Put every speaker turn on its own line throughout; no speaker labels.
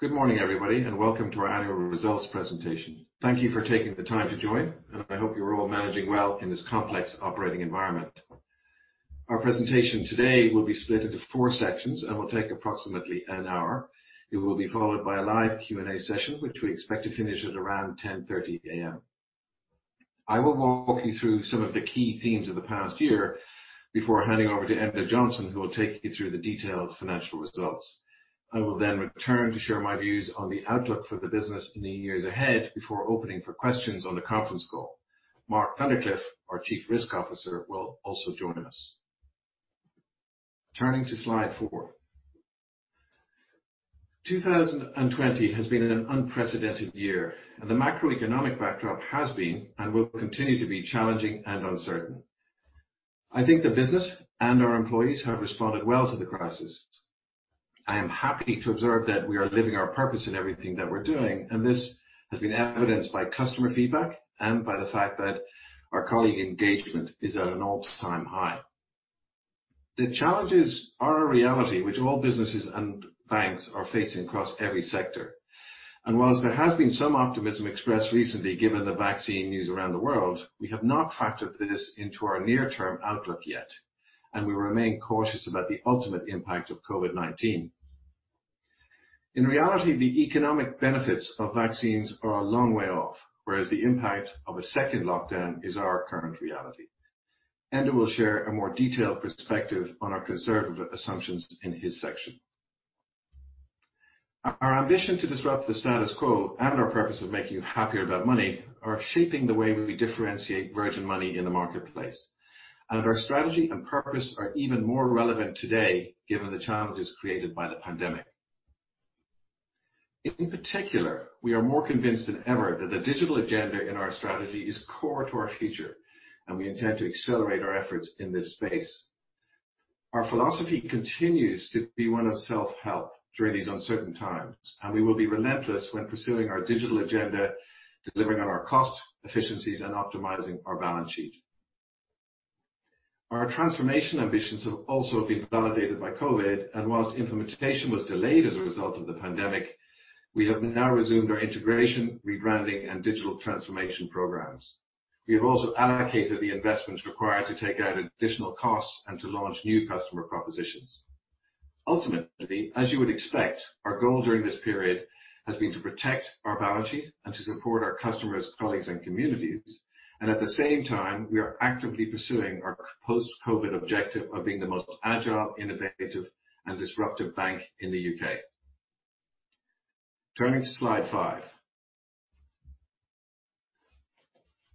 Good morning, everybody, and welcome to our annual results presentation. Thank you for taking the time to join, and I hope you're all managing well in this complex operating environment. Our presentation today will be split into four sections and will take approximately an hour. It will be followed by a live Q&A session, which we expect to finish at around 10:30 A.M. I will walk you through some of the key themes of the past year before handing over to Enda Johnson, who will take you through the detailed financial results. I will then return to share my views on the outlook for the business in the years ahead before opening for questions on the conference call. Mark Thundercliffe, our Chief Risk Officer, will also join us. Turning to slide four. 2020 has been an unprecedented year. The macroeconomic backdrop has been, and will continue to be challenging and uncertain. I think the business and our employees have responded well to the crisis. I am happy to observe that we are living our purpose in everything that we're doing. This has been evidenced by customer feedback and by the fact that our colleague engagement is at an all-time high. The challenges are a reality which all businesses and banks are facing across every sector. While there has been some optimism expressed recently given the vaccine news around the world, we have not factored this into our near-term outlook yet. We remain cautious about the ultimate impact of COVID-19. In reality, the economic benefits of vaccines are a long way off, whereas the impact of a second lockdown is our current reality. Enda will share a more detailed perspective on our conservative assumptions in his section. Our ambition to disrupt the status quo and our purpose of making you happier about money are shaping the way we differentiate Virgin Money in the marketplace. Our strategy and purpose are even more relevant today given the challenges created by the pandemic. In particular, we are more convinced than ever that the digital agenda in our strategy is core to our future, and we intend to accelerate our efforts in this space. Our philosophy continues to be one of self-help during these uncertain times, and we will be relentless when pursuing our digital agenda, delivering on our cost efficiencies, and optimizing our balance sheet. Our transformation ambitions have also been validated by COVID, whilst implementation was delayed as a result of the pandemic, we have now resumed our integration, rebranding, and digital transformation programs. We have also allocated the investment required to take out additional costs and to launch new customer propositions. Ultimately, as you would expect, our goal during this period has been to protect our balance sheet and to support our customers, colleagues, and communities. At the same time, we are actively pursuing our post-COVID objective of being the most agile, innovative, and disruptive bank in the U.K. Turning to slide five.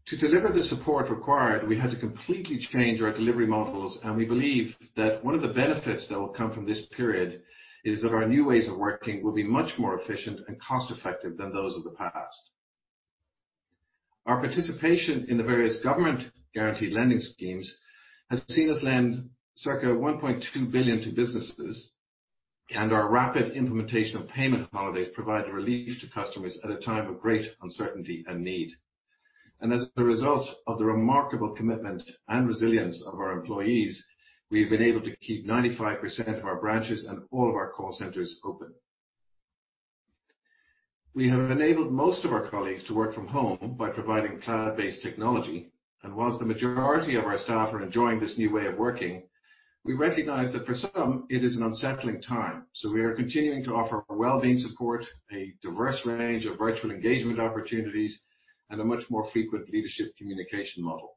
To deliver the support required, we had to completely change our delivery models, we believe that one of the benefits that will come from this period is that our new ways of working will be much more efficient and cost-effective than those of the past. Our participation in the various government-guaranteed lending schemes has seen us lend circa 1.2 billion to businesses, and our rapid implementation of payment holidays provided relief to customers at a time of great uncertainty and need. As a result of the remarkable commitment and resilience of our employees, we've been able to keep 95% of our branches and all of our call centers open. We have enabled most of our colleagues to work from home by providing cloud-based technology. Whilst the majority of our staff are enjoying this new way of working, we recognize that for some it is an unsettling time. We are continuing to offer wellbeing support, a diverse range of virtual engagement opportunities, and a much more frequent leadership communication model.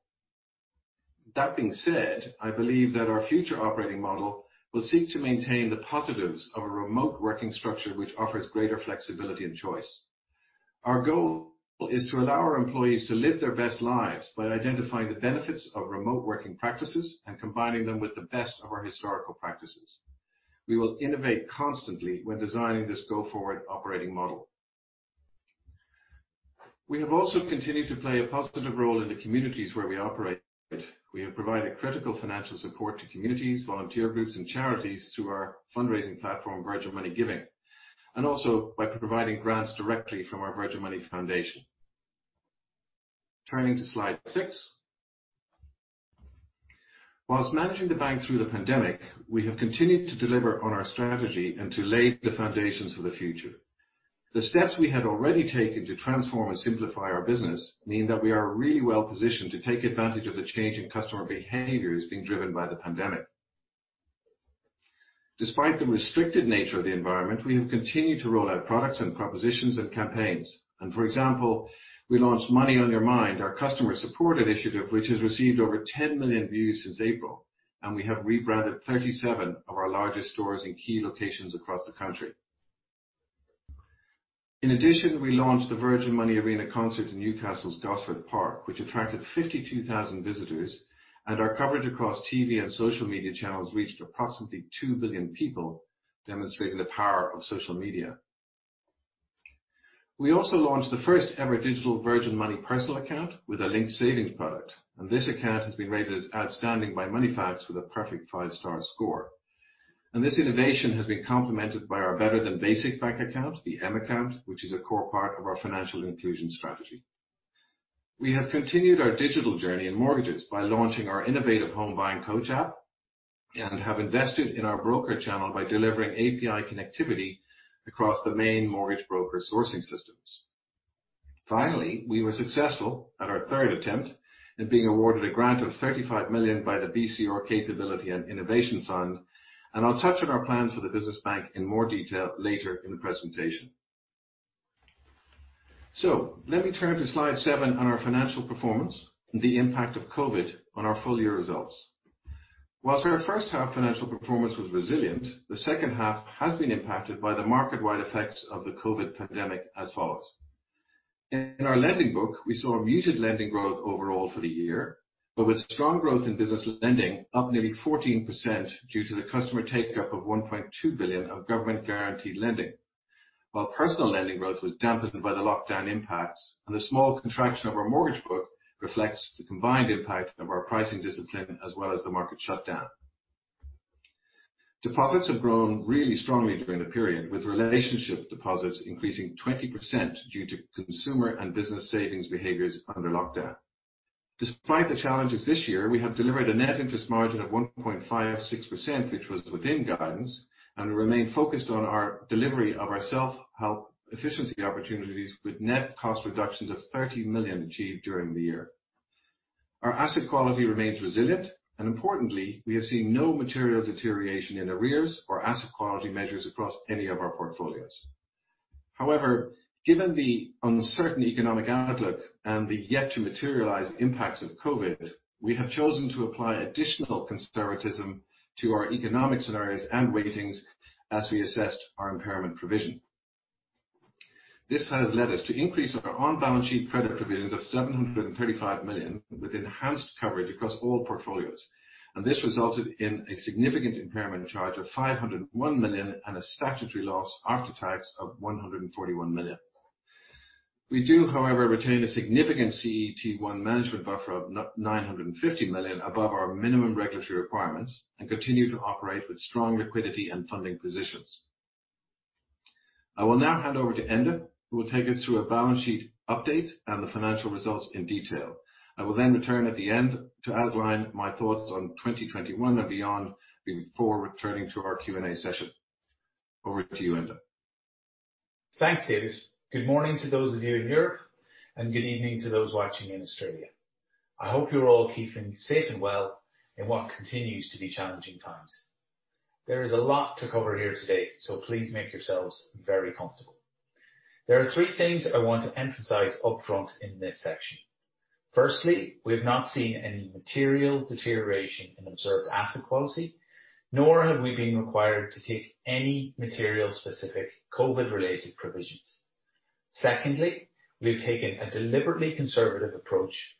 That being said, I believe that our future operating model will seek to maintain the positives of a remote working structure which offers greater flexibility and choice. Our goal is to allow our employees to live their best lives by identifying the benefits of remote working practices and combining them with the best of our historical practices. We will innovate constantly when designing this go-forward operating model. We have also continued to play a positive role in the communities where we operate. We have provided critical financial support to communities, volunteer groups, and charities through our fundraising platform, Virgin Money Giving, and also by providing grants directly from our Virgin Money Foundation. Turning to slide six. Whilst managing the bank through the pandemic, we have continued to deliver on our strategy and to lay the foundations for the future. The steps we had already taken to transform and simplify our business mean that we are really well positioned to take advantage of the change in customer behaviors being driven by the pandemic. Despite the restricted nature of the environment, we have continued to roll out products and propositions and campaigns. For example, we launched Money On Your Mind, our customer support initiative, which has received over 10 million views since April, and we have rebranded 37 of our largest stores in key locations across the country. In addition, we launched the Virgin Money Unity Arena concert in Newcastle's Gosforth Park, which attracted 52,000 visitors, and our coverage across TV and social media channels reached approximately 2 billion people, demonstrating the power of social media. We also launched the first ever digital Virgin Money personal account with a linked savings product. This account has been rated as outstanding by Moneyfacts with a perfect five-star score. This innovation has been complemented by our better than basic bank account, the M Account, which is a core part of our financial inclusion strategy. We have continued our digital journey in mortgages by launching our innovative Home Buying Coach app and have invested in our broker channel by delivering API connectivity across the main mortgage broker sourcing systems. Finally, we were successful at our third attempt in being awarded a grant of 35 million by the BCR Capability and Innovation Fund. I'll touch on our plans for the business bank in more detail later in the presentation. Let me turn to slide seven on our financial performance and the impact of COVID-19 on our full year results. Whilst our first-half financial performance was resilient, the second half has been impacted by the market wide effects of the COVID-19 pandemic as follows. In our lending book, we saw a muted lending growth overall for the year, but with strong growth in business lending up nearly 14% due to the customer take-up of 1.2 billion of government-guaranteed lending. While personal lending growth was dampened by the lockdown impacts and the small contraction of our mortgage book reflects the combined impact of our pricing discipline as well as the market shutdown. Deposits have grown really strongly during the period, with relationship deposits increasing 20% due to consumer and business savings behaviors under lockdown. Despite the challenges this year, we have delivered a net interest margin of 1.56%, which was within guidance, and we remain focused on our delivery of our self-help efficiency opportunities with net cost reductions of 30 million achieved during the year. Our asset quality remains resilient and importantly, we are seeing no material deterioration in arrears or asset quality measures across any of our portfolios. Given the uncertain economic outlook and the yet-to-materialize impacts of COVID-19, we have chosen to apply additional conservatism to our economic scenarios and weightings as we assessed our impairment provision. This has led us to increase our on-balance sheet credit provisions of 735 million with enhanced coverage across all portfolios. This resulted in a significant impairment charge of 501 million and a statutory loss after tax of 141 million. We do, however, retain a significant CET1 management buffer of 950 million above our minimum regulatory requirements and continue to operate with strong liquidity and funding positions. I will now hand over to Enda, who will take us through a balance sheet update and the financial results in detail. I will then return at the end to outline my thoughts on 2021 and beyond before returning to our Q&A session. Over to you, Enda.
Thanks, David. Good morning to those of you in Europe and good evening to those watching in Australia. I hope you're all keeping safe and well in what continues to be challenging times. There is a lot to cover here today. Please make yourselves very comfortable. There are three things I want to emphasize upfront in this section. Firstly, we have not seen any material deterioration in observed asset quality, nor have we been required to take any material specific COVID-19 related provisions. Secondly, we have taken a deliberately conservative approach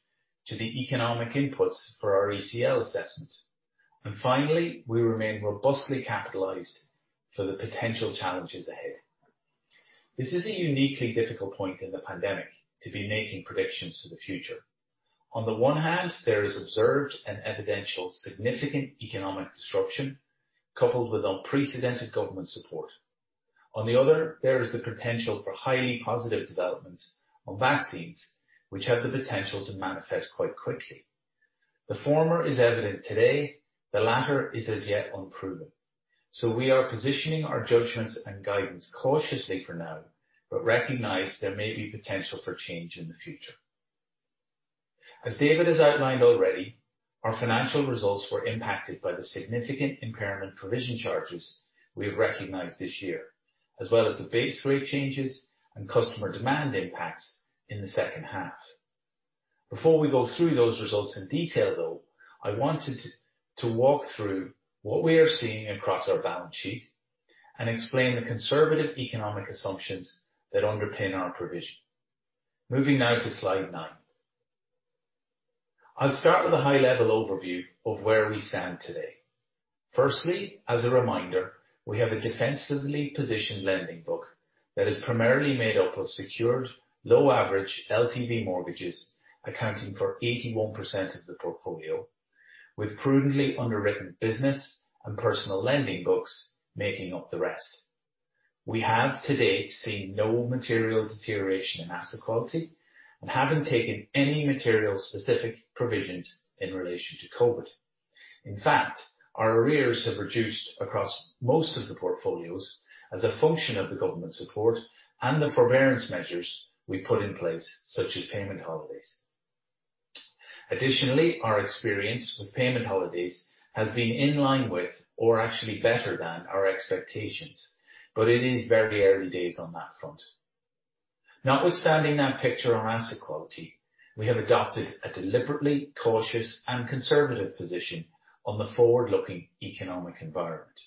to the economic inputs for our ECL assessment. Finally, we remain robustly capitalized for the potential challenges ahead. This is a uniquely difficult point in the pandemic to be making predictions for the future. On the one hand, there is observed and evidential significant economic disruption coupled with unprecedented government support. On the other, there is the potential for highly positive developments on vaccines, which have the potential to manifest quite quickly. The former is evident today, the latter is as yet unproven. We are positioning our judgments and guidance cautiously for now, but recognize there may be potential for change in the future. As David has outlined already, our financial results were impacted by the significant impairment provision charges we have recognized this year, as well as the base rate changes and customer demand impacts in the second half. Before we go through those results in detail, though, I wanted to walk through what we are seeing across our balance sheet and explain the conservative economic assumptions that underpin our provision. Moving now to slide nine. I'll start with a high-level overview of where we stand today. Firstly, as a reminder, we have a defensively-positioned lending book that is primarily made up of secured low-average LTV mortgages, accounting for 81% of the portfolio, with prudently underwritten business and personal lending books making up the rest. We have to date seen no material deterioration in asset quality and haven't taken any material specific provisions in relation to COVID-19. In fact, our arrears have reduced across most of the portfolios as a function of the government support and the forbearance measures we put in place, such as payment holidays. Additionally, our experience with payment holidays has been in line with or actually better than our expectations, but it is very early days on that front. Notwithstanding that picture on asset quality, we have adopted a deliberately cautious and conservative position on the forward-looking economic environment.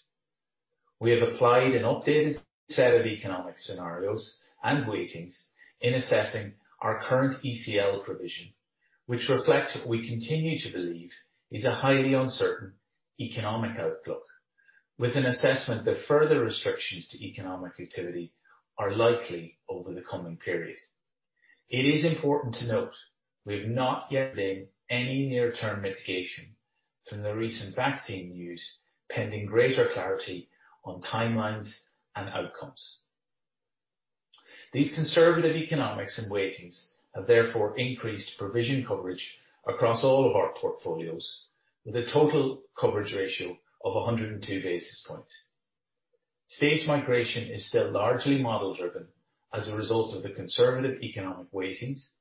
We have applied an updated set of economic scenarios and weightings in assessing our current ECL provision, which reflect what we continue to believe is a highly uncertain economic outlook, with an assessment that further restrictions to economic activity are likely over the coming period. It is important to note, we have not yet seen any near-term mitigation from the recent vaccine news, pending greater clarity on timelines and outcomes. These conservative economics and weightings have therefore increased provision coverage across all of our portfolios, with a total coverage ratio of 102 basis points. Stage migration is still largely model-driven as a result of the conservative economic weightings,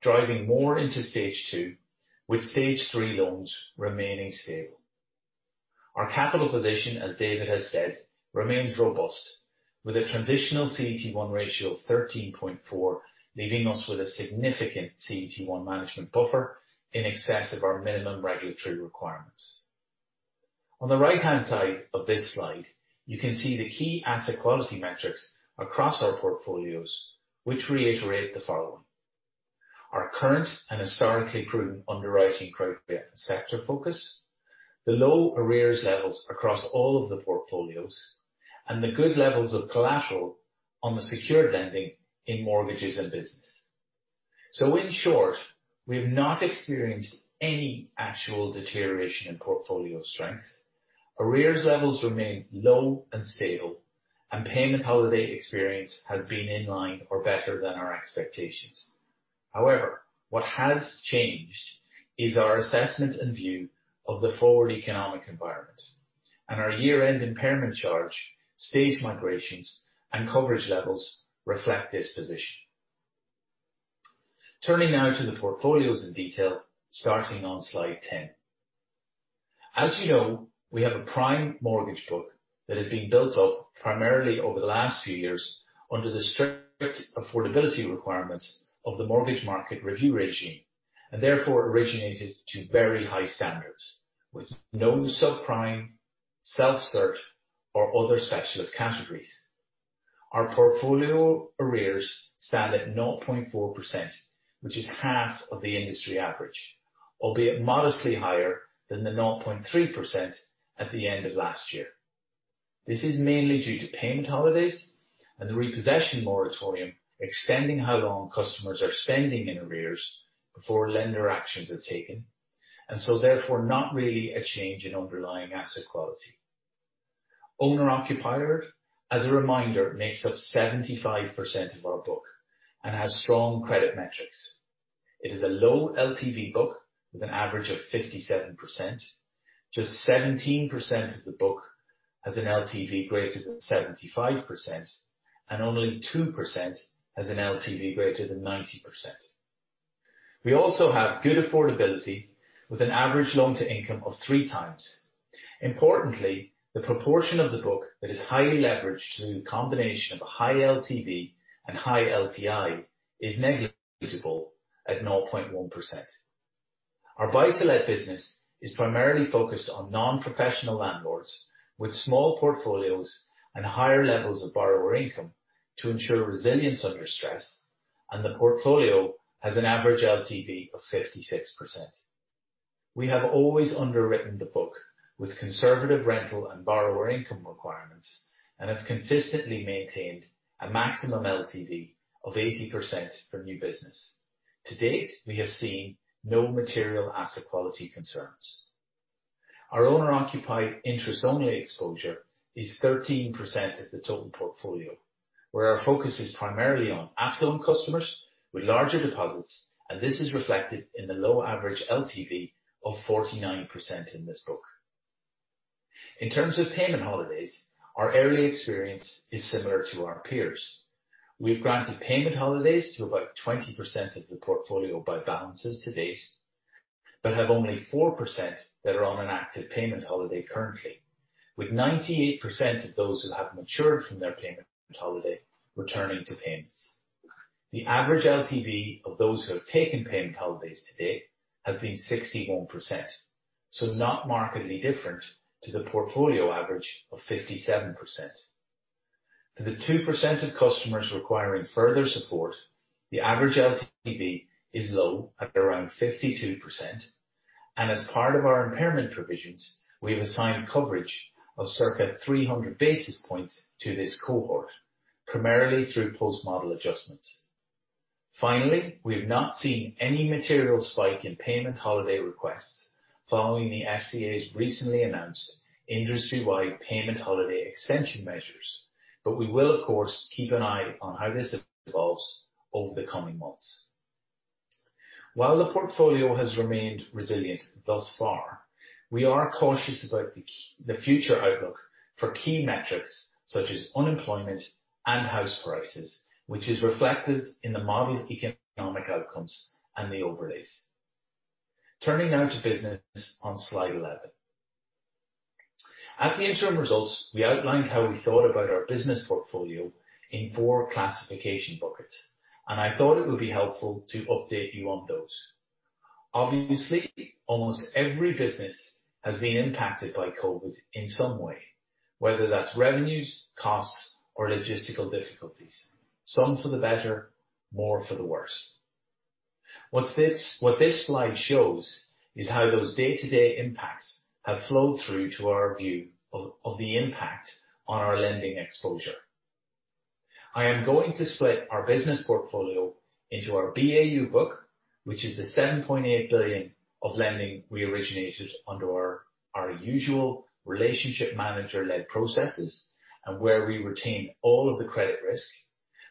driving more into Stage 2, with Stage 3 loans remaining stable. Our capital position, as David has said, remains robust, with a transitional CET1 ratio of 13.4%, leaving us with a significant CET1 management buffer in excess of our minimum regulatory requirements. On the right-hand side of this slide, you can see the key asset quality metrics across our portfolios, which reiterate the following. Our current and historically-prudent underwriting criteria and sector focus, the low arrears levels across all of the portfolios, and the good levels of collateral on the secured lending in mortgages and business. In short, we have not experienced any actual deterioration in portfolio strength. Arrears levels remain low and stable, and payment holiday experience has been in line or better than our expectations. However, what has changed is our assessment and view of the forward economic environment. Our year-end impairment charge, stage migrations, and coverage levels reflect this position. Turning now to the portfolios in detail, starting on slide 10. As you know, we have a prime mortgage book that has been built up primarily over the last few years under the strict affordability requirements of the Mortgage Market Review regime, and therefore originated to very high standards with no subprime, self-cert, or other specialist categories. Our portfolio arrears stand at 0.4%, which is half of the industry average, albeit modestly higher than the 0.3% at the end of last year. This is mainly due to payment holidays and the repossession moratorium extending how long customers are spending in arrears before lender actions are taken, therefore not really a change in underlying asset quality. Owner occupier, as a reminder, makes up 75% of our book and has strong credit metrics. It is a low-LTV book with an average of 57%. Just 17% of the book has an LTV greater than 75%, and only 2% has an LTV greater than 90%. We also have good affordability with an average loan-to-income of 3x. Importantly, the proportion of the book that is highly leveraged through the combination of a high LTV and high LTI is negligible at 0.1%. Our buy-to-let business is primarily focused on non-professional landlords with small portfolios and higher levels of borrower income to ensure resilience under stress, and the portfolio has an average LTV of 56%. We have always underwritten the book with conservative rental and borrower income requirements and have consistently maintained a maximum LTV of 80% for new business. To date, we have seen no material asset quality concerns. Our owner-occupied interest-only exposure is 13% of the total portfolio, where our focus is primarily on affluent customers with larger deposits. This is reflected in the low average LTV of 49% in this book. In terms of payment holidays, our early experience is similar to our peers. We've granted payment holidays to about 20% of the portfolio by balances to date, have only 4% that are on an active payment holiday currently, with 98% of those who have matured from their payment holiday returning to payments. The average LTV of those who have taken payment holidays to date has been 61%, not markedly different to the portfolio average of 57%. For the 2% of customers requiring further support, the average LTV is low at around 52%, and as part of our impairment provisions, we have assigned coverage of circa 300 basis points to this cohort, primarily through Post-Model Adjustments. We have not seen any material spike in payment holiday requests following the FCA's recently announced industry-wide payment holiday extension measures. We will, of course, keep an eye on how this evolves over the coming months. While the portfolio has remained resilient thus far, we are cautious about the future outlook for key metrics such as unemployment and house prices, which is reflected in the modeled economic outcomes and the overlays. Turning now to business on slide 11. At the interim results, we outlined how we thought about our business portfolio in four classification buckets, and I thought it would be helpful to update you on those. Obviously, almost every business has been impacted by COVID-19 in some way, whether that's revenues, costs, or logistical difficulties. Some for the better, more for the worse. What this slide shows is how those day-to-day impacts have flowed through to our view of the impact on our lending exposure. I am going to split our business portfolio into our BAU book, which is the 7.8 billion of lending we originated under our usual relationship manager-led processes, and where we retain all of the credit risk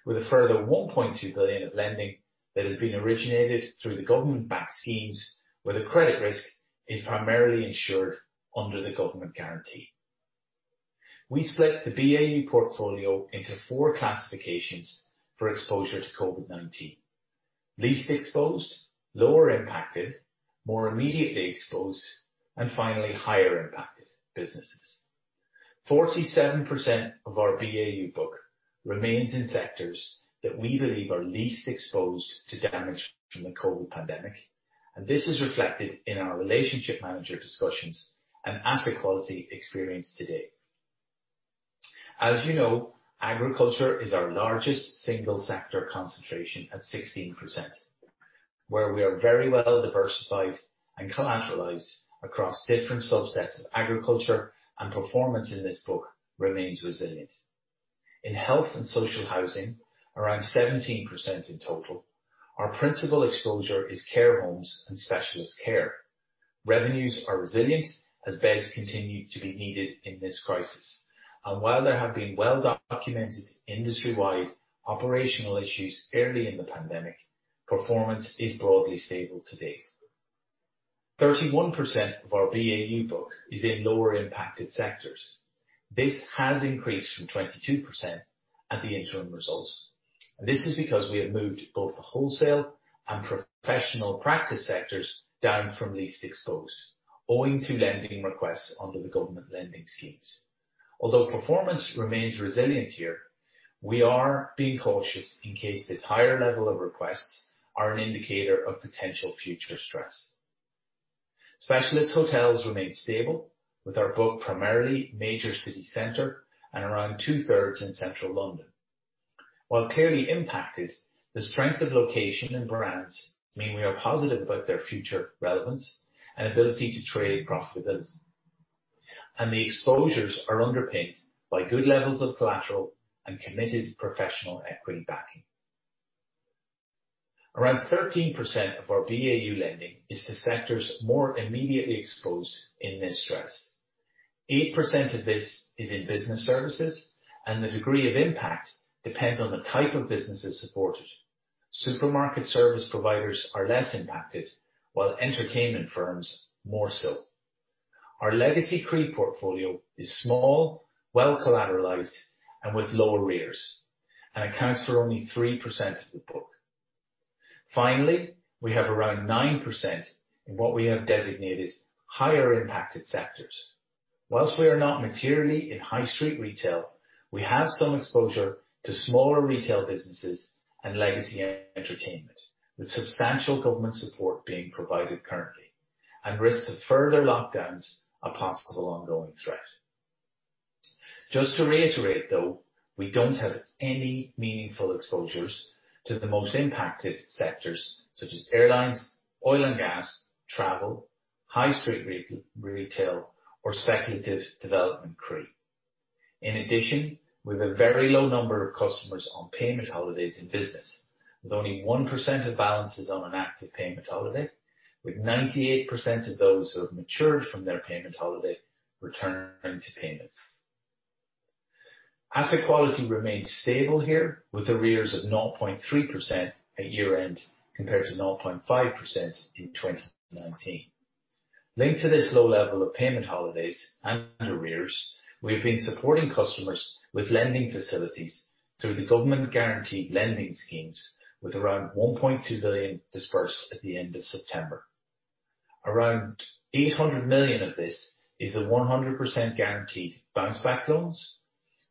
with a further 1.2 billion of lending that has been originated through the government-backed schemes, where the credit risk is primarily insured under the government guarantee. We split the BAU portfolio into four classifications for exposure to COVID-19. Least exposed, lower-impacted, more immediately exposed, and finally, higher-impacted businesses. 47% of our BAU book remains in sectors that we believe are least exposed to damage from the COVID pandemic. This is reflected in our relationship manager discussions and asset quality experience to date. As you know, agriculture is our largest single sector concentration at 16%, where we are very well diversified and collateralized across different subsets of agriculture, and performance in this book remains resilient. In health and social housing, around 17% in total, our principal exposure is care homes and specialist care. Revenues are resilient as beds continue to be needed in this crisis. While there have been well-documented industry-wide operational issues early in the pandemic, performance is broadly stable to date. 31% of our BAU book is in lower-impacted sectors. This has increased from 22% at the interim results. This is because we have moved both the wholesale and professional practice sectors down from least exposed, owing to lending requests under the government lending schemes. Although performance remains resilient here, we are being cautious in case this higher level of requests are an indicator of potential future stress. Specialist hotels remain stable, with our book primarily major city center and around two-thirds in central London. While clearly impacted, the strength of location and brands mean we are positive about their future relevance and ability to trade profitability. The exposures are underpinned by good levels of collateral and committed professional equity backing. Around 13% of our BAU lending is to sectors more immediately exposed in this stress. 8% of this is in business services, the degree of impact depends on the type of businesses supported. Supermarket service providers are less impacted, while entertainment firms more so. Our legacy CRE portfolio is small, well collateralized, and with low arrears, and accounts for only 3% of the book. Finally, we have around 9% in what we have designated higher-impacted sectors. While we are not materially in high street retail, we have some exposure to smaller retail businesses and legacy entertainment, with substantial government support being provided currently, and risks of further lockdowns, a possible ongoing threat. Just to reiterate, though, we don't have any meaningful exposures to the most impacted sectors such as airlines, oil and gas, travel, high street retail, or speculative development CRE. In addition, we've a very low number of customers on payment holidays in business, with only 1% of balances on an active payment holiday, with 98% of those who have matured from their payment holiday returning to payments. Asset quality remains stable here with arrears of 0.3% at year-end, compared to 0.5% in 2019. Linked to this low level of payment holidays and arrears, we have been supporting customers with lending facilities through the government-guaranteed lending schemes with around 1.2 billion disbursed at the end of September. Around 800 million of this is the 100% guaranteed Bounce Back Loans,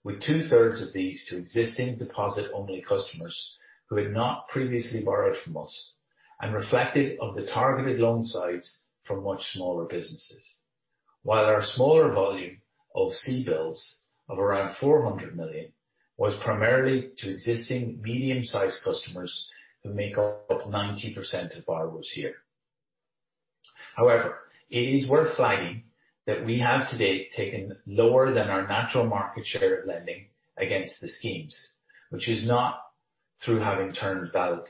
with two-thirds of these to existing deposit-only customers who had not previously borrowed from us, and reflective of the targeted loan size for much smaller businesses. While our smaller volume of CBILS of around 400 million was primarily to existing medium-sized customers who make up 90% of borrowers here. However, it is worth flagging that we have to date taken lower than our natural market share of lending against the schemes, which is not through having turned valid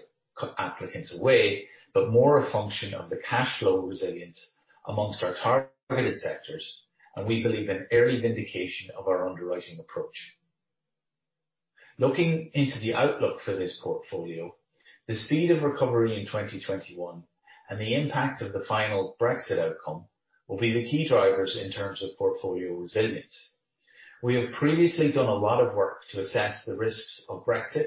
applicants away, but more a function of the cash flow resilience amongst our targeted sectors, and we believe an early vindication of our underwriting approach. Looking into the outlook for this portfolio, the speed of recovery in 2021 and the impact of the final Brexit outcome will be the key drivers in terms of portfolio resilience. We have previously done a lot of work to assess the risks of Brexit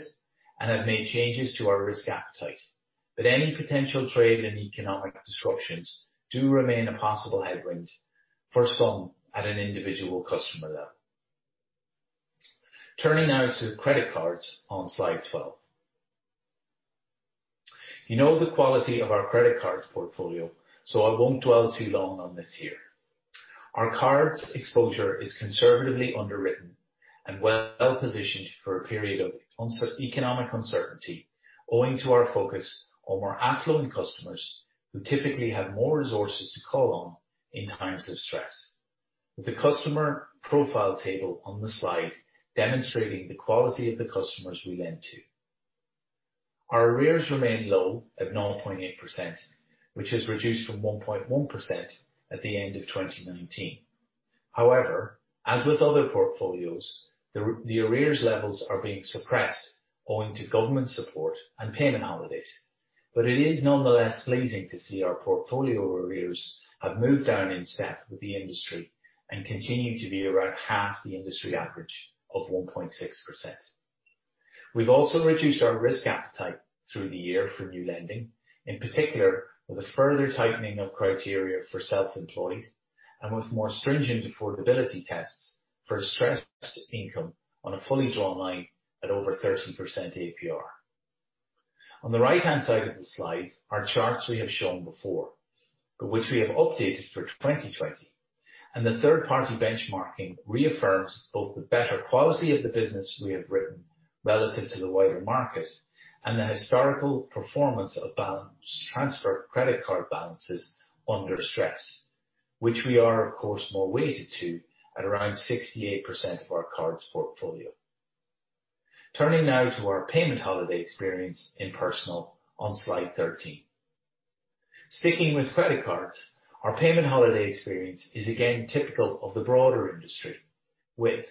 and have made changes to our risk appetite, but any potential trade and economic disruptions do remain a possible headwind, first of all at an individual customer level. Turning now to credit cards on slide 12. You know the quality of our credit card portfolio. I won't dwell too long on this here. Our cards exposure is conservatively underwritten and well-positioned for a period of economic uncertainty, owing to our focus on more affluent customers who typically have more resources to call on in times of stress. The customer profile table on the slide demonstrating the quality of the customers we lend to. Our arrears remain low at 0.8%, which has reduced from 1.1% at the end of 2019. As with other portfolios, the arrears levels are being suppressed owing to government support and payment holidays. It is nonetheless pleasing to see our portfolio arrears have moved down in step with the industry and continue to be around half the industry average of 1.6%. We've also reduced our risk appetite through the year for new lending, in particular, with a further tightening of criteria for self-employed and with more stringent affordability tests for stressed income on a fully drawn line at over 13% APR. On the right-hand side of the slide are charts we have shown before, but which we have updated for 2020. The third-party benchmarking reaffirms both the better quality of the business we have written relative to the wider market and the historical performance of balance transfer credit card balances under stress, which we are, of course, more weighted to at around 68% of our cards portfolio. Turning now to our payment holiday experience in personal on slide 13. Sticking with credit cards, our payment holiday experience is again typical of the broader industry with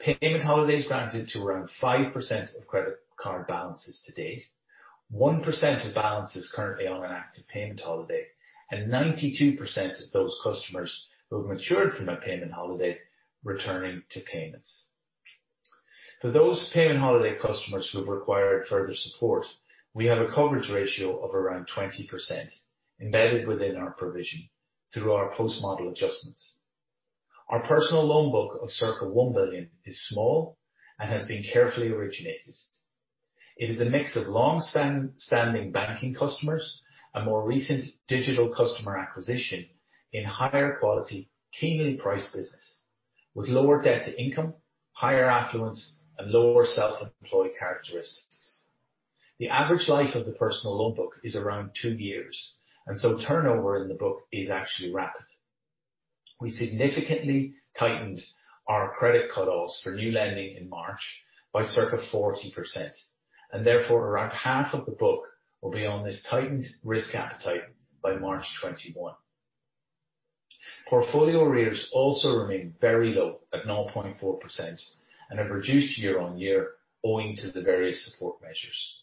payment holidays granted to around 5% of credit card balances to date, 1% of balances currently on an active payment holiday, and 92% of those customers who have matured from a payment holiday returning to payments. For those payment holiday customers who required further support, we have a coverage ratio of around 20% embedded within our provision through our Post-Model Adjustments. Our personal loan book of circa 1 billion is small and has been carefully originated. It is the mix of long-standing banking customers and more recent digital customer acquisition in higher quality, keenly priced business with lower debt-to-income, higher affluence, and lower self-employed characteristics. The average life of the personal loan book is around two years. Turnover in the book is actually rapid. We significantly tightened our credit cutoffs for new lending in March by circa 40%, and therefore around half of the book will be on this tightened risk appetite by March 2021. Portfolio arrears also remain very low at 0.4% and have reduced year-on-year owing to the various support measures.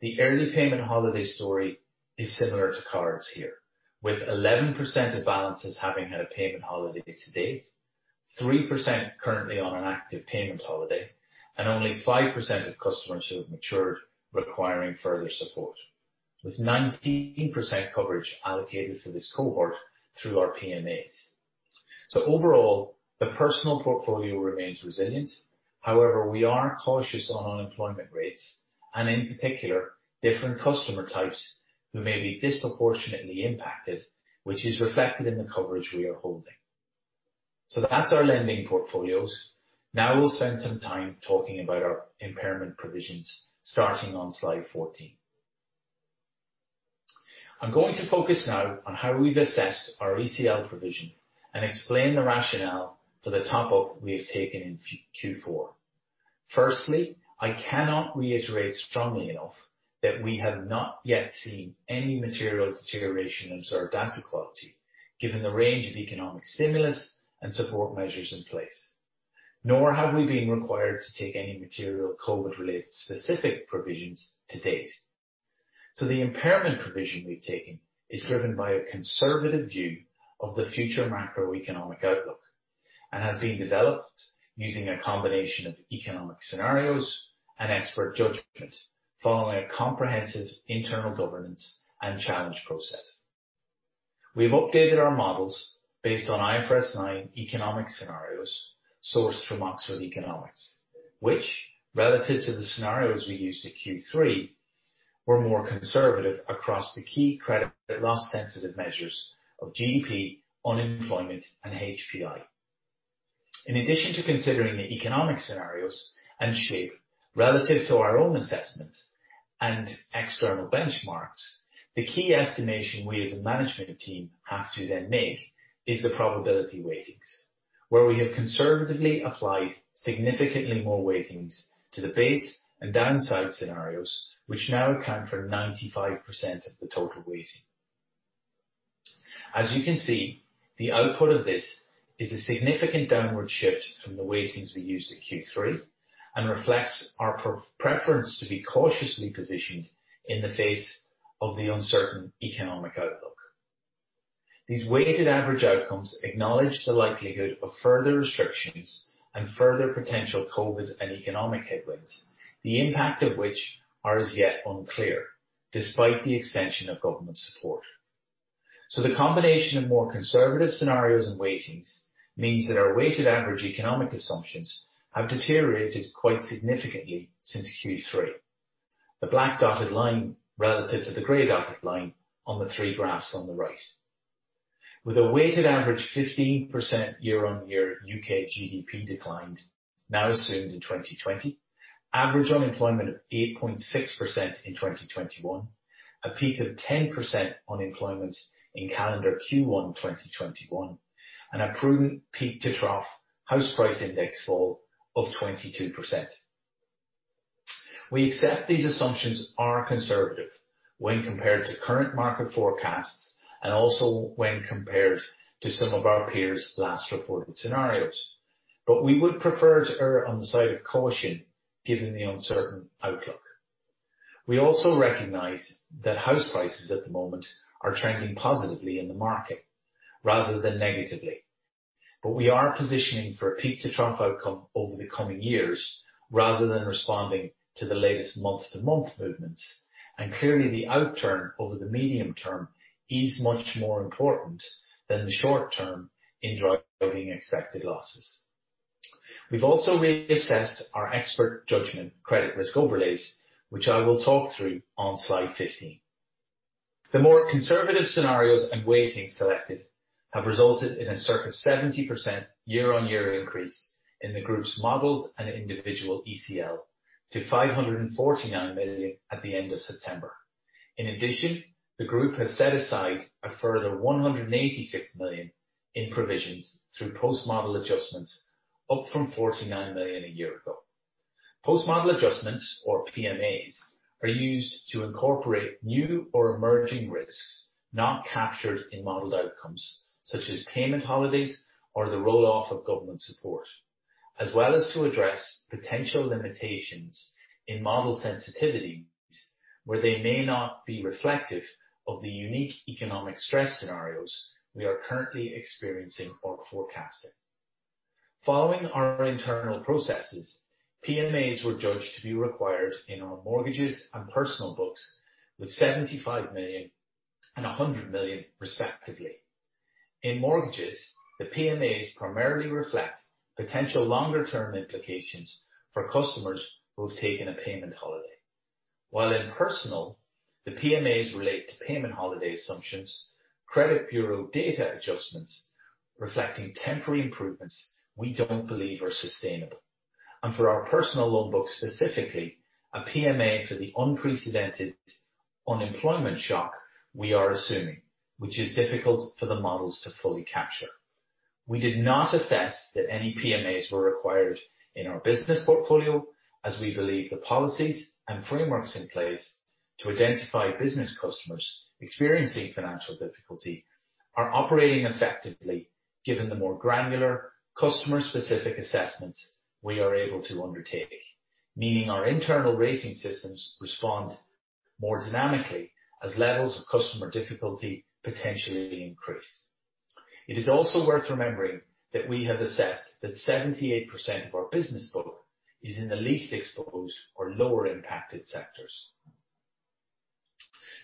The early payment holiday story is similar to cards here, with 11% of balances having had a payment holiday to date, 3% currently on an active payment holiday, and only 5% of customers who have matured requiring further support, with 19% coverage allocated for this cohort through our PMAs. Overall, the personal portfolio remains resilient. However, we are cautious on unemployment rates and in particular, different customer types who may be disproportionately impacted, which is reflected in the coverage we are holding. That's our lending portfolios. We'll spend some time talking about our impairment provisions, starting on slide 14. I'm going to focus now on how we've assessed our ECL provision and explain the rationale for the top-up we have taken in Q4. Firstly, I cannot reiterate strongly enough that we have not yet seen any material deterioration in observed asset quality, given the range of economic stimulus and support measures in place, nor have we been required to take any material COVID-related specific provisions to date. The impairment provision we've taken is driven by a conservative view of the future macroeconomic outlook and has been developed using a combination of economic scenarios and expert judgment following a comprehensive internal governance and challenge process. We've updated our models based on IFRS 9 economic scenarios sourced from Oxford Economics, which, relative to the scenarios we used at Q3, were more conservative across the key credit loss sensitive measures of GDP, unemployment, and HPI. In addition to considering the economic scenarios and shape relative to our own assessments and external benchmarks, the key estimation we as a management team have to then make is the probability weightings, where we have conservatively applied significantly more weightings to the base and downside scenarios, which now account for 95% of the total weighting. As you can see, the output of this is a significant downward shift from the weightings we used at Q3 and reflects our preference to be cautiously positioned in the face of the uncertain economic outlook. These weighted average outcomes acknowledge the likelihood of further restrictions and further potential COVID and economic headwinds, the impact of which are as yet unclear, despite the extension of government support. The combination of more conservative scenarios and weightings means that our weighted average economic assumptions have deteriorated quite significantly since Q3. The black dotted line relative to the gray dotted line on the three graphs on the right. With a weighted average 15% year-on-year U.K. GDP decline now assumed in 2020, average unemployment of 8.6% in 2021, a peak of 10% unemployment in calendar Q1 2021, and a prudent peak-to-trough House Price Index fall of 22%. We accept these assumptions are conservative when compared to current market forecasts, and also when compared to some of our peers' last reported scenarios. We would prefer to err on the side of caution given the uncertain outlook. We also recognize that house prices at the moment are trending positively in the market rather than negatively. We are positioning for a peak to trough outcome over the coming years, rather than responding to the latest month-to-month movements. Clearly the outturn over the medium term is much more important than the short term in driving expected losses. We've also reassessed our expert judgment credit risk overlays, which I will talk through on slide 15. The more conservative scenarios and weighting selected have resulted in a circa 70% year-on-year increase in the group's modeled and individual ECL to 549 million at the end of September. In addition, the group has set aside a further 186 million in provisions through Post-Model Adjustments, up from 49 million a year ago. Post-Model Adjustments, or PMAs, are used to incorporate new or emerging risks not captured in modeled outcomes, such as payment holidays or the roll-off of government support. As well as to address potential limitations in model sensitivity where they may not be reflective of the unique economic stress scenarios we are currently experiencing or forecasting. Following our internal processes, PMAs were judged to be required in our mortgages and personal books with 75 million and 100 million respectively. In mortgages, the PMAs primarily reflect potential longer-term implications for customers who have taken a payment holiday. In Personal, the PMAs relate to payment holiday assumptions, credit bureau data adjustments reflecting temporary improvements we don't believe are sustainable. For our personal loan book, specifically, a PMA for the unprecedented unemployment shock we are assuming, which is difficult for the models to fully capture. We did not assess that any PMAs were required in our business portfolio, as we believe the policies and frameworks in place to identify business customers experiencing financial difficulty are operating effectively, given the more granular customer-specific assessments we are able to undertake. Meaning our internal rating systems respond more dynamically as levels of customer difficulty potentially increase. It is also worth remembering that we have assessed that 78% of our business book is in the least exposed or lower-impacted sectors.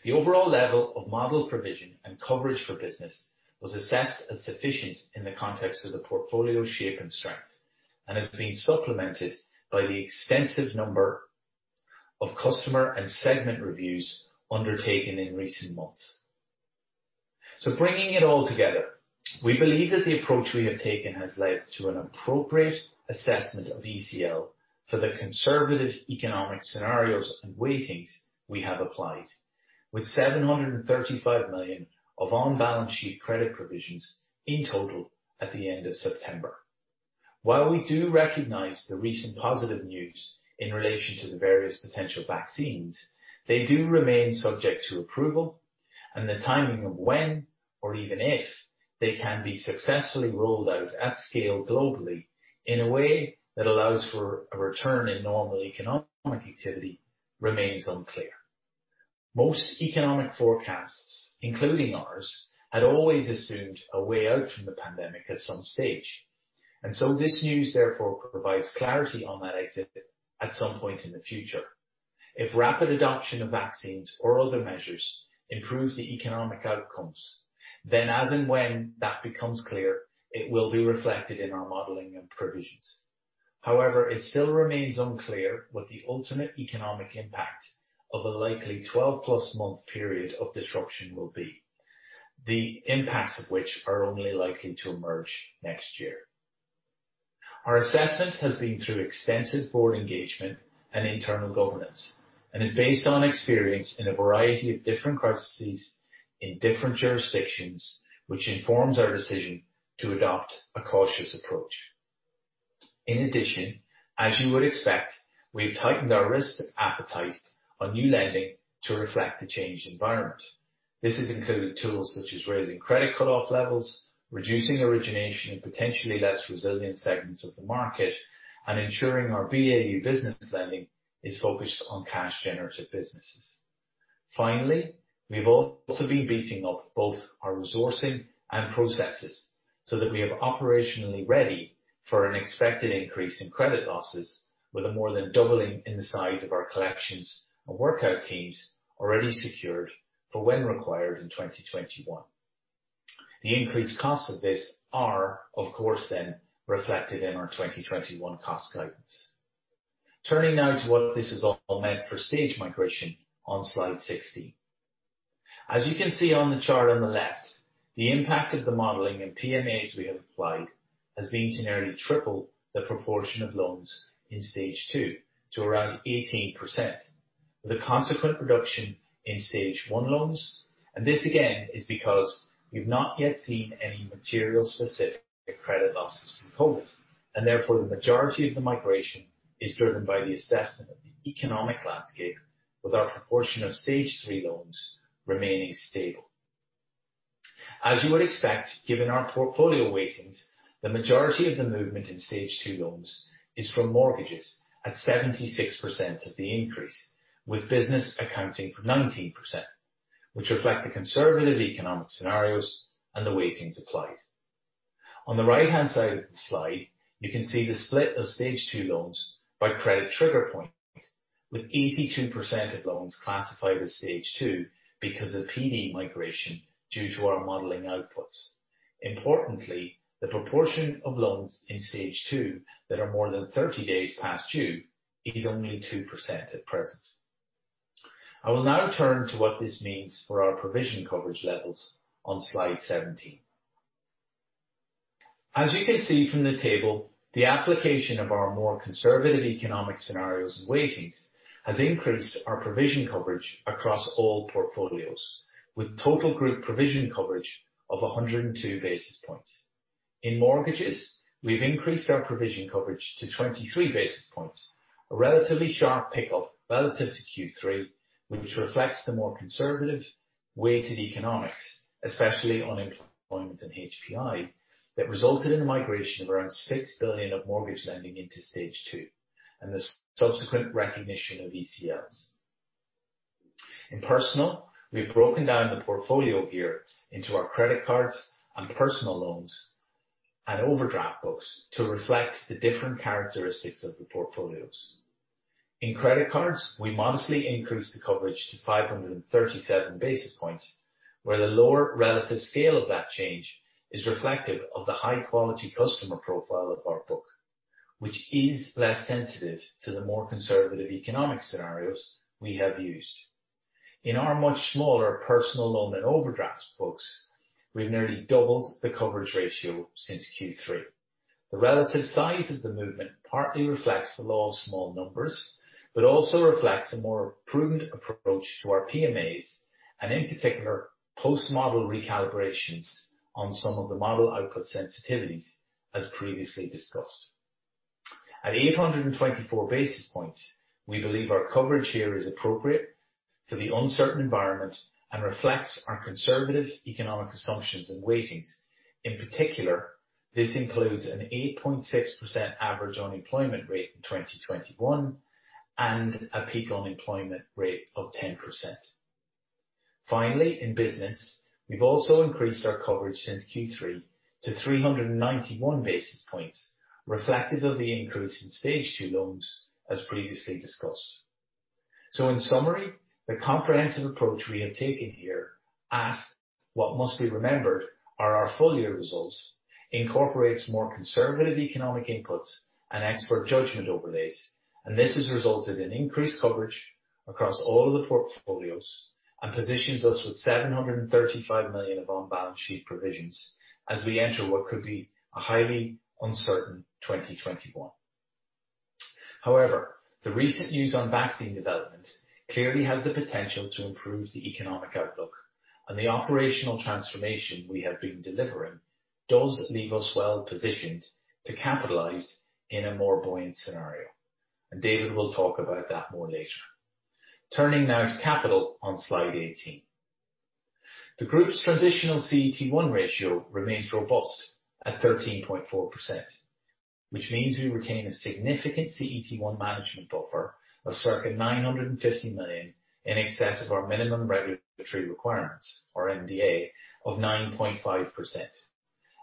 The overall level of model provision and coverage for business was assessed as sufficient in the context of the portfolio shape and strength, and has been supplemented by the extensive number of customer and segment reviews undertaken in recent months. Bringing it all together, we believe that the approach we have taken has led to an appropriate assessment of ECL for the conservative economic scenarios and weightings we have applied, with 735 million of on-balance sheet credit provisions in total at the end of September. While we do recognize the recent positive news in relation to the various potential vaccines, they do remain subject to approval, and the timing of when or even if they can be successfully rolled out at scale globally in a way that allows for a return in normal economic activity remains unclear. Most economic forecasts, including ours, had always assumed a way out from the pandemic at some stage, this news therefore provides clarity on that exit at some point in the future. If rapid adoption of vaccines or other measures improve the economic outcomes, then as in when that becomes clear, it will be reflected in our modeling and provisions. However, it still remains unclear what the ultimate economic impact of a likely 12+ month period of disruption will be, the impacts of which are only likely to emerge next year. Our assessment has been through extensive board engagement and internal governance, and is based on experience in a variety of different crises in different jurisdictions, which informs our decision to adopt a cautious approach. In addition, as you would expect, we've tightened our risk appetite on new lending to reflect the changed environment. This has included tools such as raising credit cutoff levels, reducing origination in potentially less resilient segments of the market, and ensuring our BAU business lending is focused on cash generative businesses. We've also been beefing up both our resourcing and processes so that we are operationally ready for an expected increase in credit losses with a more than doubling in the size of our collections and workout teams already secured for when required in 2021. The increased costs of this are, of course, then reflected in our 2021 cost guidance. Turning now to what this has all meant for stage migration on slide 16. As you can see on the chart on the left, the impact of the modeling and PMAs we have applied has been to nearly triple the proportion of loans in Stage 2 to around 18%, with a consequent reduction in Stage 1 loans. This again, is because we've not yet seen any material specific credit losses from COVID, therefore, the majority of the migration is driven by the assessment of the economic landscape with our proportion of Stage 3 loans remaining stable. As you would expect, given our portfolio weightings, the majority of the movement in Stage 2 loans is from mortgages at 76% of the increase, with business accounting for 19%, which reflect the conservative economic scenarios and the weightings applied. On the right-hand side of the slide, you can see the split of Stage 2 loans by credit trigger point, with 82% of loans classified as Stage 2 because of PD migration due to our modeling outputs. Importantly, the proportion of loans in Stage 2 that are more than 30 days past due is only 2% at present. I will now turn to what this means for our provision coverage levels on slide 17. As you can see from the table, the application of our more conservative economic scenarios and weightings has increased our provision coverage across all portfolios, with total group provision coverage of 102 basis points. In mortgages, we've increased our provision coverage to 23 basis points, a relatively sharp pickup relative to Q3, which reflects the more conservative weighted economics, especially unemployment and HPI, that resulted in a migration of around 6 billion of mortgage lending into Stage 2, and the subsequent recognition of ECLs. In Personal, we've broken down the portfolio here into our credit cards and personal loans and overdraft books to reflect the different characteristics of the portfolios. In credit cards, we modestly increased the coverage to 537 basis points, where the lower relative scale of that change is reflective of the high-quality customer profile of our book, which is less sensitive to the more conservative economic scenarios we have used. In our much smaller personal loan and overdraft books, we've nearly doubled the coverage ratio since Q3. The relative size of the movement partly reflects the law of small numbers, but also reflects a more prudent approach to our PMAs, and in particular, post-model recalibrations on some of the model output sensitivities, as previously discussed. At 824 basis points, we believe our coverage here is appropriate for the uncertain environment and reflects our conservative economic assumptions and weightings. In particular, this includes an 8.6% average unemployment rate in 2021, and a peak unemployment rate of 10%. Finally, in business, we've also increased our coverage since Q3 to 391 basis points, reflective of the increase in Stage 2 loans, as previously discussed. In summary, the comprehensive approach we have taken here at what must be remembered are our full-year results, incorporates more conservative economic inputs and expert judgment overlays, and this has resulted in increased coverage across all of the portfolios and positions us with 735 million of on-balance sheet provisions as we enter what could be a highly uncertain 2021. However, the recent news on vaccine development clearly has the potential to improve the economic outlook, and the operational transformation we have been delivering does leave us well-positioned to capitalize in a more buoyant scenario, and David will talk about that more later. Turning now to capital on slide 18. The group's transitional CET1 ratio remains robust at 13.4%, which means we retain a significant CET1 management buffer of circa 950 million in excess of our minimum regulatory requirements, or MDA, of 9.5%.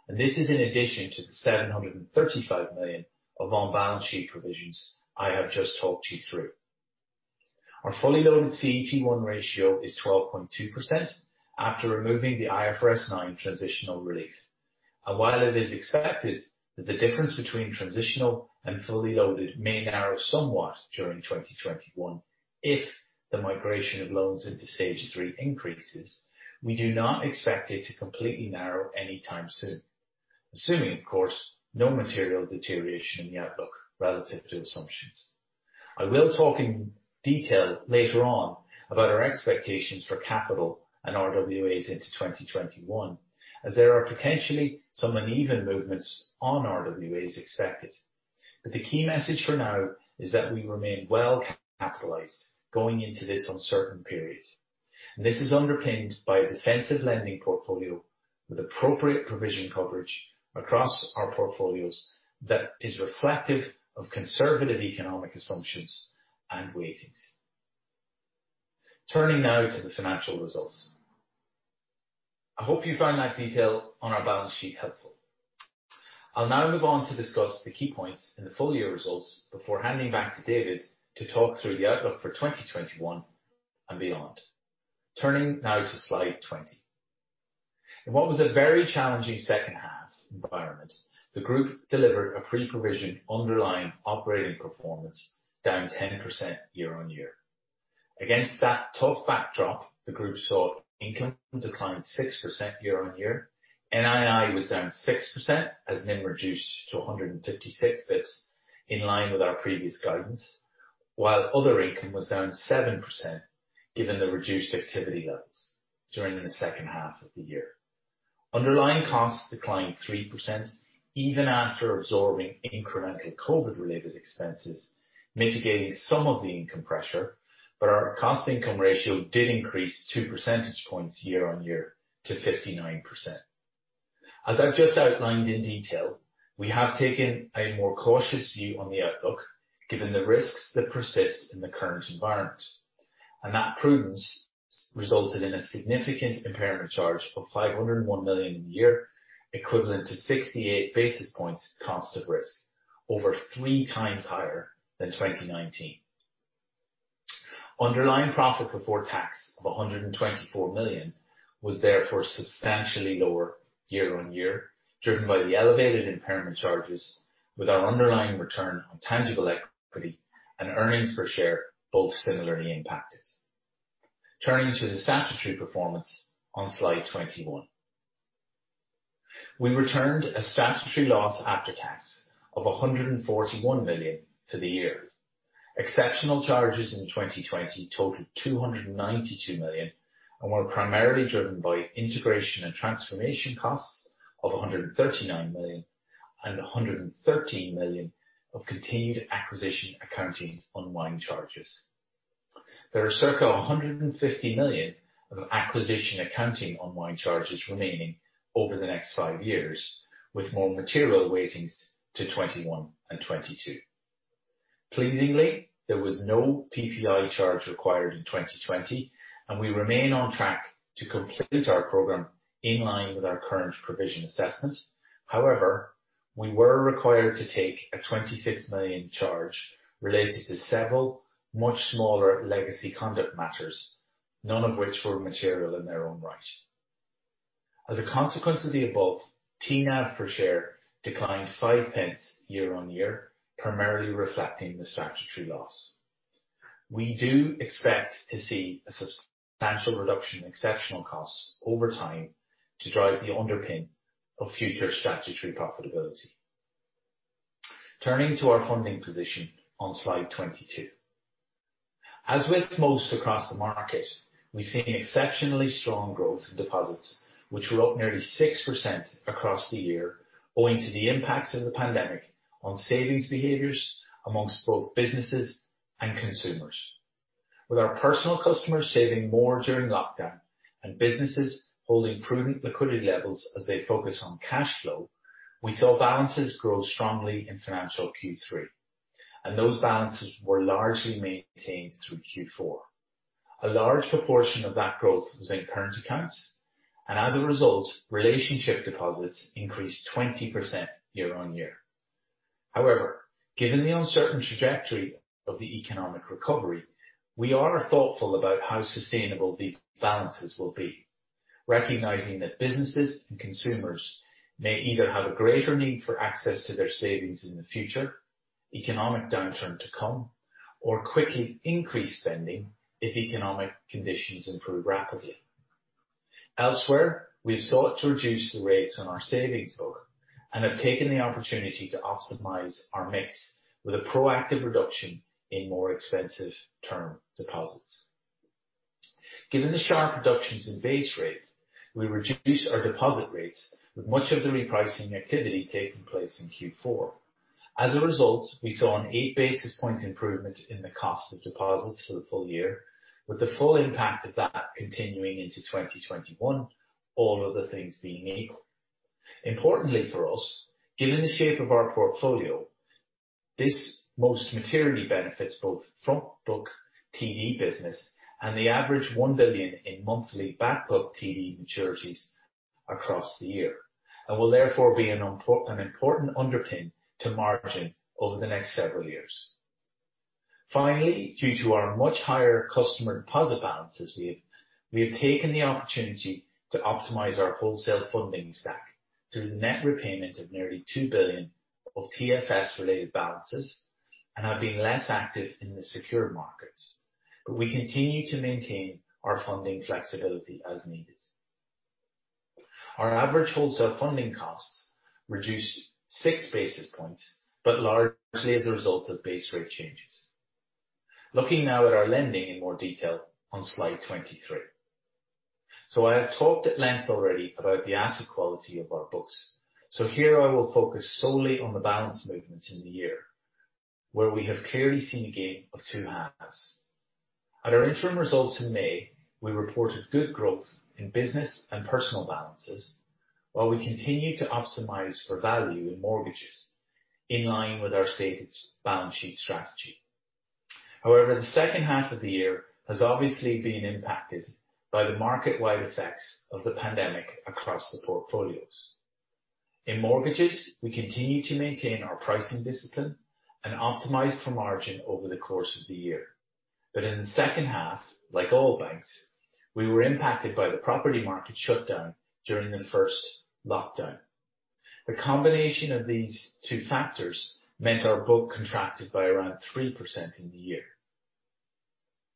This is in addition to the 735 million of on-balance sheet provisions I have just talked you through. Our fully loaded CET1 ratio is 12.2% after removing the IFRS 9 transitional relief. While it is expected that the difference between transitional and fully loaded may narrow somewhat during 2021 if the migration of loans into Stage 3 increases, we do not expect it to completely narrow any time soon. Assuming, of course, no material deterioration in the outlook relative to assumptions. I will talk in detail later on about our expectations for capital and RWAs into 2021, as there are potentially some uneven movements on RWAs expected. The key message for now is that we remain well-capitalized going into this uncertain period. This is underpinned by a defensive lending portfolio, with appropriate provision coverage across our portfolios that is reflective of conservative economic assumptions and weightings. Turning now to the financial results. I hope you find that detail on our balance sheet helpful. I'll now move on to discuss the key points in the full year results before handing back to David to talk through the outlook for 2021 and beyond. Turning now to slide 20. In what was a very challenging second half environment, the group delivered a pre-provision underlying operating performance down 10% year-on-year. Against that tough backdrop, the group saw income decline 6% year-on-year. NII was down 6%, as NIM reduced to 156 basis points, in line with our previous guidance, while other income was down 7% given the reduced activity levels during the second half of the year. Underlying costs declined 3%, even after absorbing incremental COVID-related expenses, mitigating some of the income pressure. Our cost income ratio did increase 2 percentage points year-on-year to 59%. As I've just outlined in detail, we have taken a more cautious view on the outlook given the risks that persist in the current environment, and that prudence resulted in a significant impairment charge of 501 million in the year, equivalent to 68 basis points cost of risk, over 3x higher than 2019. Underlying profit before tax of 124 million was therefore substantially lower year-on-year, driven by the elevated impairment charges with our underlying return on tangible equity and earnings per share, both similarly impacted. Turning to the statutory performance on slide 21. We returned a statutory loss after tax of 141 million for the year. Exceptional charges in 2020 totaled 292 million and were primarily driven by integration and transformation costs of 139 million and 113 million of continued acquisition accounting unwind charges. There are circa 150 million of acquisition accounting unwind charges remaining over the next five years, with more material weightings to 2021 and 2022. Pleasingly, there was no PPI charge required in 2020 and we remain on track to complete our program in line with our current provision assessment. We were required to take a 26 million charge related to several much smaller legacy conduct matters, none of which were material in their own right. As a consequence of the above, TNAV per share declined 0.05 year-on-year, primarily reflecting the statutory loss. We do expect to see a substantial reduction in exceptional costs over time to drive the underpin of future statutory profitability. Turning to our funding position on slide 22. As with most across the market, we've seen exceptionally strong growth in deposits, which were up nearly 6% across the year owing to the impacts of the pandemic on savings behaviors amongst both businesses and consumers. With our personal customers saving more during lockdown and businesses holding prudent liquidity levels as they focus on cash flow, we saw balances grow strongly in financial Q3, and those balances were largely maintained through Q4. A large proportion of that growth was in current accounts and as a result, relationship deposits increased 20% year-on-year. Given the uncertain trajectory of the economic recovery, we are thoughtful about how sustainable these balances will be. Recognizing that businesses and consumers may either have a greater need for access to their savings in the future, economic downturn to come, or quickly increase spending if economic conditions improve rapidly. We've sought to reduce the rates on our savings book and have taken the opportunity to optimize our mix with a proactive reduction in more expensive term deposits. Given the sharp reductions in base rates, we reduced our deposit rates with much of the repricing activity taking place in Q4. As a result, we saw an 8 basis point improvement in the cost of deposits for the full year, with the full impact of that continuing into 2021, all other things being equal. Importantly for us, given the shape of our portfolio, this most materially benefits both front book TD business and the average 1 billion in monthly back book TD maturities across the year, and will therefore be an important underpin to margin over the next several years. Finally, due to our much higher customer deposit balances we have, we have taken the opportunity to optimize our wholesale funding stack through the net repayment of nearly 2 billion of TFS-related balances and have been less active in the secured markets. We continue to maintain our funding flexibility as needed. Our average wholesale funding costs reduced 6 basis points, but largely as a result of base rate changes. Looking now at our lending in more detail on slide 23. I have talked at length already about the asset quality of our books. Here I will focus solely on the balance movements in the year where we have clearly seen a game of two halves. At our interim results in May, we reported good growth in business and personal balances while we continue to optimize for value in mortgages in line with our stated balance sheet strategy. However, the second half of the year has obviously been impacted by the market-wide effects of the pandemic across the portfolios. In Mortgages, we continue to maintain our pricing discipline and optimize for margin over the course of the year. In the second half, like all banks, we were impacted by the property market shutdown during the first lockdown. The combination of these two factors meant our book contracted by around 3% in the year.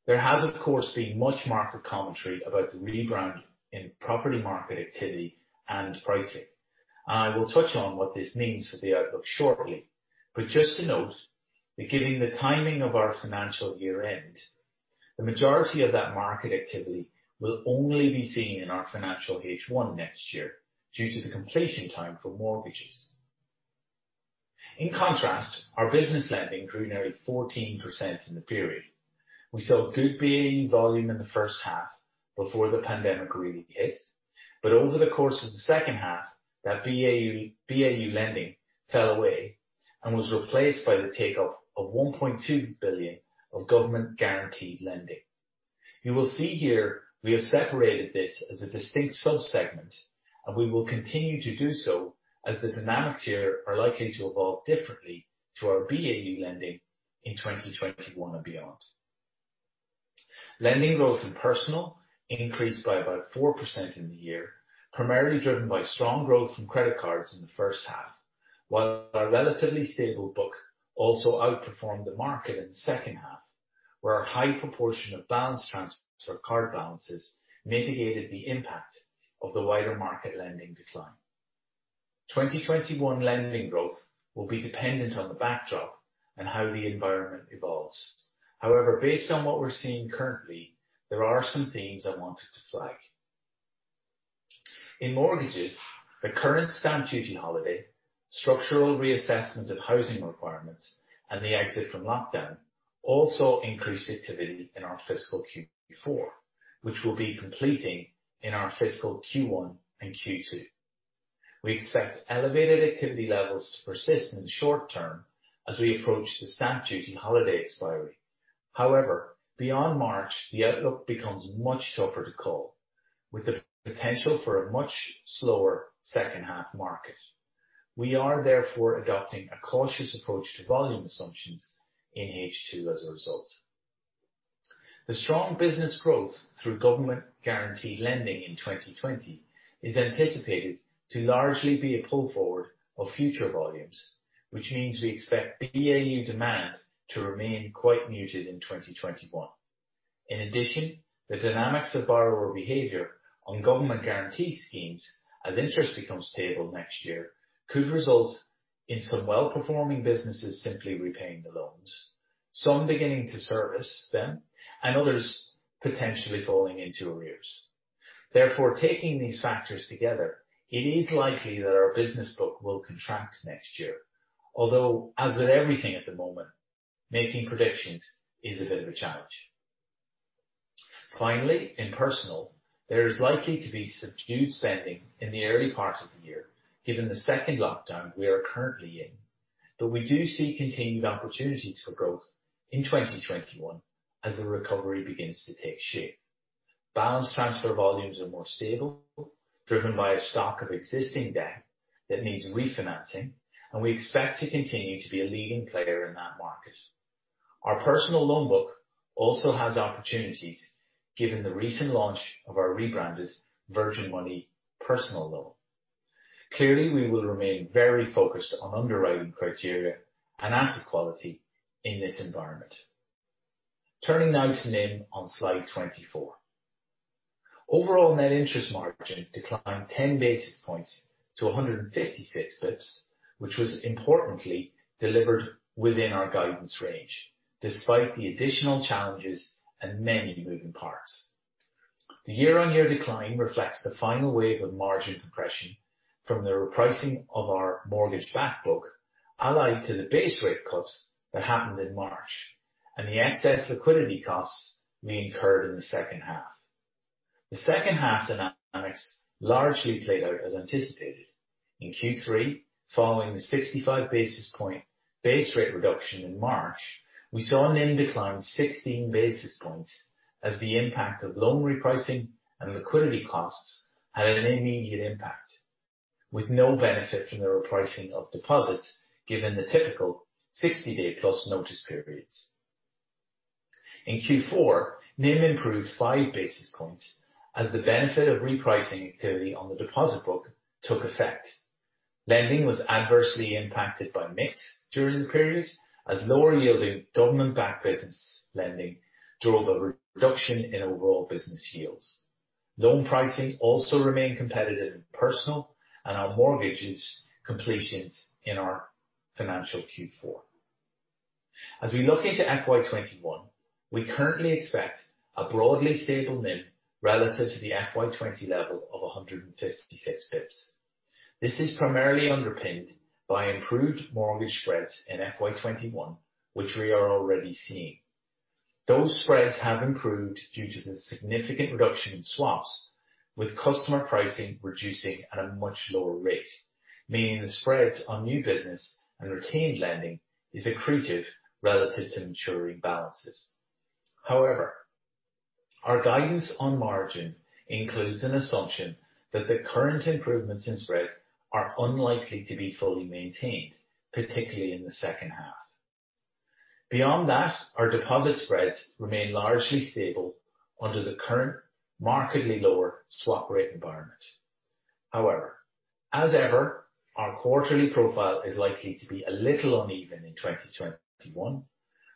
There has, of course, been much market commentary about the rebound in property market activity and pricing. I will touch on what this means for the outlook shortly. Just to note that given the timing of our financial year-end, the majority of that market activity will only be seen in our financial H1 next year due to the completion time for mortgages. In contrast, our business lending grew nearly 14% in the period. We saw good BAU volume in the first half, before the pandemic really hit. Over the course of the second half, that BAU lending fell away and was replaced by the takeoff of 1.2 billion of government-guaranteed lending. You will see here we have separated this as a distinct sub-segment, and we will continue to do so as the dynamics here are likely to evolve differently to our BAU lending in 2021 and beyond. Lending growth in Personal increased by about 4% in the year, primarily driven by strong growth from credit cards in the first half, while our relatively stable book also outperformed the market in the second half, where our high proportion of balance transfers or card balances mitigated the impact of the wider market lending decline. 2021 lending growth will be dependent on the backdrop and how the environment evolves. However, based on what we're seeing currently, there are some themes I wanted to flag. In Mortgages, the current stamp duty holiday, structural reassessment of housing requirements, and the exit from lockdown also increased activity in our fiscal Q4, which will be completing in our fiscal Q1 and Q2. We expect elevated activity levels to persist in the short term as we approach the stamp duty holiday expiry. Beyond March, the outlook becomes much tougher to call. With the potential for a much slower second-half market. We are therefore adopting a cautious approach to volume assumptions in H2 as a result. The strong business growth through government-guaranteed lending in 2020 is anticipated to largely be a pull-forward of future volumes, which means we expect BAU demand to remain quite muted in 2021. In addition, the dynamics of borrower behavior on government guarantee schemes, as interest becomes payable next year, could result in some well-performing businesses simply repaying the loans, some beginning to service them, and others potentially falling into arrears. Therefore, taking these factors together, it is likely that our business book will contract next year. As with everything at the moment, making predictions is a bit of a challenge. Finally, in Personal, there is likely to be subdued spending in the early part of the year, given the second lockdown we are currently in. We do see continued opportunities for growth in 2021 as the recovery begins to take shape. Balance transfer volumes are more stable, driven by a stock of existing debt that needs refinancing, and we expect to continue to be a leading player in that market. Our personal loan book also has opportunities given the recent launch of our rebranded Virgin Money personal loan. Clearly, we will remain very focused on underwriting criteria and asset quality in this environment. Turning now to NIM on slide 24. Overall net interest margin declined 10 basis points to 156 basis points, which was importantly delivered within our guidance range, despite the additional challenges and many moving parts. The year-on-year decline reflects the final wave of margin compression from the repricing of our mortgage back book, allied to the base rate cuts that happened in March, and the excess liquidity costs we incurred in the second half. The second half dynamics largely played out as anticipated. In Q3, following the 65 basis points base rate reduction in March, we saw NIM decline 16 basis points as the impact of loan repricing and liquidity costs had an immediate impact, with no benefit from the repricing of deposits, given the typical 60-day+ notice periods. In Q4, NIM improved 5 basis points as the benefit of repricing activity on the deposit book took effect. Lending was adversely impacted by mix during the period, as lower yielding government-backed business lending drove a reduction in overall business yields. Loan pricing also remained competitive in personal and our mortgages completions in our financial Q4. We look into FY 2021, we currently expect a broadly stable NIM relative to the FY 2020 level of 156 basis points. This is primarily underpinned by improved mortgage spreads in FY 2021, which we are already seeing. Those spreads have improved due to the significant reduction in swaps, with customer pricing reducing at a much lower rate, meaning the spreads on new business and retained lending is accretive relative to maturing balances. Our guidance on margin includes an assumption that the current improvements in spread are unlikely to be fully maintained, particularly in the second half. Beyond that, our deposit spreads remain largely stable under the current markedly lower swap rate environment. As ever, our quarterly profile is likely to be a little uneven in 2021,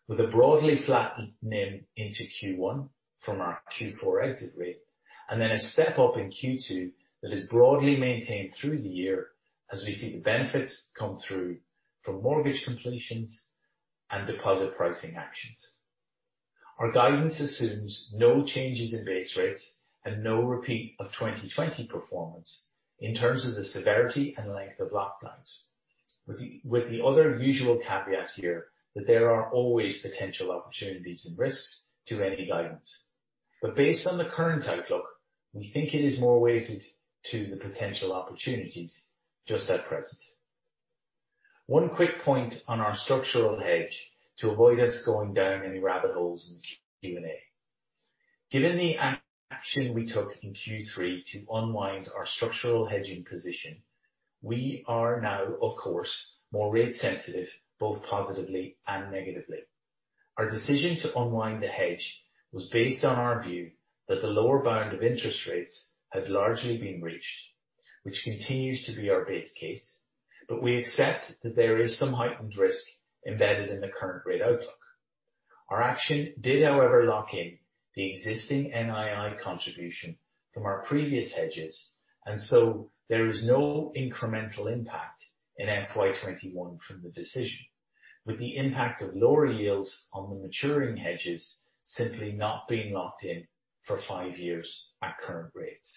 with a broadly flat NIM into Q1 from our Q4 exit rate, and then a step-up in Q2 that is broadly maintained through the year as we see the benefits come through from mortgage completions and deposit pricing actions. Our guidance assumes no changes in base rates and no repeat of 2020 performance in terms of the severity and length of lockdowns. The other usual caveat here, that there are always potential opportunities and risks to any guidance. Based on the current outlook, we think it is more weighted to the potential opportunities just at present. One quick point on our structural hedge to avoid us going down any rabbit holes in the Q&A. Given the action we took in Q3 to unwind our structural hedging position, we are now, of course, more rate sensitive, both positively and negatively. Our decision to unwind the hedge was based on our view that the lower bound of interest rates had largely been reached, which continues to be our base case. We accept that there is some heightened risk embedded in the current rate outlook. Our action did, however, lock in the existing NII contribution from our previous hedges, and so there is no incremental impact in FY 2021 from the decision. With the impact of lower yields on the maturing hedges simply not being locked in for five years at current rates.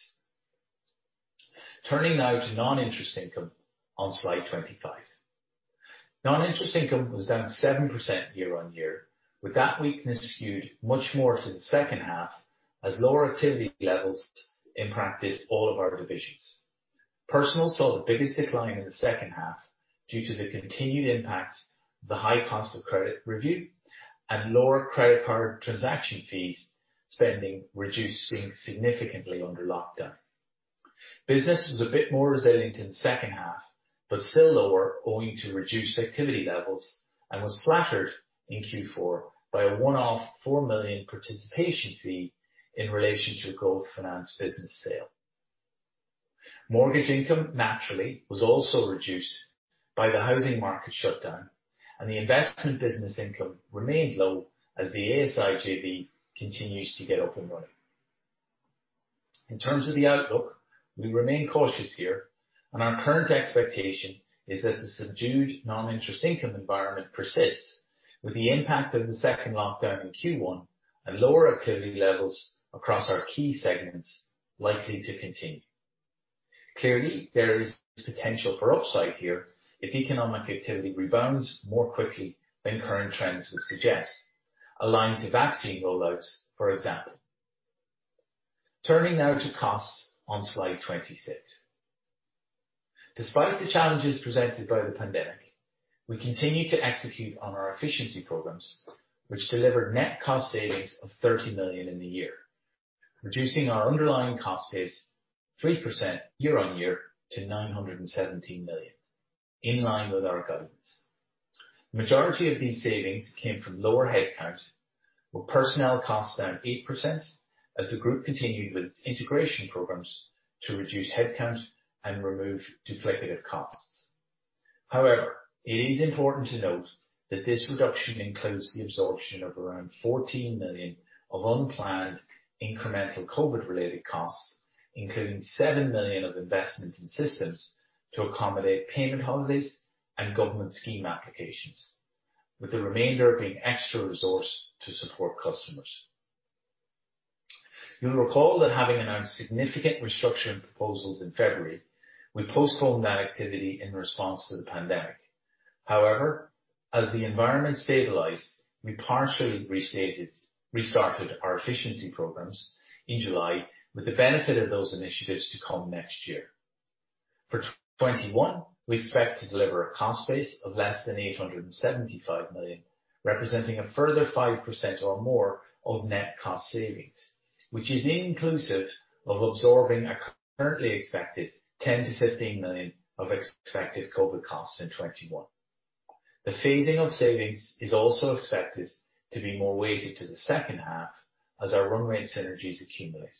Turning now to non-interest income on slide 25. Non-interest income was down 7% year-over-year, with that weakness skewed much more to the second half as lower activity levels impacted all of our divisions. Personal saw the biggest decline in the second half due to the continued impact of the high costs of credit review and lower credit card transaction fees, spending reduced significantly under lockdown. Business was a bit more resilient in the second half, still lower owing to reduced activity levels and was flattered in Q4 by a one-off 4 million participation fee in relation to the Growth Finance business sale. Mortgage income, naturally, was also reduced by the housing market shutdown, and the investment business income remained low as the ASI JV continues to get up and running. In terms of the outlook, we remain cautious here. Our current expectation is that the subdued non-interest income environment persists with the impact of the second lockdown in Q1 and lower activity levels across our key segments likely to continue. Clearly, there is potential for upside here if economic activity rebounds more quickly than current trends would suggest, aligned to vaccine rollouts, for example. Turning now to costs on slide 26. Despite the challenges presented by the pandemic, we continue to execute on our efficiency programs, which delivered net cost savings of 30 million in the year, reducing our underlying cost base 3% year-on-year to 917 million, in line with our guidance. Majority of these savings came from lower headcount, with personnel costs down 8% as the group continued with its integration programs to reduce headcount and remove duplicative costs. It is important to note that this reduction includes the absorption of around 14 million of unplanned incremental COVID-related costs, including 7 million of investments in systems to accommodate payment holidays and government scheme applications, with the remainder being extra resource to support customers. You'll recall that having announced significant restructuring proposals in February, we postponed that activity in response to the pandemic. However, as the environment stabilized, we partially restarted our efficiency programs in July with the benefit of those initiatives to come next year. For 2021, we expect to deliver a cost base of less than 875 million, representing a further 5% or more of net cost savings, which is inclusive of absorbing a currently expected 10 million-15 million of expected COVID costs in 2021. The phasing of savings is also expected to be more weighted to the second half as our run-rate synergies accumulate.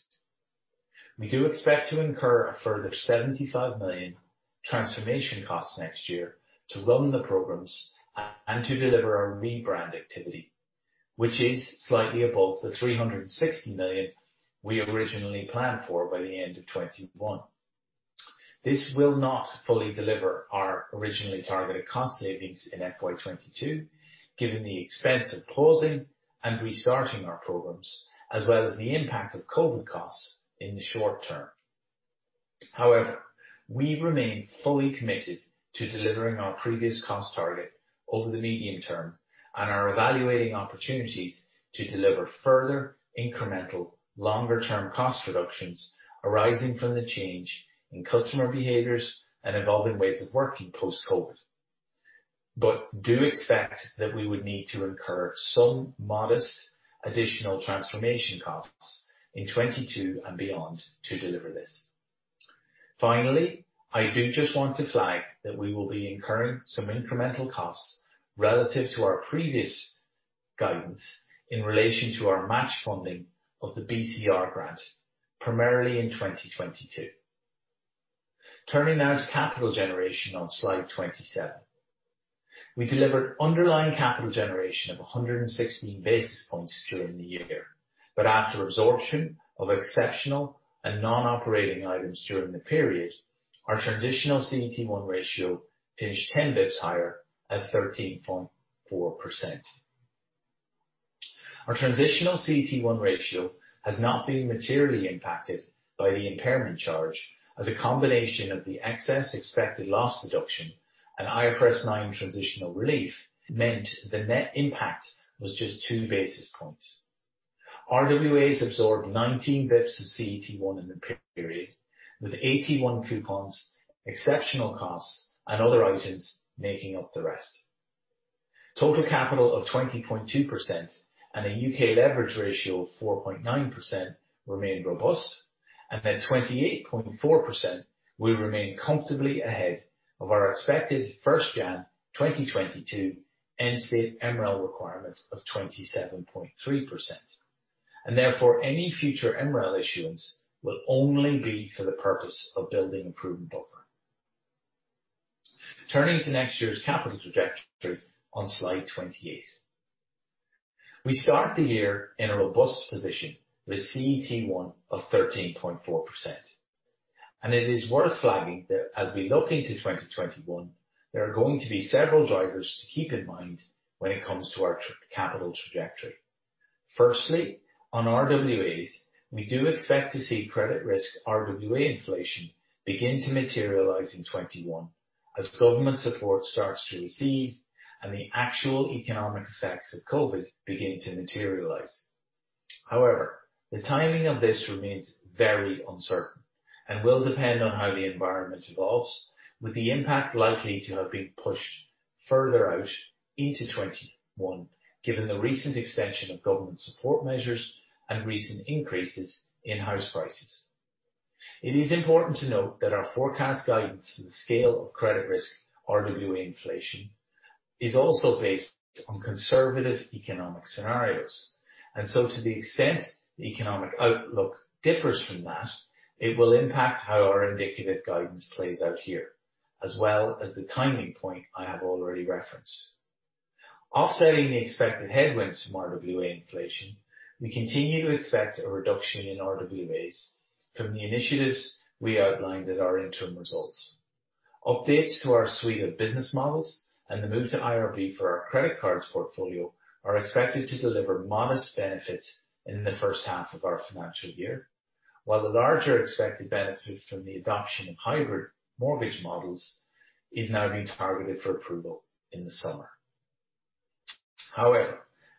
We do expect to incur a further 75 million transformation costs next year to run the programs and to deliver our rebrand activity, which is slightly above the 360 million we originally planned for by the end of 2021. This will not fully deliver our originally targeted cost savings in FY 2022, given the expense of pausing and restarting our programs, as well as the impact of COVID costs in the short term. We remain fully committed to delivering our previous cost target over the medium term and are evaluating opportunities to deliver further incremental, longer-term cost reductions arising from the change in customer behaviors and evolving ways of working post-COVID. Do expect that we would need to incur some modest additional transformation costs in 2022 and beyond to deliver this. I do just want to flag that we will be incurring some incremental costs relative to our previous guidance in relation to our match funding of the BCR grant, primarily in 2022. Turning now to capital generation on slide 27. We delivered underlying capital generation of 116 basis points during the year. After absorption of exceptional and non-operating items during the period, our transitional CET1 ratio finished 10 basis points higher at 13.4%. Our transitional CET1 ratio has not been materially impacted by the impairment charge, as a combination of the excess expected loss deduction and IFRS 9 transitional relief meant the net impact was just 2 basis points. RWAs absorbed 19 basis points of CET1 in the period, with AT1 coupons, exceptional costs, and other items making up the rest. Total capital of 20.2% and a U.K. leverage ratio of 4.9% remain robust, 28.4% will remain comfortably ahead of our expected first January 2022 end-state MREL requirement of 27.3%. Therefore, any future MREL issuance will only be for the purpose of building a prudent buffer. Turning to next year's capital trajectory on slide 28. We start the year in a robust position with a CET1 of 13.4%. It is worth flagging that as we look into 2021, there are going to be several drivers to keep in mind when it comes to our capital trajectory. Firstly, on RWAs, we do expect to see credit risk RWA inflation begin to materialize in 2021 as government support starts to recede and the actual economic effects of COVID-19 begin to materialize. However, the timing of this remains very uncertain and will depend on how the environment evolves, with the impact likely to have been pushed further out into 2021, given the recent extension of government support measures and recent increases in house prices. It is important to note that our forecast guidance and the scale of credit risk RWA inflation is also based on conservative economic scenarios. To the extent the economic outlook differs from that, it will impact how our indicative guidance plays out here, as well as the timing point I have already referenced. Offsetting the expected headwinds from RWA inflation, we continue to expect a reduction in RWAs from the initiatives we outlined at our interim results. Updates to our suite of business models and the move to IRB for our credit cards portfolio are expected to deliver modest benefits in the first half of our financial year, while the larger expected benefit from the adoption of hybrid mortgage models is now being targeted for approval in the summer.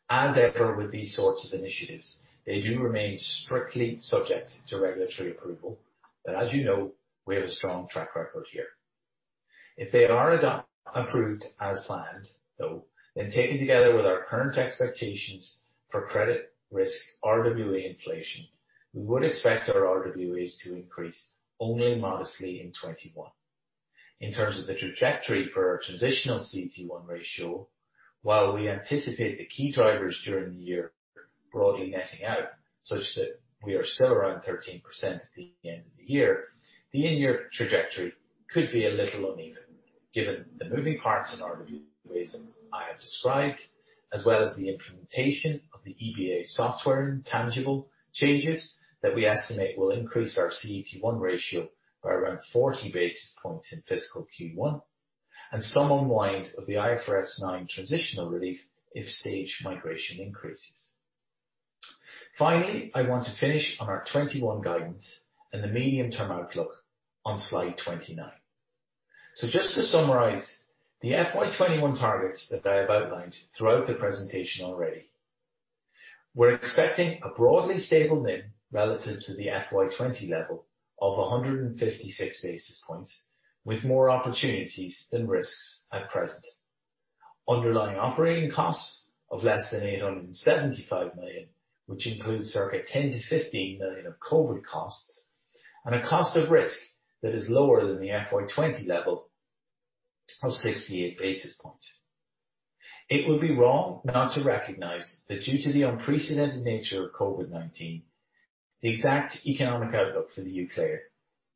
As ever with these sorts of initiatives, they do remain strictly subject to regulatory approval. As you know, we have a strong track record here. If they are approved as planned, though, then taken together with our current expectations for credit risk RWA inflation, we would expect our RWAs to increase only modestly in 2021. In terms of the trajectory for our transitional CET1 ratio, while we anticipate the key drivers during the year broadly netting out such that we are still around 13% at the end of the year, the in-year trajectory could be a little uneven given the moving parts in RWAs I have described, as well as the implementation of the EBA software assets that we estimate will increase our CET1 ratio by around 40 basis points in fiscal Q1, and some unwind of the IFRS 9 transitional relief if stage migration increases. Finally, I want to finish on our 2021 guidance and the medium-term outlook on slide 29. Just to summarize the FY 2021 targets that I have outlined throughout the presentation already. We're expecting a broadly stable NIM relative to the FY 2020 level of 156 basis points, with more opportunities than risks at present. Underlying operating costs of less than 875 million, which includes circa 10 million-15 million of COVID-19 costs, and a cost of risk that is lower than the FY 2020 level of 68 basis points. It would be wrong not to recognize that due to the unprecedented nature of COVID-19, the exact economic outlook for the U.K.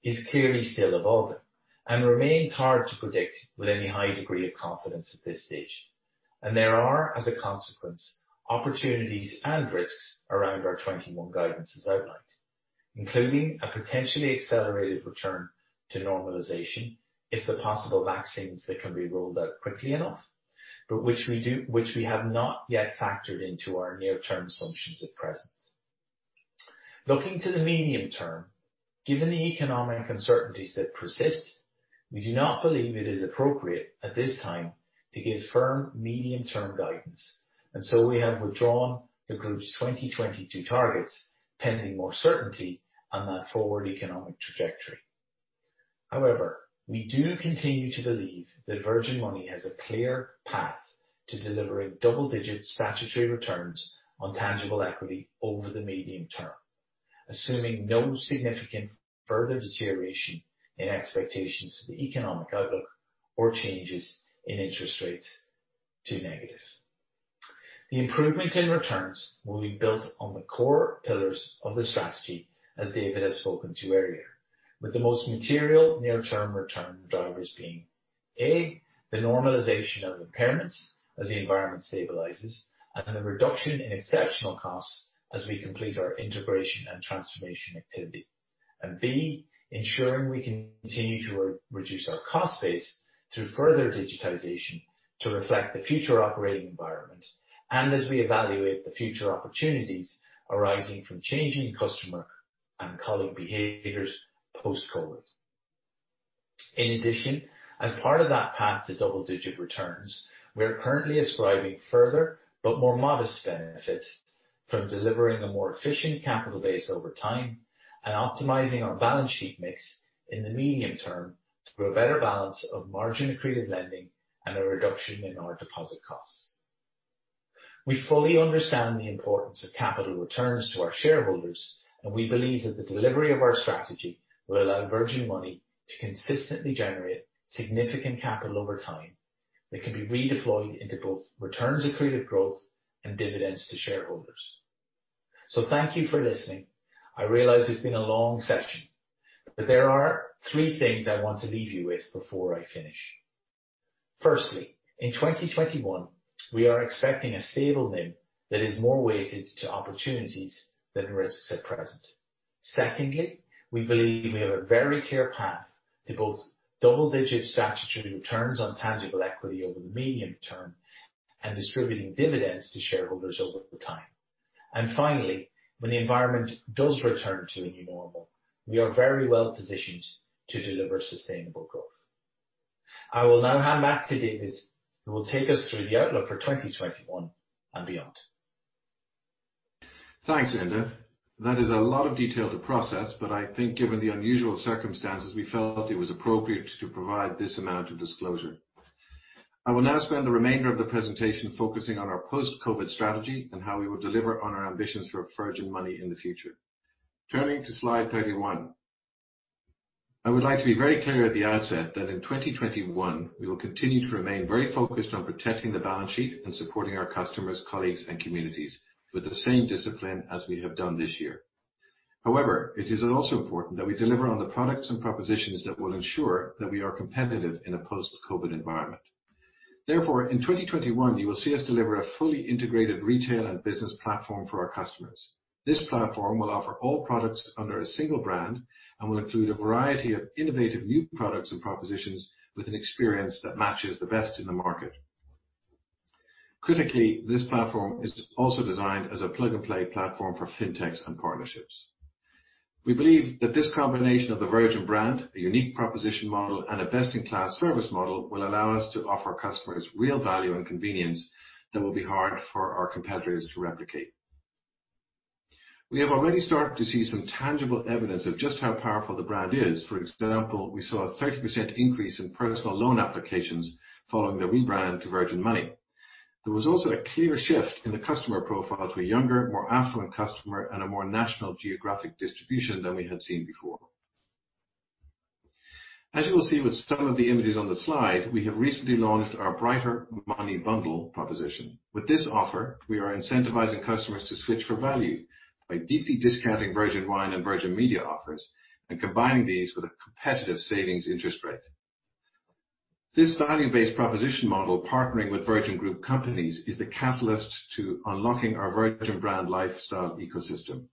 is clearly still evolving and remains hard to predict with any high degree of confidence at this stage. There are, as a consequence, opportunities and risks around our 2021 guidance as outlined, including a potentially accelerated return to normalization if the possible vaccines that can be rolled out quickly enough, but which we have not yet factored into our near-term assumptions at present. Looking to the medium term, given the economic uncertainties that persist, we do not believe it is appropriate at this time to give firm medium-term guidance. We have withdrawn the Group's 2022 targets pending more certainty on that forward economic trajectory. However, we do continue to believe that Virgin Money has a clear path to delivering double-digit statutory returns on tangible equity over the medium term, assuming no significant further deterioration in expectations of the economic outlook or changes in interest rates to negative. The improvement in returns will be built on the core pillars of the strategy, as David has spoken to earlier, with the most material near-term return drivers being, A, the normalization of impairments as the environment stabilizes and the reduction in exceptional costs as we complete our integration and transformation activity. B, ensuring we continue to reduce our cost base through further digitization to reflect the future operating environment and as we evaluate the future opportunities arising from changing customer and colleague behaviors post-COVID. In addition, as part of that path to double-digit returns, we are currently ascribing further but more modest benefits from delivering a more efficient capital base over time and optimizing our balance sheet mix in the medium term through a better balance of margin-accretive lending and a reduction in our deposit costs. We fully understand the importance of capital returns to our shareholders. We believe that the delivery of our strategy will allow Virgin Money to consistently generate significant capital over time that can be redeployed into both returns accretive growth and dividends to shareholders. Thank you for listening. I realize it's been a long session. There are three things I want to leave you with before I finish. Firstly, in 2021, we are expecting a stable NIM that is more weighted to opportunities than risks at present. Secondly, we believe we have a very clear path to both double-digit statutory returns on tangible equity over the medium term and distributing dividends to shareholders over the time. Finally, when the environment does return to a new normal, we are very well positioned to deliver sustainable growth. I will now hand back to David, who will take us through the outlook for 2021 and beyond.
Thanks, Enda. That is a lot of detail to process, but I think given the unusual circumstances, we felt it was appropriate to provide this amount of disclosure. I will now spend the remainder of the presentation focusing on our post-COVID-19 strategy and how we will deliver on our ambitions for Virgin Money in the future. Turning to slide 31. I would like to be very clear at the outset that in 2021, we will continue to remain very focused on protecting the balance sheet and supporting our customers, colleagues, and communities with the same discipline as we have done this year. It is also important that we deliver on the products and propositions that will ensure that we are competitive in a post-COVID-19 environment. In 2021, you will see us deliver a fully integrated retail and business platform for our customers. This platform will offer all products under a single brand and will include a variety of innovative new products and propositions with an experience that matches the best in the market. This platform is also designed as a plug-and-play platform for fintechs and partnerships. We believe that this combination of the Virgin brand, a unique proposition model, and a best-in-class service model will allow us to offer customers real value and convenience that will be hard for our competitors to replicate. We have already started to see some tangible evidence of just how powerful the brand is. For example, we saw a 30% increase in personal loan applications following the rebrand to Virgin Money. There was also a clear shift in the customer profile to a younger, more affluent customer and a more national geographic distribution than we had seen before. As you will see with some of the images on the slide, we have recently launched our Brighter Money Bundle proposition. With this offer, we are incentivizing customers to switch for value by deeply discounting Virgin Wines and Virgin Media offers and combining these with a competitive savings interest rate. This value-based proposition model partnering with Virgin Group companies is the catalyst to unlocking our Virgin brand lifestyle ecosystem.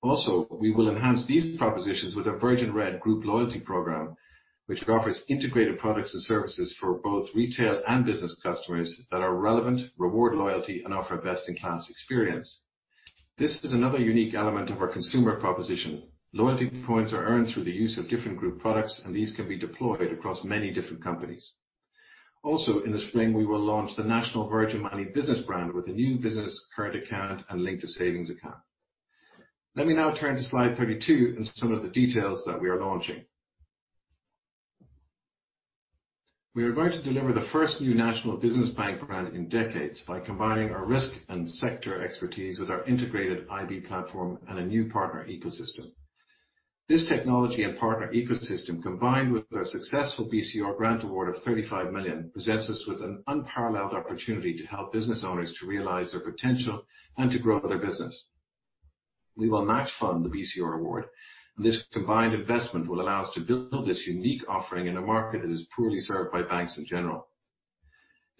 Also, we will enhance these propositions with our Virgin Red group loyalty program, which offers integrated products and services for both retail and business customers that are relevant, reward loyalty, and offer a best-in-class experience. This is another unique element of our consumer proposition. Loyalty points are earned through the use of different group products, and these can be deployed across many different companies. Also, in the spring, we will launch the national Virgin Money business brand with a new business current account and linked savings account. Let me now turn to slide 32 and some of the details that we are launching. We are going to deliver the first new national business bank brand in decades by combining our risk and sector expertise with our integrated iB platform and a new partner ecosystem. This technology and partner ecosystem, combined with our successful BCR grant award of 35 million, presents us with an unparalleled opportunity to help business owners to realize their potential and to grow their business. We will match fund the BCR award, this combined investment will allow us to build this unique offering in a market that is poorly served by banks in general.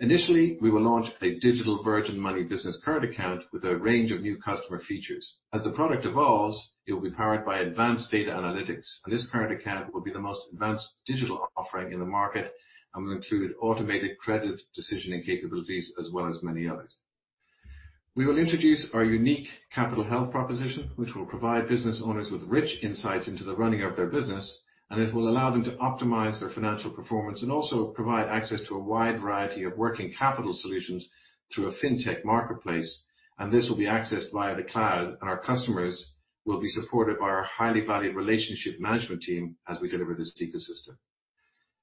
Initially, we will launch a digital Virgin Money business current account with a range of new customer features. As the product evolves, it will be powered by advanced data analytics, and this current account will be the most advanced digital offering in the market and will include automated credit decisioning capabilities as well as many others. We will introduce our unique Working Capital Health proposition, which will provide business owners with rich insights into the running of their business, and it will allow them to optimize their financial performance and also provide access to a wide variety of working capital solutions through a fintech marketplace, and this will be accessed via the cloud. Our customers will be supported by our highly-valued relationship management team as we deliver this ecosystem.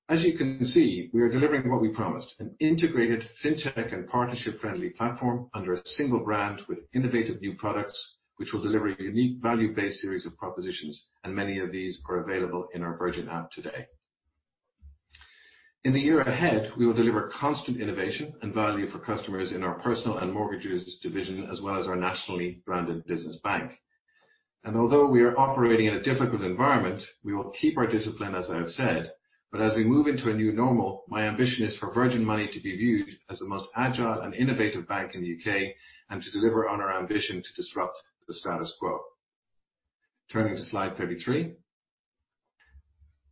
As you can see, we are delivering what we promised, an integrated fintech and partnership-friendly platform under a single brand with innovative new products, which will deliver a unique value-based series of propositions, and many of these are available in our Virgin app today. In the year ahead, we will deliver constant innovation and value for customers in our Personal and Mortgages division, as well as our nationally-branded business bank. Although we are operating in a difficult environment, we will keep our discipline, as I have said. As we move into a new normal, my ambition is for Virgin Money to be viewed as the most agile and innovative bank in the U.K., and to deliver on our ambition to disrupt the status quo. Turning to slide 33.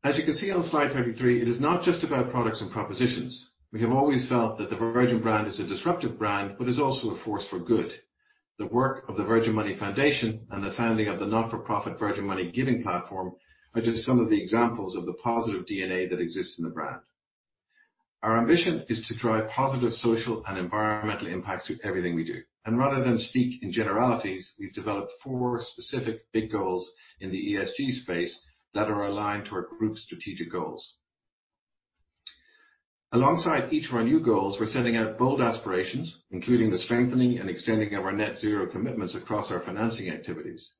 As you can see on slide 33, it is not just about products and propositions. We have always felt that the Virgin brand is a disruptive brand but is also a force for good. The work of the Virgin Money Foundation and the founding of the not-for-profit Virgin Money Giving platform are just some of the examples of the positive DNA that exists in the brand. Our ambition is to drive positive social and environmental impacts with everything we do. Rather than speak in generalities, we've developed four specific big goals in the ESG space that are aligned to our group strategic goals. Alongside each of our new goals, we're setting out bold aspirations, including the strengthening and extending of our net zero commitments across our financing activities.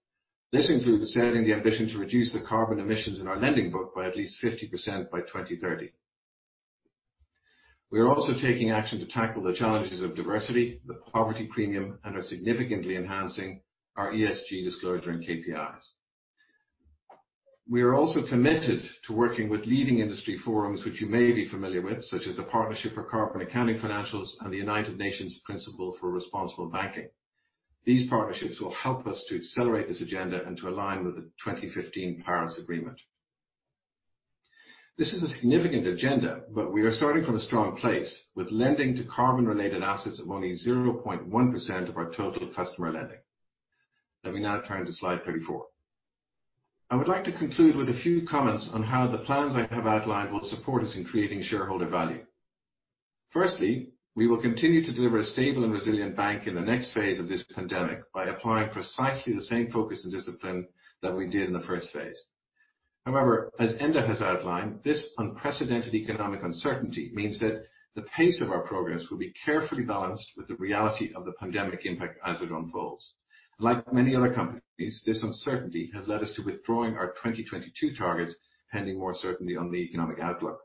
This includes setting the ambition to reduce the carbon emissions in our lending book by at least 50% by 2030. We are also taking action to tackle the challenges of diversity, the poverty premium, and are significantly enhancing our ESG disclosure and KPIs. We are also committed to working with leading industry forums, which you may be familiar with, such as the Partnership for Carbon Accounting Financials and the United Nations Principles for Responsible Banking. These partnerships will help us to accelerate this agenda and to align with the 2015 Paris Agreement. This is a significant agenda. We are starting from a strong place, with lending to carbon-related assets of only 0.1% of our total customer lending. Let me now turn to slide 34. I would like to conclude with a few comments on how the plans I have outlined will support us in creating shareholder value. Firstly, we will continue to deliver a stable and resilient bank in the next phase of this pandemic by applying precisely the same focus and discipline that we did in the first phase. However, as Enda has outlined, this unprecedented economic uncertainty means that the pace of our progress will be carefully balanced with the reality of the pandemic impact as it unfolds. Like many other companies, this uncertainty has led us to withdrawing our 2022 targets, pending more certainty on the economic outlook.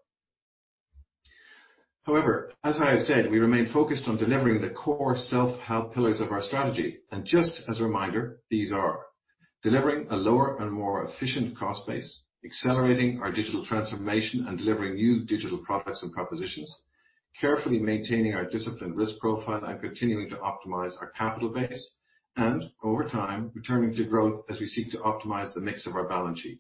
However, as I have said, we remain focused on delivering the core self-help pillars of our strategy. Just as a reminder, these are delivering a lower and more efficient cost base, accelerating our digital transformation, and delivering new digital products and propositions. Carefully maintaining our disciplined risk profile and continuing to optimize our capital base and over time, returning to growth as we seek to optimize the mix of our balance sheet.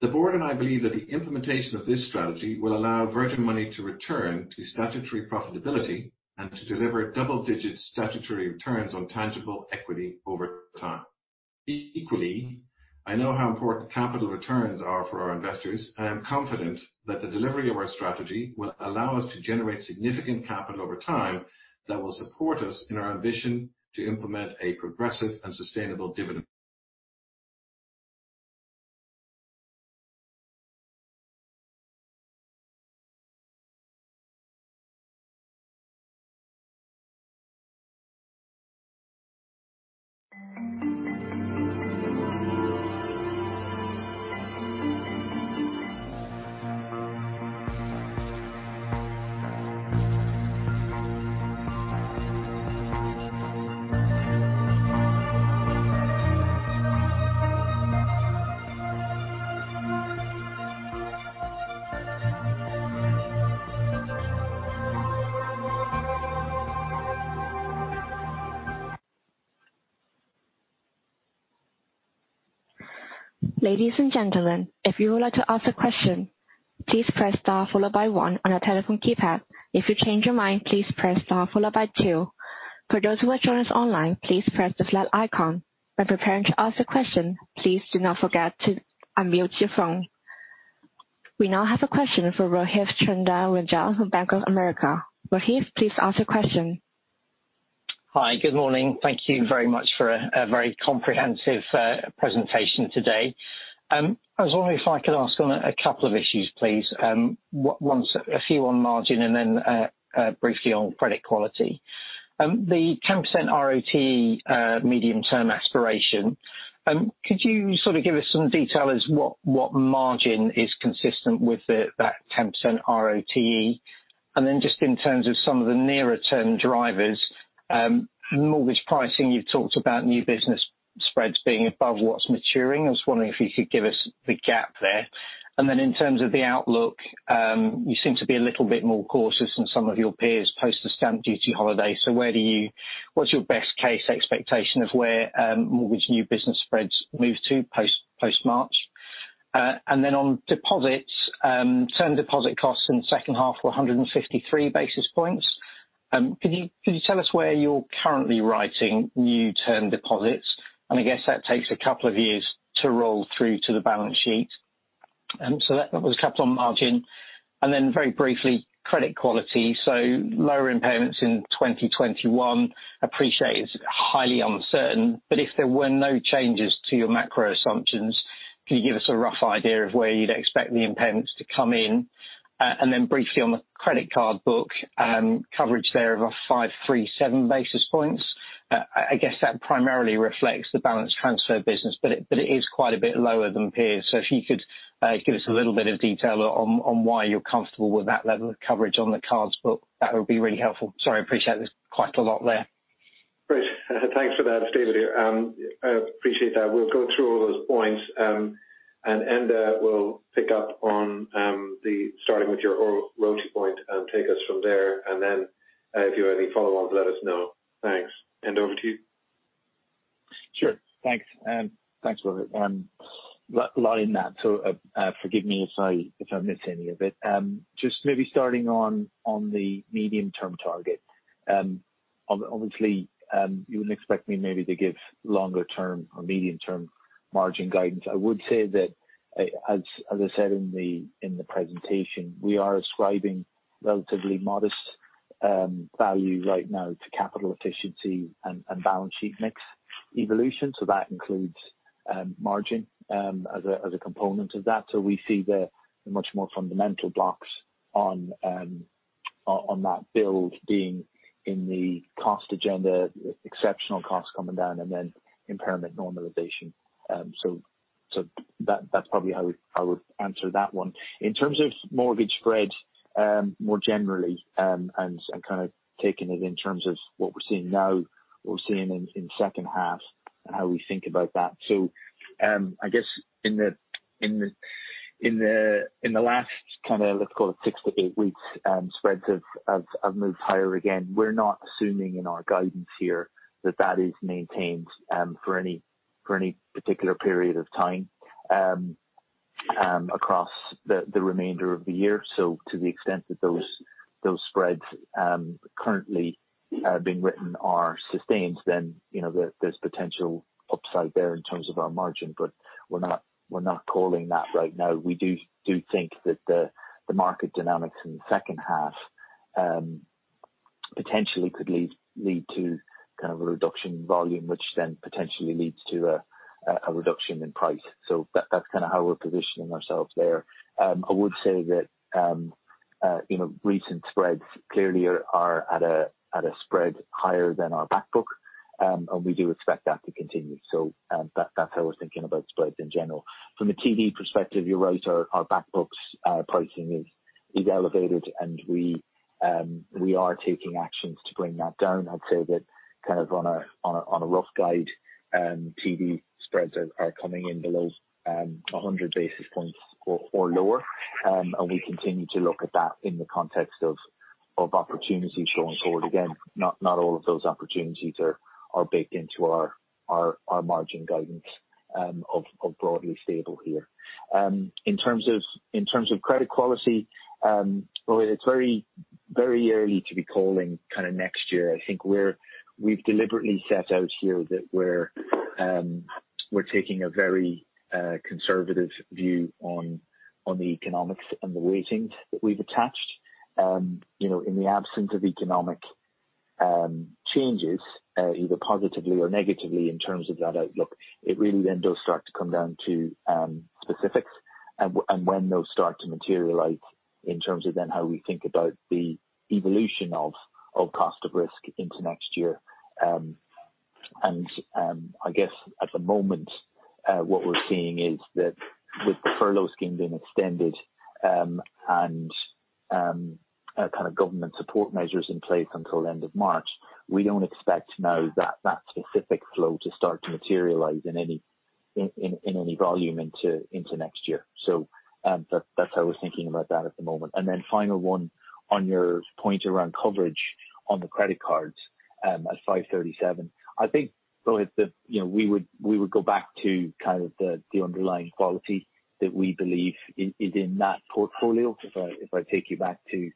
The Board and I believe that the implementation of this strategy will allow Virgin Money to return to statutory profitability and to deliver double-digit statutory returns on tangible equity over time. Equally, I know how important capital returns are for our investors. I am confident that the delivery of our strategy will allow us to generate significant capital over time that will support us in our ambition to implement a progressive and sustainable dividend.
Ladies and gentlemen, if you would like to ask a question, please press star followed by one on your telephone keypad. If you change your mind, please press star followed by two. For those who have joined us online, please press the flag icon. When preparing to ask a question, please do not forget to unmute your phone. We now have a question for Rohith Chandra-Rajan from Bank of America. Rohith, please ask a question.
Hi. Good morning. Thank you very much for a very comprehensive presentation today. I was wondering if I could ask on a couple of issues, please. A few on margin and then briefly on credit quality. The 10% ROTE medium-term aspiration, could you sort of give us some detail as what margin is consistent with that 10% ROTE? Just in terms of some of the nearer-term drivers, mortgage pricing, you've talked about new business spreads being above what's maturing. I was wondering if you could give us the gap there. In terms of the outlook, you seem to be a little bit more cautious than some of your peers post the stamp duty holiday. What's your best case expectation of where mortgage new business spreads move to post-March? On deposits, term deposit costs in second half were 153 basis points. Could you tell us where you're currently writing new term deposits? I guess that takes a couple of years to roll through to the balance sheet. That was a couple on margin. Very briefly, credit quality. Lower impairments in 2021, appreciate it's highly uncertain, but if there were no changes to your macro assumptions, can you give us a rough idea of where you'd expect the impairments to come in? Briefly on the credit card book, coverage there of a 537 basis points. I guess that primarily reflects the balance transfer business, but it is quite a bit lower than peers. If you could give us a little bit of detail on why you're comfortable with that level of coverage on the cards book, that would be really helpful. Sorry, I appreciate there's quite a lot there.
Great. Thanks for that, it's David here. I appreciate that. We'll go through all those points. Enda will pick up on starting with your ROTE point and take us from there. If you have any follow-ups, let us know. Thanks. Enda, over to you.
Thanks, Rohith. A lot in that, so forgive me if I miss any of it. Just maybe starting on the medium-term target. Obviously, you wouldn't expect me maybe to give longer term or medium term margin guidance. I would say that, as I said in the presentation, we are ascribing relatively modest value right now to capital efficiency and balance sheet mix evolution. That includes margin as a component of that. We see the much more fundamental blocks on that build being in the cost agenda, exceptional costs coming down, and then impairment normalization. That's probably how I would answer that one. In terms of mortgage spreads more generally, and kind of taking it in terms of what we're seeing now, what we're seeing in second half, and how we think about that. I guess in the last kind of, let's call it six to eight weeks, spreads have moved higher again. We're not assuming in our guidance here that that is maintained for any particular period of time across the remainder of the year. To the extent that those spreads currently being written are sustained, then there's potential upside there in terms of our margin. We're not calling that right now. We do think that the market dynamics in the second half potentially could lead to kind of a reduction in volume, which then potentially leads to a reduction in price. That's kind of how we're positioning ourselves there. I would say that recent spreads clearly are at a spread higher than our back book, and we do expect that to continue. That's how we're thinking about spreads in general. From a TD perspective, you're right, our back book's pricing is elevated. We are taking actions to bring that down. I'd say that kind of on a rough guide, TD spreads are coming in below 100 basis points or lower. We continue to look at that in the context of opportunities going forward. Again, not all of those opportunities are baked into our margin guidance of broadly stable here. In terms of credit quality, well, it's very early to be calling kind of next year. I think we've deliberately set out here that we're taking a very conservative view on the economics and the weightings that we've attached. In the absence of economic changes, either positively or negatively in terms of that outlook, it really then does start to come down to specifics and when those start to materialize in terms of then how we think about the evolution of cost of risk into next year. I guess at the moment, what we're seeing is that with the furlough scheme being extended and kind of government support measures in place until end of March, we don't expect now that that specific flow to start to materialize in any volume into next year. That's how we're thinking about that at the moment. Then final one on your point around coverage on the credit cards at 537 basis points. I think, Rohith, that we would go back to kind of the underlying quality that we believe is in that portfolio. If I take you back to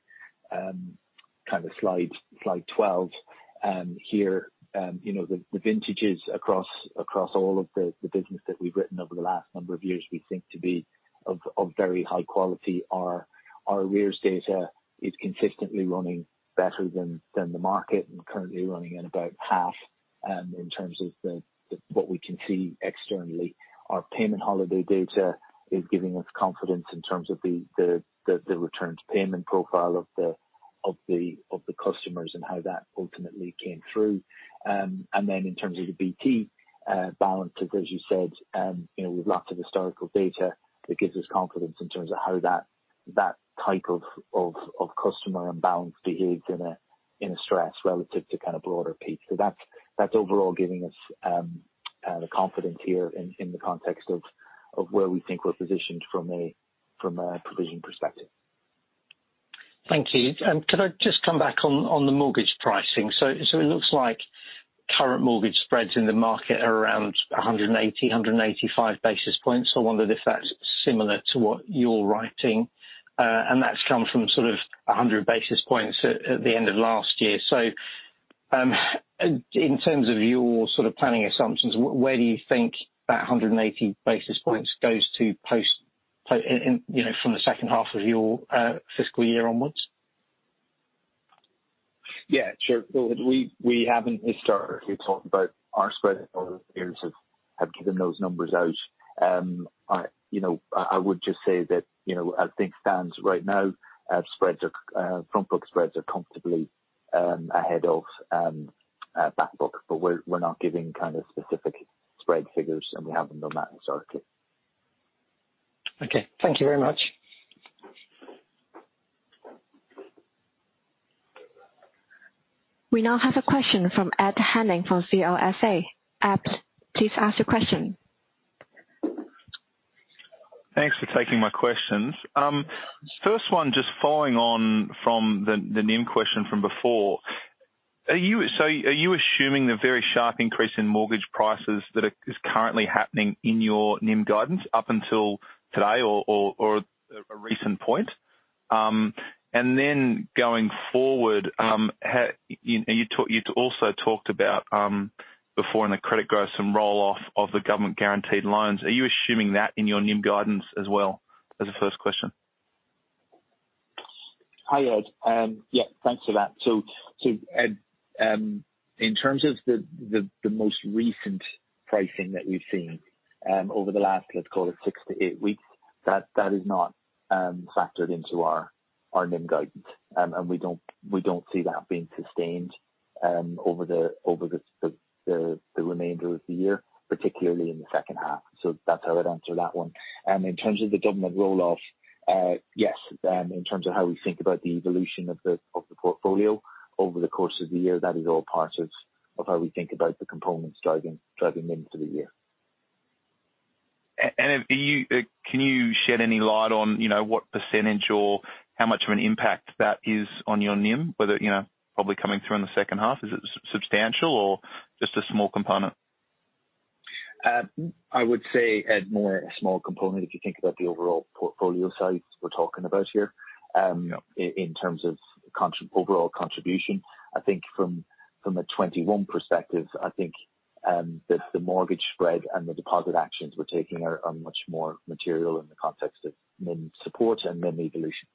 slide 12 here. The vintages across all of the business that we've written over the last number of years we think to be of very high quality. Our arrears data is consistently running better than the market and currently running at about half in terms of what we can see externally. Our payment holiday data is giving us confidence in terms of the return to payment profile of the customers and how that ultimately came through. In terms of the BT balances, as you said, we've lots of historical data that gives us confidence in terms of how that type of customer and balance behaves in a stress relative to kind of broader peak. That's overall giving us the confidence here in the context of where we think we're positioned from a provision perspective.
Thank you. Could I just come back on the mortgage pricing? It looks like current mortgage spreads in the market are around 180 basis points, 185 basis points. I wondered if that's similar to what you're writing. That's come from sort of 100 basis points at the end of last year. In terms of your planning assumptions, where do you think that 180 basis points goes to from the second half of your fiscal year onwards?
Yeah, sure. We haven't historically talked about our spreads have given those numbers out. I would just say that, as things stand right now, front book spreads are comfortably ahead of back book. We're not giving kind of specific spread figures, and we haven't done that historically.
Okay. Thank you very much.
We now have a question from Ed Henning from CLSA. Ed, please ask your question.
Thanks for taking my questions. First one, just following on from the NIM question from before. Are you assuming the very sharp increase in mortgage prices that is currently happening in your NIM guidance up until today or a recent point? Going forward, you also talked about, before in the credit growth, some roll-off of the government-guaranteed loans. Are you assuming that in your NIM guidance as well? That's the first question.
Hi, Ed. Yeah, thanks for that. Ed, in terms of the most recent pricing that we've seen over the last, let's call it six to eight weeks, that is not factored into our NIM guidance. We don't see that being sustained over the remainder of the year, particularly in the second half. That's how I'd answer that one. In terms of the government roll-off, yes, in terms of how we think about the evolution of the portfolio over the course of the year, that is all part of how we think about the components driving NIM for the year.
Can you shed any light on what percentage or how much of an impact that is on your NIM, whether probably coming through in the second half? Is it substantial or just a small component?
I would say, Ed, more a small component, if you think about the overall portfolio size we're talking about here. In terms of overall contribution, I think from a 2021 perspective, I think that the mortgage spread and the deposit actions we're taking are much more material in the context of NIM support and NIM evolution.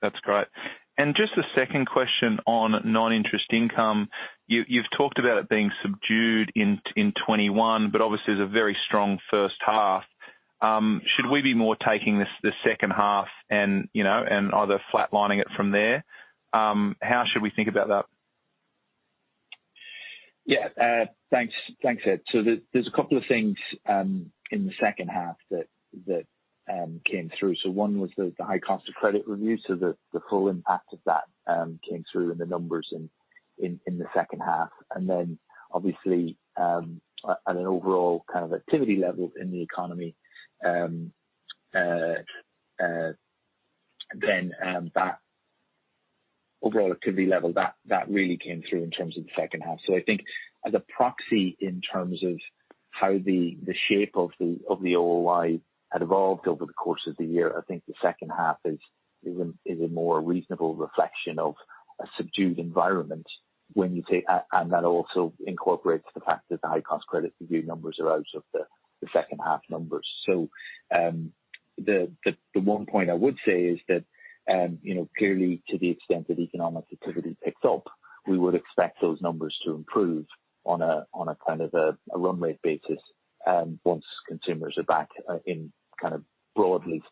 That's great. Just a second question on non-interest income. You've talked about it being subdued in 2021, but obviously there's a very strong first half. Should we be more taking the second half and either flatlining it from there? How should we think about that?
Thanks, Ed. There's a couple of things in the second half that came through. One was the High-Cost Credit Review, the full impact of that came through in the numbers and in the second half. Obviously, at an overall kind of activity level in the economy, that overall activity level really came through in terms of the second half. I think as a proxy in terms of how the shape of the OOI had evolved over the course of the year, I think the second half is a more reasonable reflection of a subdued environment. That also incorporates the fact that the High-Cost Credit Review numbers are out of the second-half numbers. The one point I would say is that clearly to the extent that economic activity picks up, we would expect those numbers to improve on a kind of a run-rate basis once consumers are back in kind of broadly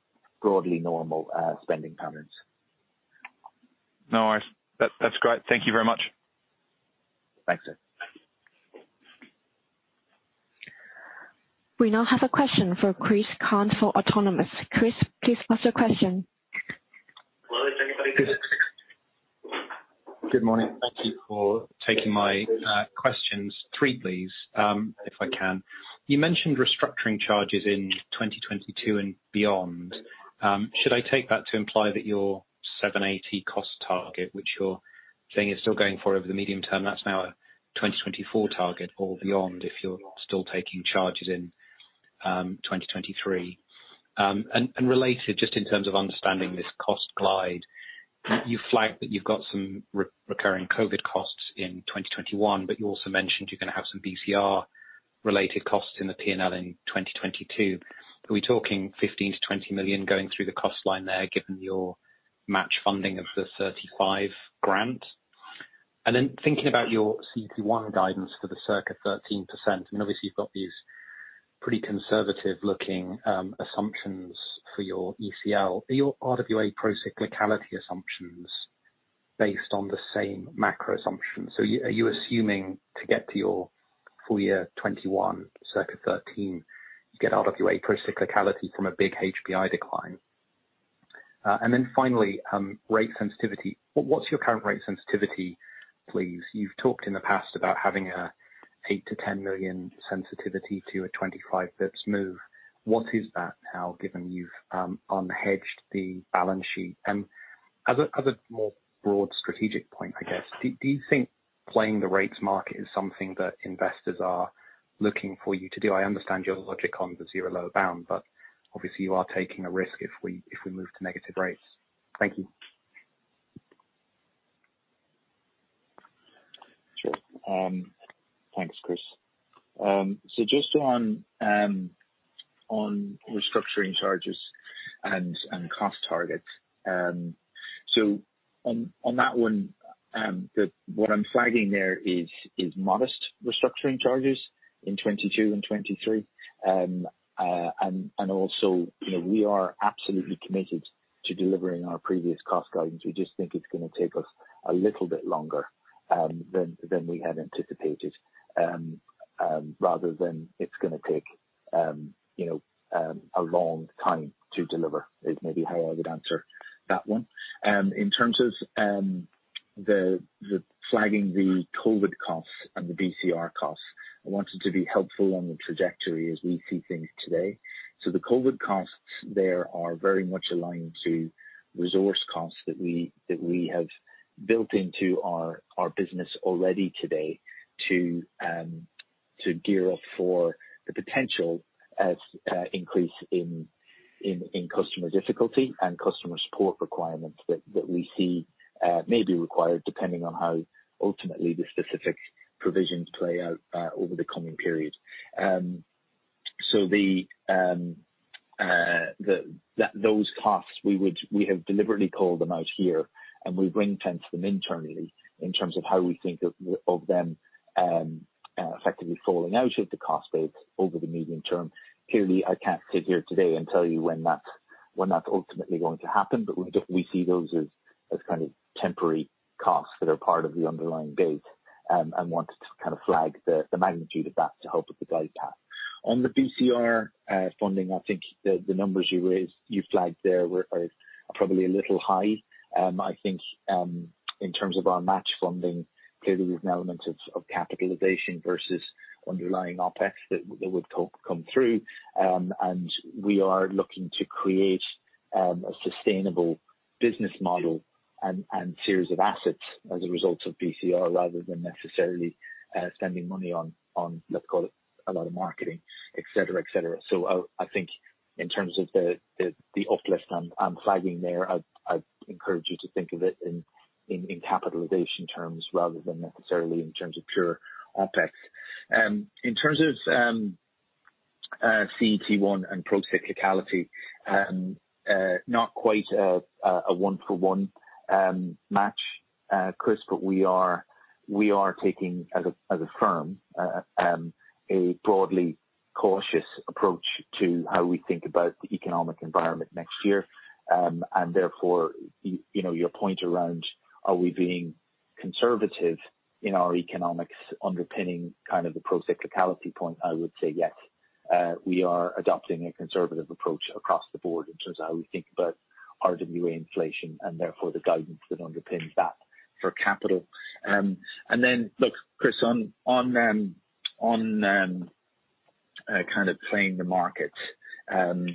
normal spending patterns.
No worries. That's great. Thank you very much.
Thanks, Ed.
We now have a question for Chris Cant for Autonomous. Chris, please ask your question.
Hello, is anybody there? Good morning. Thank you for taking my questions. Three, please, if I can. You mentioned restructuring charges in 2022 and beyond. Should I take that to imply that your 780 million cost target, which you're saying you're still going for over the medium term, that's now a 2024 target or beyond, if you're still taking charges in 2023? Related, just in terms of understanding this cost glide, you flagged that you've got some recurring COVID costs in 2021, but you also mentioned you're going to have some BCR-related costs in the P&L in 2022. Are we talking 15 million-20 million going through the cost line there, given your match funding of the 35 million grant? Thinking about your CET1 guidance for the circa 13%, I mean, obviously you've got these pretty conservative-looking assumptions for your ECL. Are your RWA procyclicality assumptions based on the same macro assumptions? Are you assuming to get to your full year 2021 circa 13%, you get RWA procyclicality from a big HPI decline? Rate sensitivity. What's your current rate sensitivity, please? You've talked in the past about having a 8 million-10 million sensitivity to a 25 basis points move. What is that now, given you've unhedged the balance sheet? As a more broad strategic point, I guess, do you think playing the rates market is something that investors are looking for you to do? I understand your logic on the zero lower bound. Obviously, you are taking a risk if we move to negative rates. Thank you.
Sure. Thanks, Chris. Just on restructuring charges and cost targets. On that one, what I'm flagging there is modest restructuring charges in 2022 and 2023. Also, we are absolutely committed to delivering our previous cost guidance. We just think it's going to take us a little bit longer than we had anticipated, rather than it's going to take a long time to deliver, is maybe how I would answer that one. In terms of flagging the COVID-19 costs and the BCR costs, I wanted to be helpful on the trajectory as we see things today. The COVID costs there are very much aligned to resource costs that we have built into our business already today to gear up for the potential increase in customer difficulty and customer support requirements that we see may be required, depending on how ultimately the specific provisions play out over the coming period. Those costs, we have deliberately called them out here, and we ring-fence them internally in terms of how we think of them effectively falling out of the cost base over the medium term. Clearly, I can't sit here today and tell you when that's ultimately going to happen, but we see those as temporary costs that are part of the underlying base and wanted to flag the magnitude of that to help with the glide path. On the BCR funding, I think the numbers you flagged there are probably a little high. I think in terms of our match funding, clearly there's an element of capitalization versus underlying OpEx that would come through. We are looking to create a sustainable business model and series of assets as a result of BCR rather than necessarily spending money on, let's call it, a lot of marketing, et cetera. I think in terms of the uplift I'm flagging there, I'd encourage you to think of it in capitalization terms rather than necessarily in terms of pure OpEx. In terms of CET1 and procyclicality, not quite a one-for-one match, Chris. We are taking, as a firm, a broadly cautious approach to how we think about the economic environment next year. Therefore, your point around are we being conservative in our economics underpinning the procyclicality point, I would say yes. We are adopting a conservative approach across the board in terms of how we think about RWA inflation and therefore the guidance that underpins that for capital. Look, Chris, on playing the markets and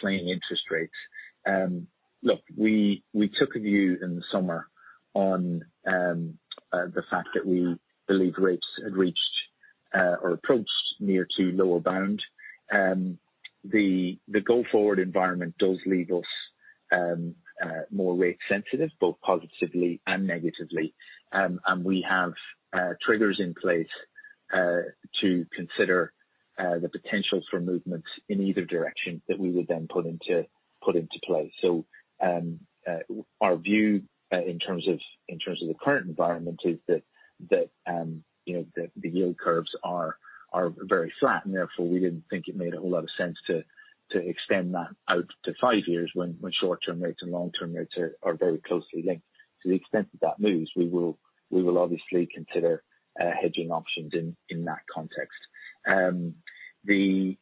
playing interest rates. Look, we took a view in the summer on the fact that we believe rates had reached or approached near to lower bound. The go-forward environment does leave us more rate sensitive, both positively and negatively. We have triggers in place to consider the potential for movement in either direction that we would then put into play. Our view in terms of the current environment is that the yield curves are very flat, and therefore, we didn't think it made a whole lot of sense to extend that out to five years when short-term rates and long-term rates are very closely linked. To the extent that that moves, we will obviously consider hedging options in that context. The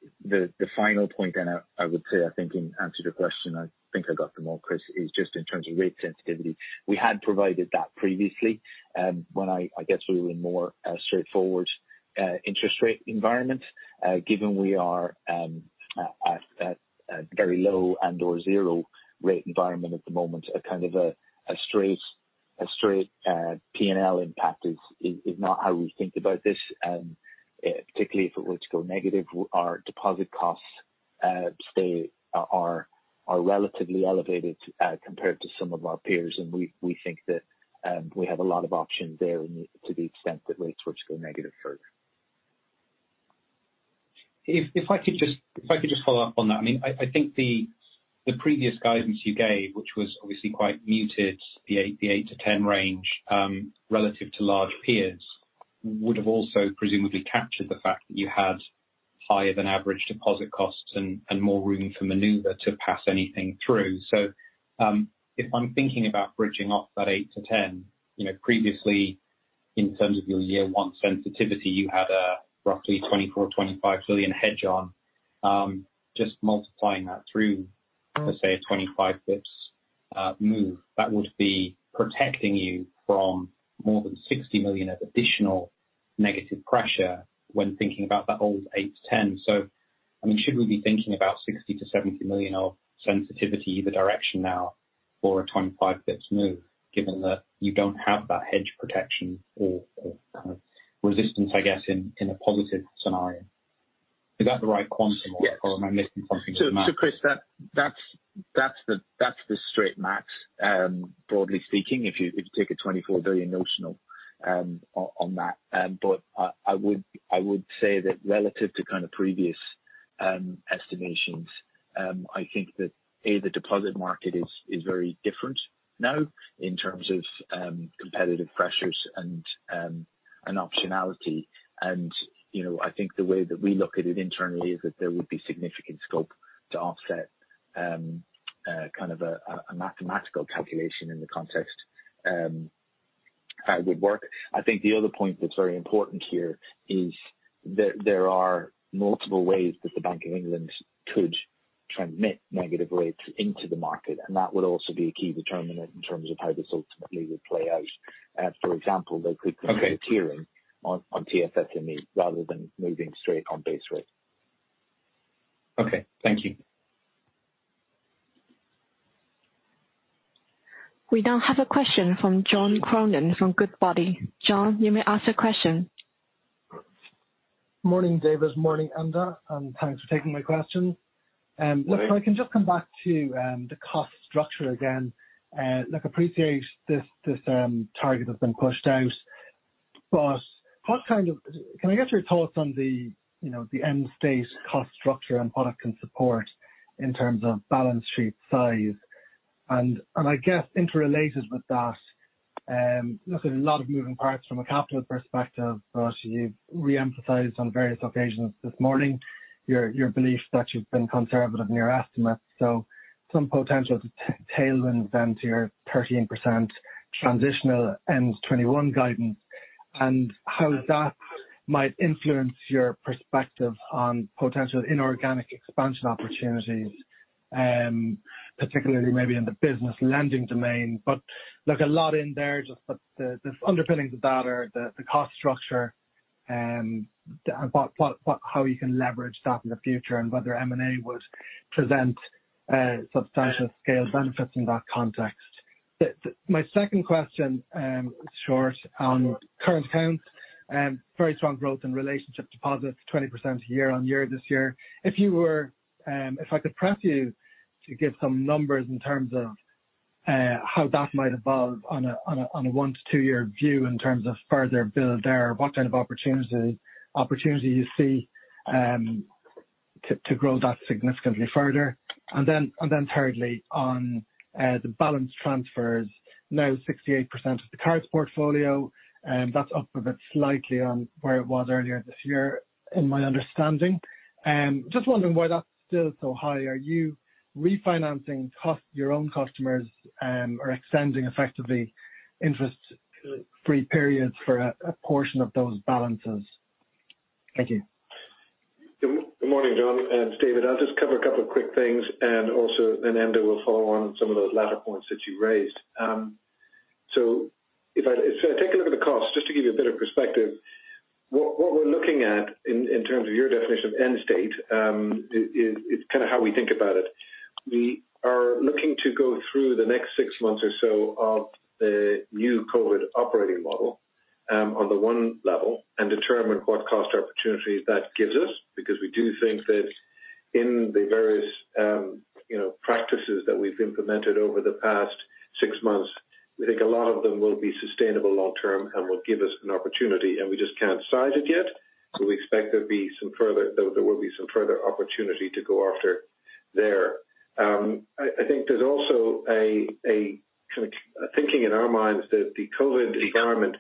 final point I would say, I think in answer to the question I think I got them all Chris, is just in terms of rate sensitivity. We had provided that previously, when I guess we were in more straightforward interest rate environment. Given we are at a very low and/or zero rate environment at the moment, a straight P&L impact is not how we think about this. Particularly if it were to go negative, our deposit costs are relatively elevated compared to some of our peers, and we think that we have a lot of options there to the extent that rates were to go negative further.
If I could just follow up on that. I think the previous guidance you gave, which was obviously quite muted, the 8 million-10 million range, relative to large peers, would have also presumably captured the fact that you had higher than average deposit costs and more room to maneuver to pass anything through. If I'm thinking about bridging off that 8 million-10 million, previously, in terms of your year one sensitivity, you had a roughly 24 billion or 25 billion hedge on. Just multiplying that through, let's say, a 25 basis points move, that would be protecting you from more than 60 million of additional negative pressure when thinking about that whole 8 million-10 million. Should we be thinking about 60 million-70 million of sensitivity either direction now. For a 25 basis points move, given that you don't have that hedge protection or resistance, I guess, in a positive scenario. Is that the right quantum?
Yes.
Am I missing something?
Chris, that's the straight math, broadly speaking, if you take a 24 billion notional on that. I would say that relative to previous estimations, I think that, A, the deposit market is very different now in terms of competitive pressures and optionality. I think the way that we look at it internally is that there would be significant scope to offset a mathematical calculation in the context that would work. I think the other point that's very important here is that there are multiple ways that the Bank of England could transmit negative rates into the market, and that would also be a key determinant in terms of how this ultimately would play out. For example, they could-
Okay.
Do tiering on TFSME rather than moving straight on base rate.
Okay. Thank you.
We now have a question from John Cronin from Goodbody. John, you may ask a question.
Morning, David. Morning, Enda, and thanks for taking my question.
Morning.
Look, if I can just come back to the cost structure again. Look, appreciate this target has been pushed out, but can I get your thoughts on the end-state cost structure and product and support in terms of balance sheet size? I guess interrelated with that, look, there's a lot of moving parts from a capital perspective, but you've re-emphasized on various occasions this morning your belief that you've been conservative in your estimates. Some potential to tailwind then to your 13% transitional ends 2021 guidance, and how that might influence your perspective on potential inorganic expansion opportunities, particularly maybe in the business lending domain. Look, a lot in there, just the underpinnings of that are the cost structure, but how you can leverage that in the future and whether M&A would present substantial scale benefits in that context. My second question, short, on current accounts. Very strong growth in relationship deposits, 20% year-on-year this year. If I could press you to give some numbers in terms of how that might evolve on a one- to two-year view in terms of further build there, what kind of opportunity you see to grow that significantly further. Thirdly, on the balance transfers. Now 68% of the cards portfolio, that's up a bit slightly on where it was earlier this year, in my understanding. Just wondering why that's still so high. Are you refinancing your own customers or extending effectively interest-free periods for a portion of those balances? Thank you.
Good morning, John. It's David. I'll just cover a couple of quick things and also then Enda will follow on some of those latter points that you raised. If I take a look at the cost, just to give you a bit of perspective, what we're looking at in terms of your definition of end-state, it's kind of how we think about it. We are looking to go through the next six months or so of the new COVID-19 operating model on the one level and determine what cost opportunities that gives us, because we do think that in the various practices that we've implemented over the past six months, we think a lot of them will be sustainable long-term and will give us an opportunity, and we just can't size it yet. We expect there will be some further opportunity to go after there. I think there's also a thinking in our minds that the COVID environment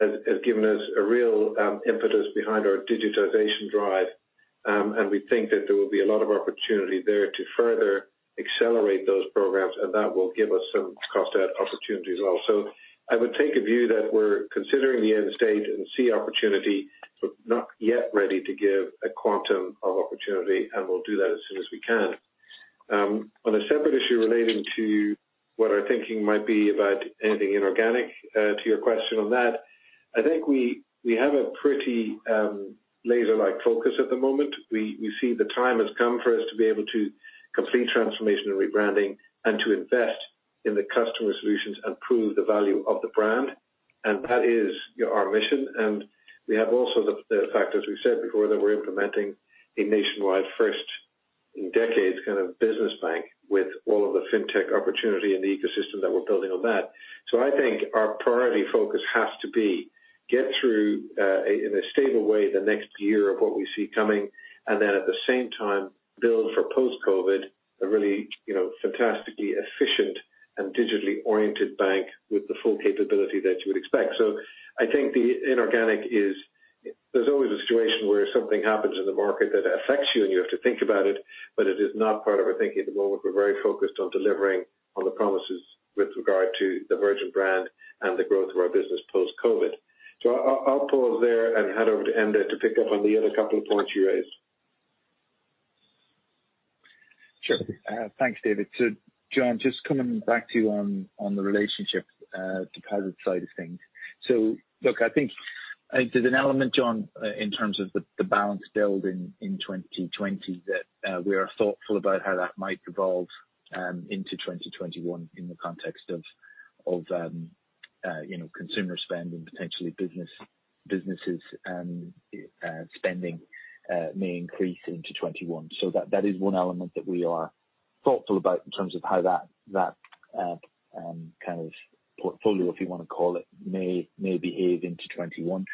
has given us a real impetus behind our digitization drive. We think that there will be a lot of opportunity there to further accelerate those programs, and that will give us some cost out opportunity as well. I would take a view that we're considering the end-state and see opportunity, but not yet ready to give a quantum of opportunity, and we'll do that as soon as we can. On a separate issue relating to what our thinking might be about anything inorganic, to your question on that, I think we have a pretty laser-like focus at the moment. We see the time has come for us to be able to complete transformation and rebranding and to invest in the customer solutions and prove the value of the brand. That is our mission. We have also the fact, as we said before, that we're implementing a nationwide first-in-decades business bank with all of the fintech opportunity and the ecosystem that we're building on that. I think our priority focus has to be get through, in a stable way, the next year of what we see coming, and then at the same time build for post-COVID, a really fantastically efficient and digitally-oriented bank with the full capability that you would expect. I think the inorganic is, there's always a situation where something happens in the market that affects you and you have to think about it, but it is not part of our thinking at the moment. We're very focused on delivering on the promises with regard to the Virgin brand and the growth of our business post-COVID. I'll pause there and hand over to Enda to pick up on the other couple of points you raised.
Sure. Thanks, David. John, just coming back to you on the relationship deposit side of things. There's an element, John, in terms of the balance build in 2020 that we are thoughtful about how that might evolve into 2021 in the context of consumer spend and potentially businesses spending may increase into 2021. That is one element that we are thoughtful about in terms of how that kind of portfolio, if you want to call it, may behave into 2021.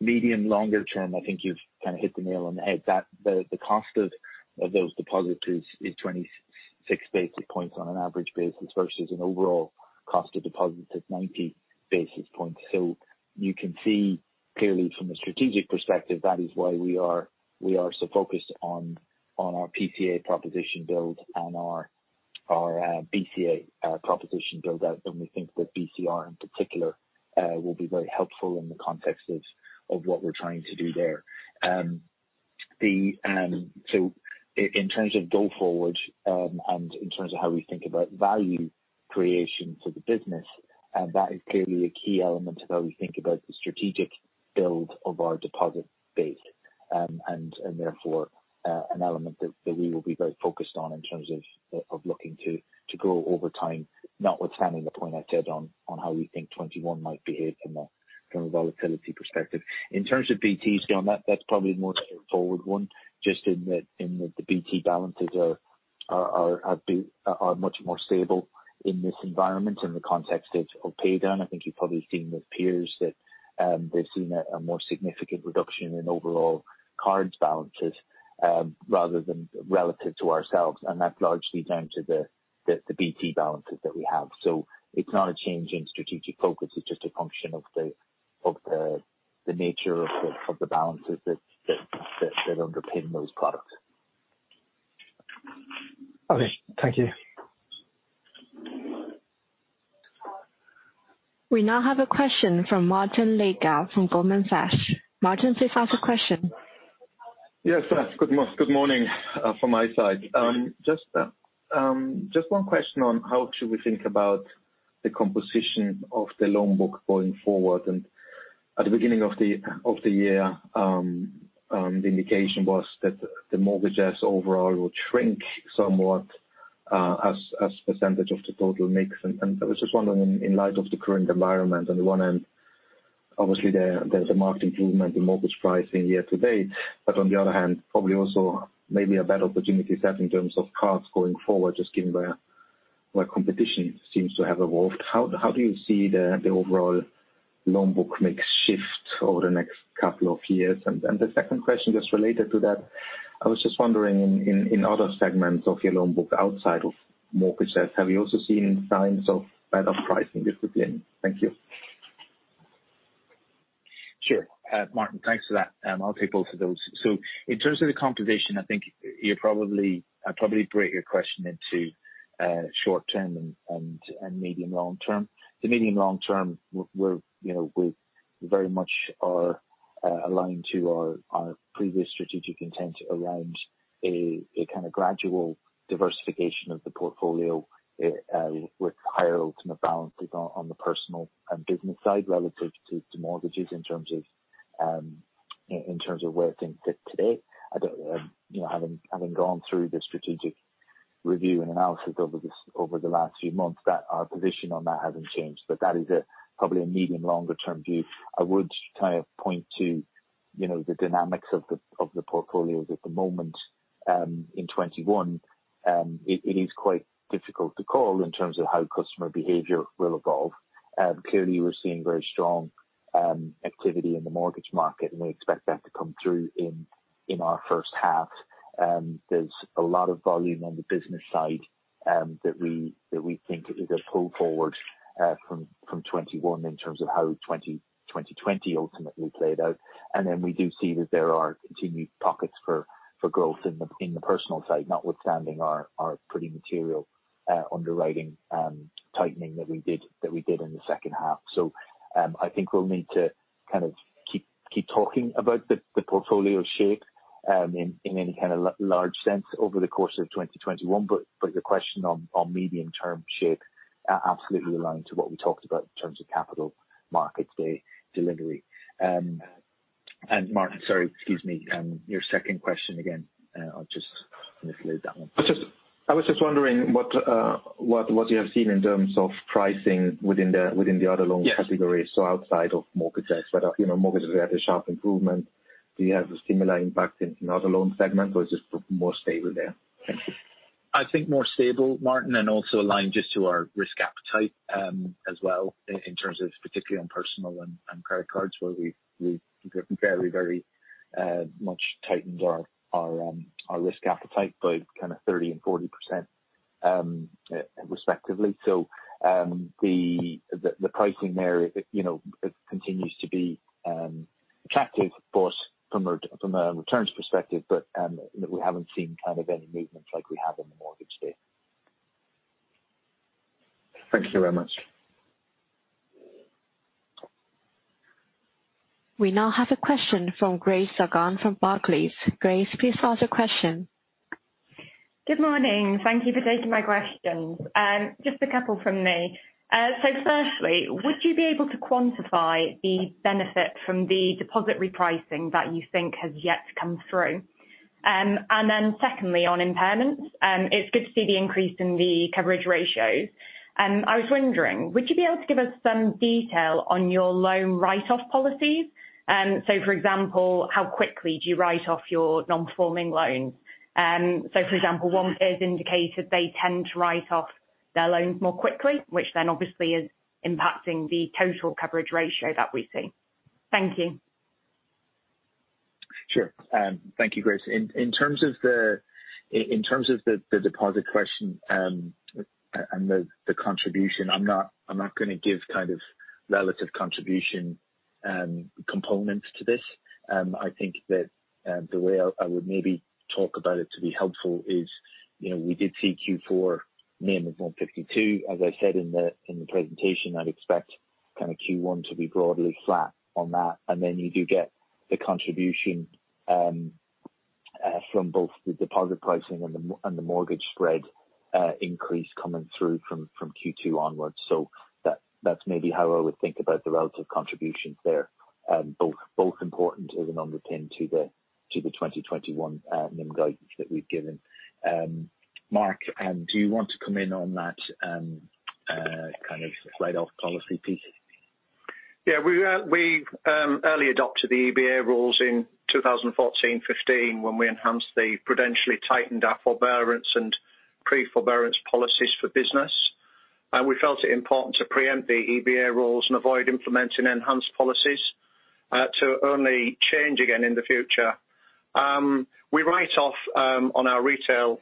Medium, longer-term, I think you've hit the nail on the head. The cost of those deposits is 26 basis points on an average basis versus an overall cost of deposits of 90 basis points. You can see clearly from a strategic perspective, that is why we are so focused on our PCA proposition build and our BCA proposition build-out. We think that BCR in particular will be very helpful in the context of what we're trying to do there. In terms of go-forward, and in terms of how we think about value creation for the business, that is clearly a key element of how we think about the strategic build of our deposit base. Therefore, an element that we will be very focused on in terms of looking to grow over time, notwithstanding the point I said on how we think 2021 might behave from a volatility perspective. In terms of BTs, John, that's probably a more straightforward one, just in that the BT balances are much more stable in this environment in the context of paydown. I think you've probably seen with peers that they've seen a more significant reduction in overall cards balances rather than relative to ourselves, and that's largely down to the BT balances that we have. It's not a change in strategic focus, it's just a function of the nature of the balances that underpin those products.
Okay. Thank you.
We now have a question from Martin Leitgeb from Goldman Sachs. Martin, please ask a question.
Yes. Good morning from my side. Just one question on how should we think about the composition of the loan book going forward. At the beginning of the year, the indication was that the mortgages overall would shrink somewhat as percentage of the total mix. I was just wondering, in light of the current environment, on the one hand, obviously there's a marked improvement in mortgage pricing year-to-date. On the other hand, probably also maybe a better opportunity set in terms of cards going forward, just given where competition seems to have evolved. How do you see the overall loan book mix shift over the next couple of years? The second question, just related to that, I was just wondering in other segments of your loan book outside of mortgages, have you also seen signs of better pricing discipline? Thank you.
Sure. Martin, thanks for that. I'll take both of those. In terms of the composition, I think I'd probably break your question into short-term and medium, long term. The medium, long term, we very much are aligned to our previous strategic intent around a kind of gradual diversification of the portfolio with higher ultimate balances on the personal and business side relative to mortgages in terms of where things sit today. Having gone through the strategic review and analysis over the last few months, our position on that hasn't changed. That is probably a medium longer-term view. I would kind of point to the dynamics of the portfolios at the moment. In 2021, it is quite difficult to call in terms of how customer behavior will evolve. Clearly, we're seeing very strong activity in the mortgage market, and we expect that to come through in our first half. There's a lot of volume on the business side that we think is a pull forward from 2021 in terms of how 2020 ultimately played out. We do see that there are continued pockets for growth in the personal side, notwithstanding our pretty material underwriting tightening that we did in the second half. I think we'll need to kind of keep talking about the portfolio shape in any kind of large sense over the course of 2021. Your question on medium-term shape, absolutely aligned to what we talked about in terms of Capital Markets Day delivery. Martin, sorry, excuse me. Your second question again. I've just mislaid that one.
I was just wondering what you have seen in terms of pricing within the other loan categories?
Yes.
Outside of mortgages. Mortgages we had a sharp improvement. Do you have a similar impact in other loan segments, or is it more stable there? Thank you.
I think more stable, Martin, also aligned just to our risk appetite as well in terms of particularly on personal and credit cards, where we've very much tightened our risk appetite by kind of 30% and 40%, respectively. The pricing there continues to be attractive from a returns perspective, but we haven't seen kind of any movement like we have on the mortgage side.
Thank you very much.
We now have a question from Grace Dargan from Barclays. Grace, please ask your question.
Good morning. Thank you for taking my questions. Just a couple from me. Firstly, would you be able to quantify the benefit from the deposit repricing that you think has yet to come through? Secondly, on impairments, it's good to see the increase in the coverage ratios. I was wondering, would you be able to give us some detail on your loan write-off policies? For example, how quickly do you write off your non-performing loans? For example, one is indicated they tend to write off their loans more quickly, which then obviously is impacting the total coverage ratio that we see. Thank you.
Sure. Thank you, Grace. In terms of the deposit question, and the contribution, I'm not going to give kind of relative contribution components to this. I think that the way I would maybe talk about it to be helpful is, we did see Q4 NIM of 152 basis points. As I said in the presentation, I'd expect kind of Q1 to be broadly flat on that. You do get the contribution from both the deposit pricing and the mortgage spread increase coming through from Q2 onwards. That's maybe how I would think about the relative contributions there. Both important as an underpin to the 2021 NIM guidance that we've given. Mark, do you want to come in on that kind of write-off policy piece?
We early adopted the EBA rules in 2014-2015 when we enhanced the prudentially tightened up forbearance and pre-forbearance policies for business. We felt it important to preempt the EBA rules and avoid implementing enhanced policies to only change again in the future. We write off on our retail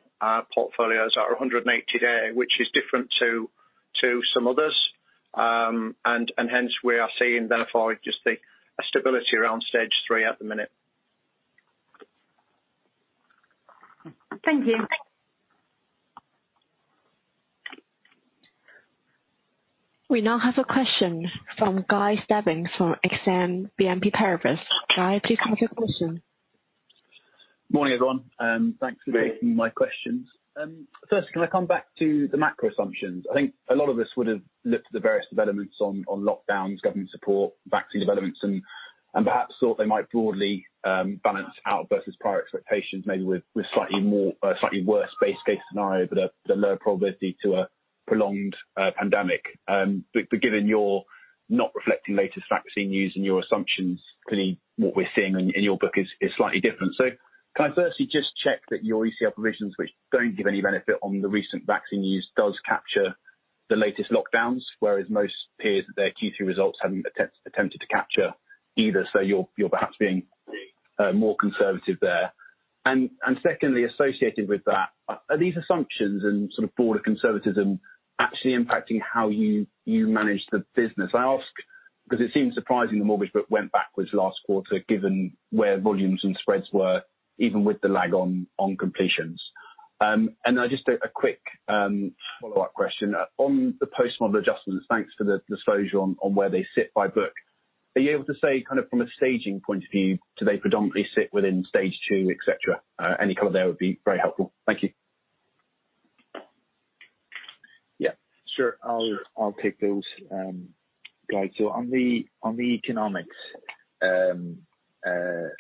portfolios at 180-day, which is different to some others. Hence we are seeing therefore just a stability around Stage 3 at the minute.
Thank you.
We now have a question from Guy Stebbings from Exane BNP Paribas. Guy, please go ahead with your question.
Morning, everyone.
Hey
My questions. First, can I come back to the macro assumptions? I think a lot of this would've looked at the various developments on lockdowns, government support, vaccine developments, and perhaps thought they might broadly balance out versus prior expectations, maybe with a slightly worse base case scenario, but a lower probability to a prolonged pandemic. Given you're not reflecting latest vaccine use in your assumptions, clearly what we're seeing in your book is slightly different. Can I firstly just check that your ECL provisions, which don't give any benefit on the recent vaccine use, does capture the latest lockdowns, whereas most peers at their Q2 results haven't attempted to capture either, so you're perhaps being more conservative there. Secondly, associated with that, are these assumptions and sort of broader conservatism actually impacting how you manage the business? I ask because it seems surprising the mortgage book went backwards last quarter given where volumes and spreads were even with the lag on completions. Just a quick follow-up question. On the Post-Model Adjustments, thanks for the disclosure on where they sit by book. Are you able to say kind of from a staging point of view, do they predominantly sit within Stage 2, et cetera? Any color there would be very helpful. Thank you.
Yeah, sure. I'll take those, Guy. On the economics, the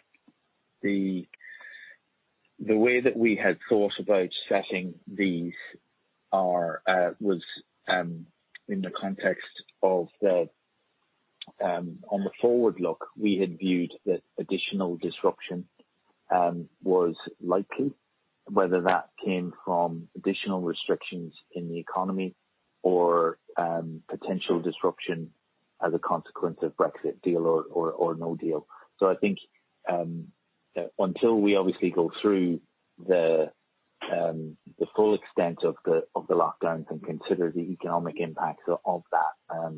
way that we had thought about setting these was in the context of the forward look, we had viewed that additional disruption was likely, whether that came from additional restrictions in the economy or potential disruption as a consequence of Brexit deal or no deal. I think until we obviously go through the full extent of the lockdowns and consider the economic impacts of that,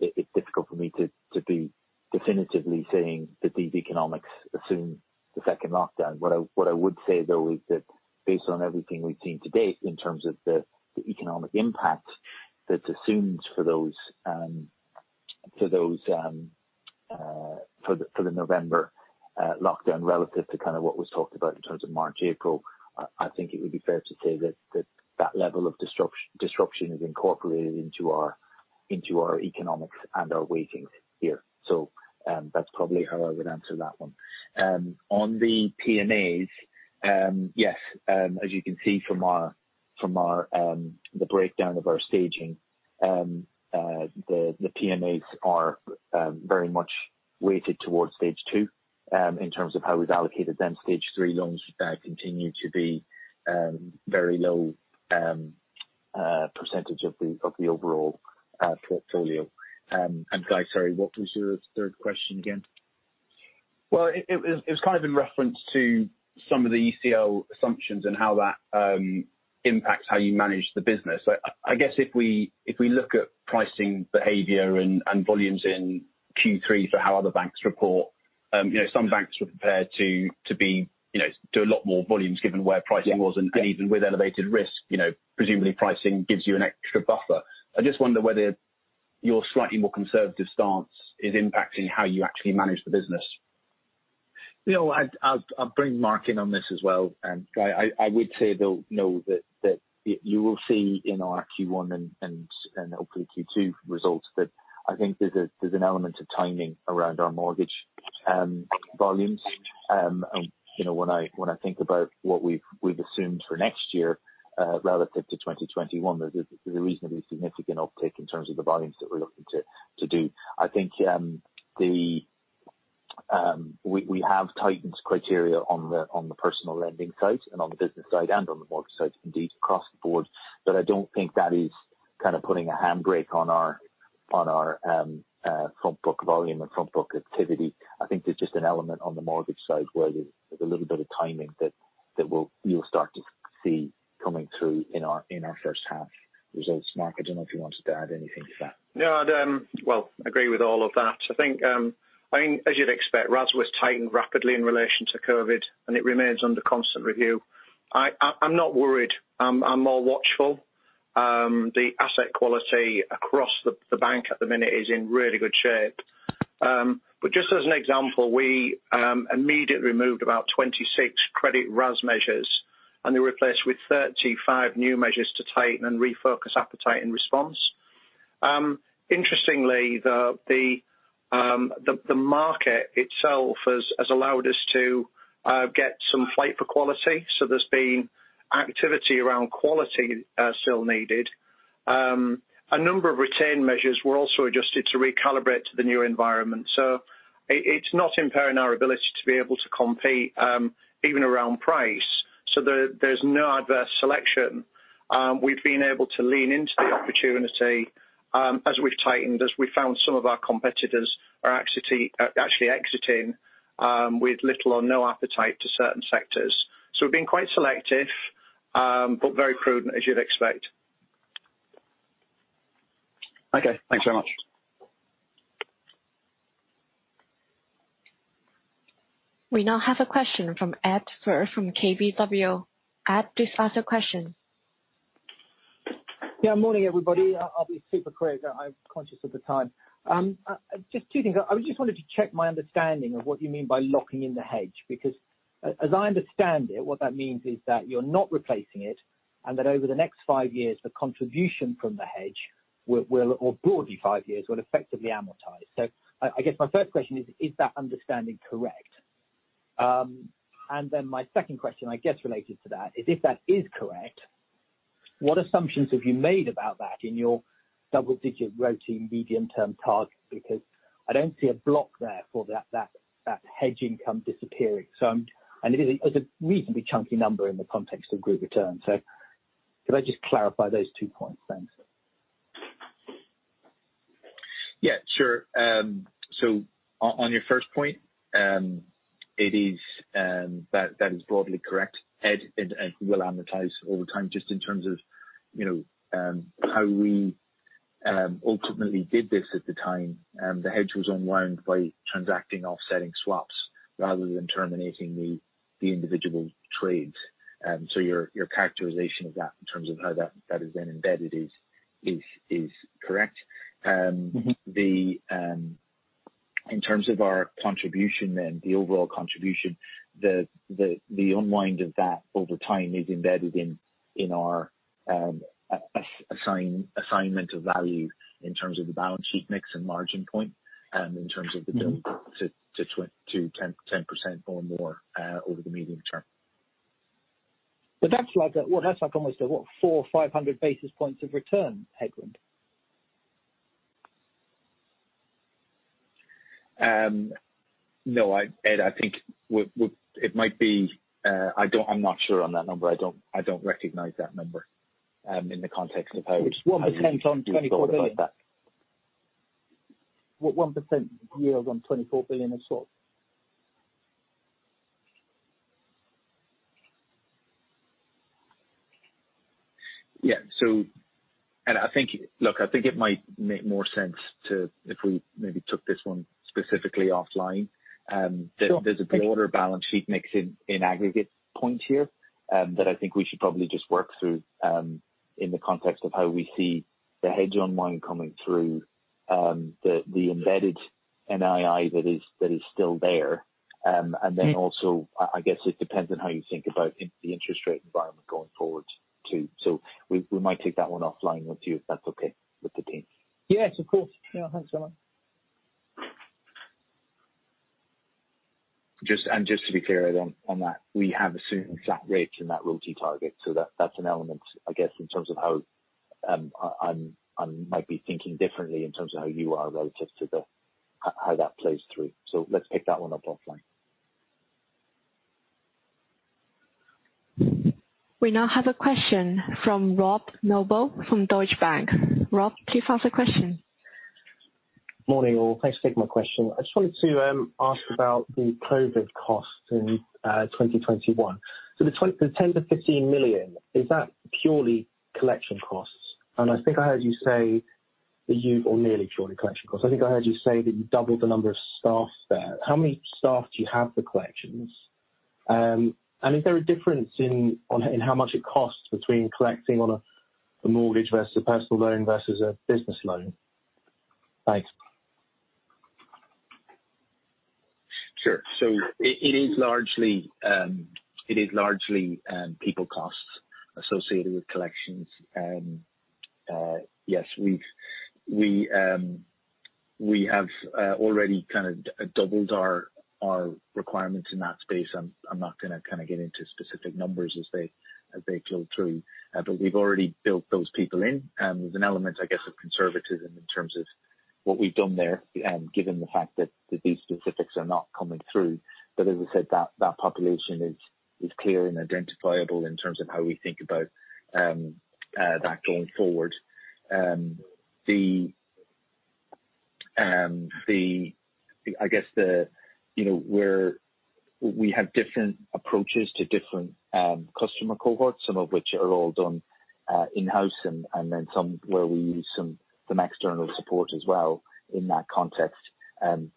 it's difficult for me to be definitively saying that these economics assume the second lockdown. What I would say, though, is that based on everything we've seen to date in terms of the economic impact that's assumed for the November lockdown relative to kind of what was talked about in terms of March, April, I think it would be fair to say that that level of disruption is incorporated into our economics and our weightings here. That's probably how I would answer that one. On the PMAs, yes. As you can see from the breakdown of our staging, the PMAs are very much weighted towards Stage 2, in terms of how we've allocated them. Stage 3 loans continue to be very low percentage of the overall portfolio. Guy, sorry, what was your third question again?
Well, it was kind of in reference to some of the ECL assumptions and how that impacts how you manage the business. I guess if we look at pricing behavior and volumes in Q3 for how other banks report, some banks were prepared to do a lot more volumes given where pricing was, and even with elevated risk, presumably pricing gives you an extra buffer. I just wonder whether your slightly more conservative stance is impacting how you actually manage the business.
I'll bring Mark in on this as well. I would say, though, know that you will see in our Q1 and hopefully Q2 results that I think there's an element of timing around our mortgage volumes. When I think about what we've assumed for next year relative to 2021, there's a reasonably significant uptick in terms of the volumes that we're looking to do. I think we have tightened criteria on the personal lending side and on the business side and on the mortgage side indeed across the board. I don't think that is kind of putting a handbrake on our front book volume and front book activity. I think there's just an element on the mortgage side where there's a little bit of timing that you'll start to see coming through in our first half results. Mark, I don't know if you wanted to add anything to that.
No. Well, agree with all of that. I think, as you'd expect, RAS was tightened rapidly in relation to COVID, and it remains under constant review. I'm not worried. I'm more watchful. The asset quality across the bank at the minute is in really good shape. Just as an example, we immediately removed about 26 credit RAS measures, and they were replaced with 35 new measures to tighten and refocus appetite in response. Interestingly, the market itself has allowed us to get some flight to quality. There's been activity around quality still needed. A number of retained measures were also adjusted to recalibrate to the new environment. It's not impairing our ability to be able to compete even around price. There's no adverse selection. We've been able to lean into the opportunity as we've tightened, as we found some of our competitors are actually exiting with little or no appetite to certain sectors. We're being quite selective, but very prudent, as you'd expect.
Okay. Thanks very much.
We now have a question from Ed Firth from KBW. Ed, please ask your question.
Morning, everybody. I'll be super quick. I'm conscious of the time. Just two things. I just wanted to check my understanding of what you mean by locking in the hedge, because as I understand it, what that means is that you're not replacing it, and that over the next five years, the contribution from the hedge will, or broadly five years, will effectively amortize. I guess my first question is that understanding correct? My second question, I guess related to that, is if that is correct, what assumptions have you made about that in your double-digit ROTE medium-term target? Because I don't see a block there for that hedge income disappearing. It's a reasonably chunky number in the context of group return. Could I just clarify those two points? Thanks.
Yeah, sure. On your first point, that is broadly correct, Ed. It will amortize over time just in terms of how we ultimately did this at the time. The hedge was unwound by transacting offsetting swaps rather than terminating the individual trades. Your characterization of that in terms of how that is then embedded is correct. In terms of our contribution then, the overall contribution, the unwind of that over time is embedded in our assignment of value in terms of the balance sheet mix and margin point in terms of the build to 10% or more over the medium term.
That's like almost, what, 400 basis points-500 basis points of return, headwind?
No. Ed, I think it might be I'm not sure on that number. I don't recognize that number in the context of.
It's 1% on 24 billion?
We thought about that.
Well, 1% yield on 24 billion of swap.
Yeah. Ed, look, I think it might make more sense if we maybe took this one specifically offline.
Sure. Thank you.
There's a broader balance sheet mix in aggregate point here that I think we should probably just work through in the context of how we see the hedge unwind coming through the embedded NII that is still there. I guess it depends on how you think about the interest rate environment going forward, too. We might take that one offline with you, if that's okay with the team.
Yes, of course. Thanks a lot.
Just to be clear, Ed, on that, we have assumed flat rates in that ROTE target. That's an element, I guess, in terms of how I might be thinking differently in terms of how you are relative to how that plays through. Let's pick that one up offline.
We now have a question from Rob Noble from Deutsche Bank. Rob, please ask your question.
Morning, all. Thanks for taking my question. I just wanted to ask about the COVID costs in 2021. The 10 million-15 million, is that purely collection costs? Nearly purely collection costs. I think I heard you say that you doubled the number of staff there. How many staff do you have for collections? Is there a difference in how much it costs between collecting on a mortgage versus a personal loan versus a business loan? Thanks.
Sure. It is largely people costs associated with collections. Yes, we have already kind of doubled our requirements in that space. I'm not going to get into specific numbers as they flow through. We've already built those people in, and there's an element, I guess, of conservatism in terms of what we've done there, given the fact that these specifics are not coming through. As I said, that population is clear and identifiable in terms of how we think about that going forward. We have different approaches to different customer cohorts, some of which are all done in-house, and then some where we use some external support as well in that context.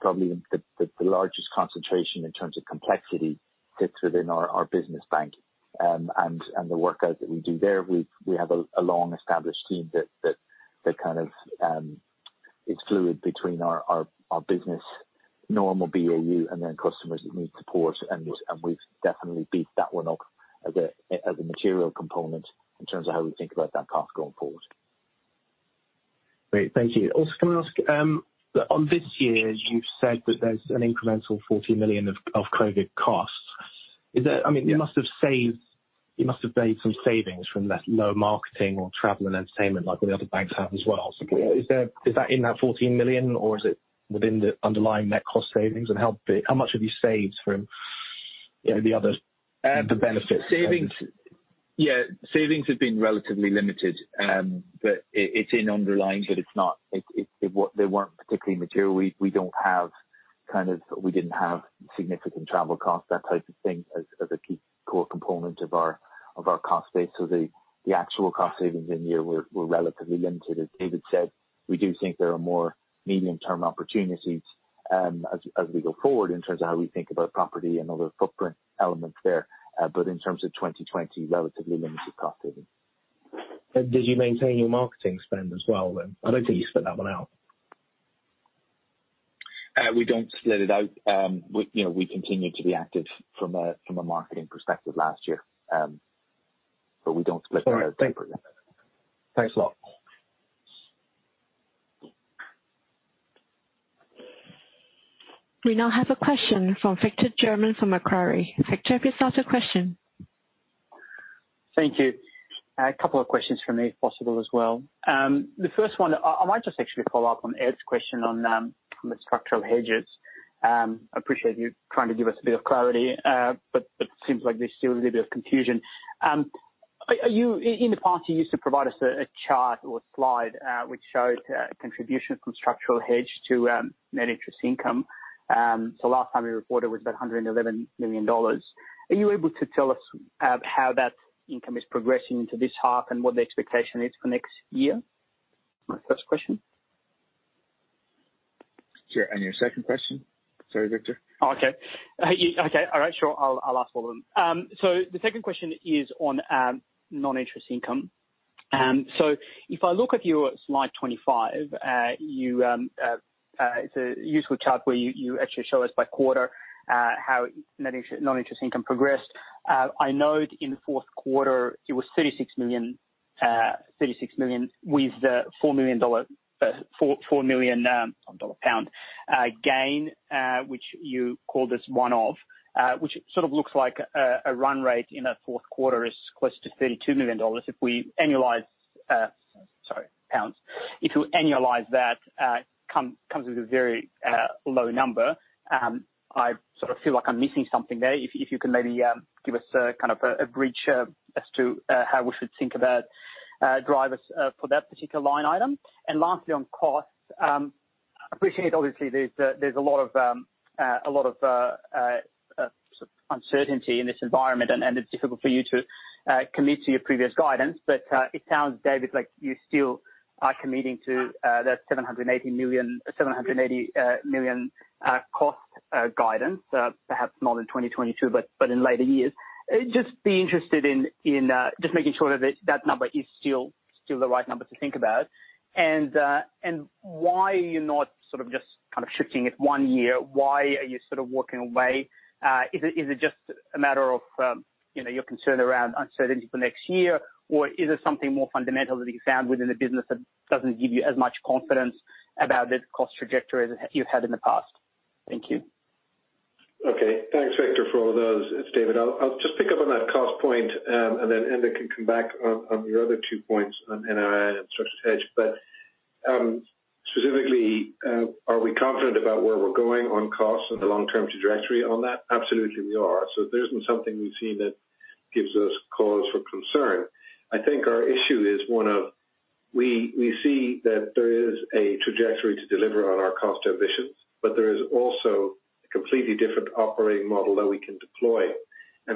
Probably the largest concentration in terms of complexity sits within our business bank. The work that we do there, we have a long-established team that kind of is fluid between our business normal BAU and then customers that need support. We've definitely beefed that one up as a material component in terms of how we think about that cost going forward.
Great. Thank you. Can I ask, on this year, you've said that there's an incremental 14 million of COVID costs.
Yeah.
You must have made some savings from that low marketing or travel and entertainment like all the other banks have as well. Is that in that 14 million, or is it within the underlying net cost savings? How much have you saved from the benefits?
Yeah, savings have been relatively limited. It's in underlying, but they weren't particularly material. We didn't have significant travel costs, that type of thing, as a key core component of our cost base. The actual cost savings in here were relatively limited. As David said, we do think there are more medium-term opportunities as we go forward in terms of how we think about property and other footprint elements there. In terms of 2020, relatively limited cost savings.
Did you maintain your marketing spend as well then? I don't think you split that one out.
We don't split it out. We continued to be active from a marketing perspective last year. We don't split that out separately.
All right. Thank you. Thanks a lot.
We now have a question from Victor German from Macquarie. Victor, if you start your question.
Thank you. A couple of questions from me, if possible, as well. The first one, I might just actually follow up on Ed's question on the structural hedges. Appreciate you trying to give us a bit of clarity, but it seems like there's still a little bit of confusion. In the past, you used to provide us a chart or slide which showed contribution from structural hedge to net interest income. Last time you reported was about GBP 111 million. Are you able to tell us how that income is progressing into this half and what the expectation is for next year? My first question.
Sure. Your second question? Sorry, Victor.
Okay. All right, sure. I'll ask both of them. The second question is on non-interest income. If I look at your slide 25, it's a useful chart where you actually show us by quarter how net non-interest income progressed. I note in the fourth quarter it was 36 million with GBP 4 million gain, which you called as one-off, which sort of looks like a run-rate in that fourth quarter is close to GBP 32 million if we annualize pounds. If you annualize that, comes with a very low number. I sort of feel like I'm missing something there. If you can maybe give us kind of a brief as to how we should think about drivers for that particular line item. Lastly, on costs. Appreciate obviously there's a lot of uncertainty in this environment, and it's difficult for you to commit to your previous guidance. It sounds, David, like you still are committing to that 780 million cost guidance. Perhaps not in 2022, but in later years. Just be interested in making sure that number is still the right number to think about. Why are you not sort of just kind of shifting it one year? Why are you sort of walking away? Is it just a matter of your concern around uncertainty for next year, or is it something more fundamental that you found within the business that doesn't give you as much confidence about the cost trajectory that you had in the past? Thank you.
Okay. Thanks, Victor, for all of those. It's David. I'll just pick up on that cost point. Enda can come back on your other two points on NII and structured hedge. Specifically, are we confident about where we're going on costs and the long-term trajectory on that? Absolutely we are. There isn't something we've seen that gives us cause for concern. I think our issue is one of, we see that there is a trajectory to deliver on our cost ambitions, but there is also a completely different operating model that we can deploy. I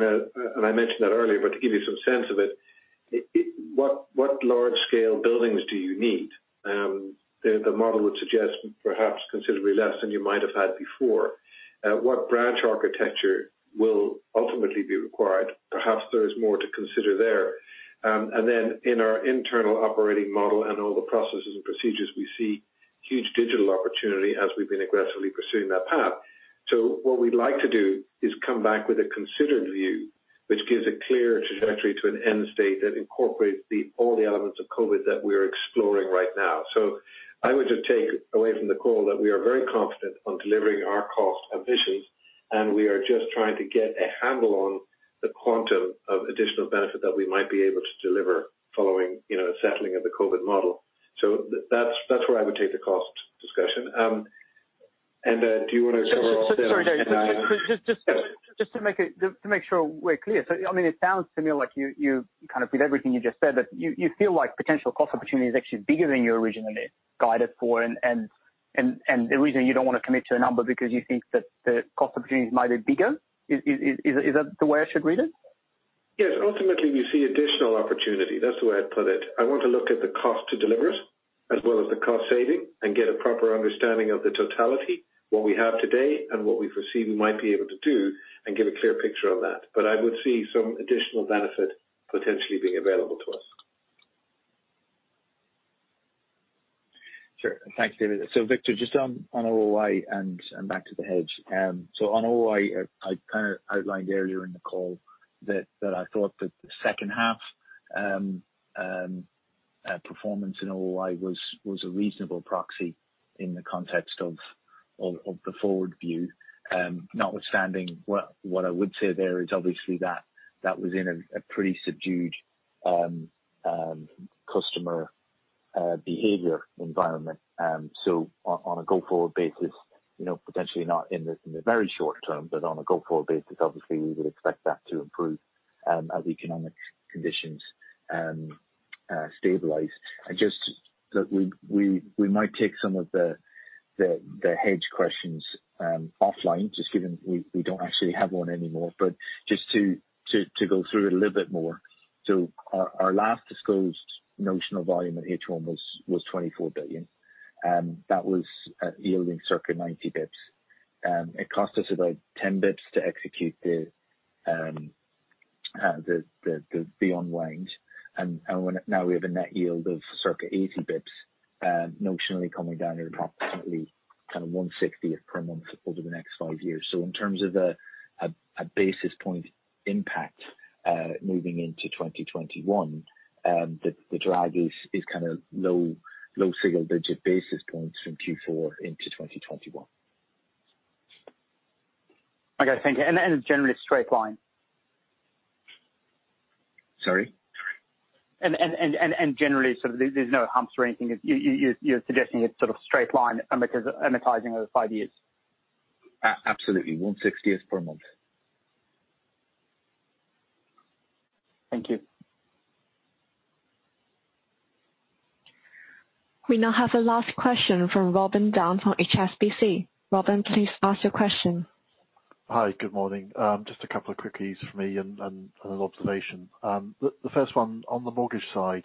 mentioned that earlier, but to give you some sense of it, what large-scale buildings do you need? The model would suggest perhaps considerably less than you might have had before. What branch architecture will ultimately be required. Perhaps there is more to consider there. In our internal operating model and all the processes and procedures, we see huge digital opportunity as we've been aggressively pursuing that path. What we'd like to do is come back with a considered view, which gives a clear trajectory to an end state that incorporates all the elements of COVID that we are exploring right now. I would just take away from the call that we are very confident on delivering our cost ambitions, and we are just trying to get a handle on the quantum of additional benefit that we might be able to deliver following settling of the COVID model. That's where I would take the cost discussion. Do you want to cover off then?
Sorry, David. Just to make sure we're clear. It sounds to me like you, with everything you just said, that you feel like potential cost opportunity is actually bigger than you originally guided for, and the reason you don't want to commit to a number is because you think that the cost opportunities might be bigger. Is that the way I should read it?
Yes. Ultimately, we see additional opportunity. That's the way I'd put it. I want to look at the cost to deliver it as well as the cost-saving and get a proper understanding of the totality, what we have today, and what we foresee we might be able to do, and give a clear picture on that. I would see some additional benefit potentially being available to us.
Sure. Thanks, David. Victor, just on OOI and back to the hedge. On OOI, I kind of outlined earlier in the call that I thought that the second-half performance in OOI was a reasonable proxy in the context of the forward view. Notwithstanding, what I would say there is obviously that was in a pretty subdued customer behavior environment. On a go-forward basis, potentially not in the very short term, but on a go-forward basis, obviously, we would expect that to improve as economic conditions stabilize. Just that we might take some of the hedge questions offline, just given we don't actually have one anymore. Just to go through it a little bit more. Our last disclosed notional volume at H1 was 24 billion. That was yielding circa 90 basis points. It cost us about 10 basis points to execute the unwind. Now we have a net yield of circa 80 basis points, notionally coming down at approximately one-sixtieth per month over the next five years. In terms of a basis point impact moving into 2021, the drag is low single-digit basis points from Q4 into 2021.
Okay, thank you. Generally a straight line?
Sorry?
Generally, there's no humps or anything. You're suggesting it's sort of straight line amortizing over five years.
Absolutely. One-sixtieth per month.
Thank you.
We now have a last question from Robin Down from HSBC. Robin, please ask your question.
Hi. Good morning. Just a couple of quickies from me and an observation. The first one, on the mortgage side,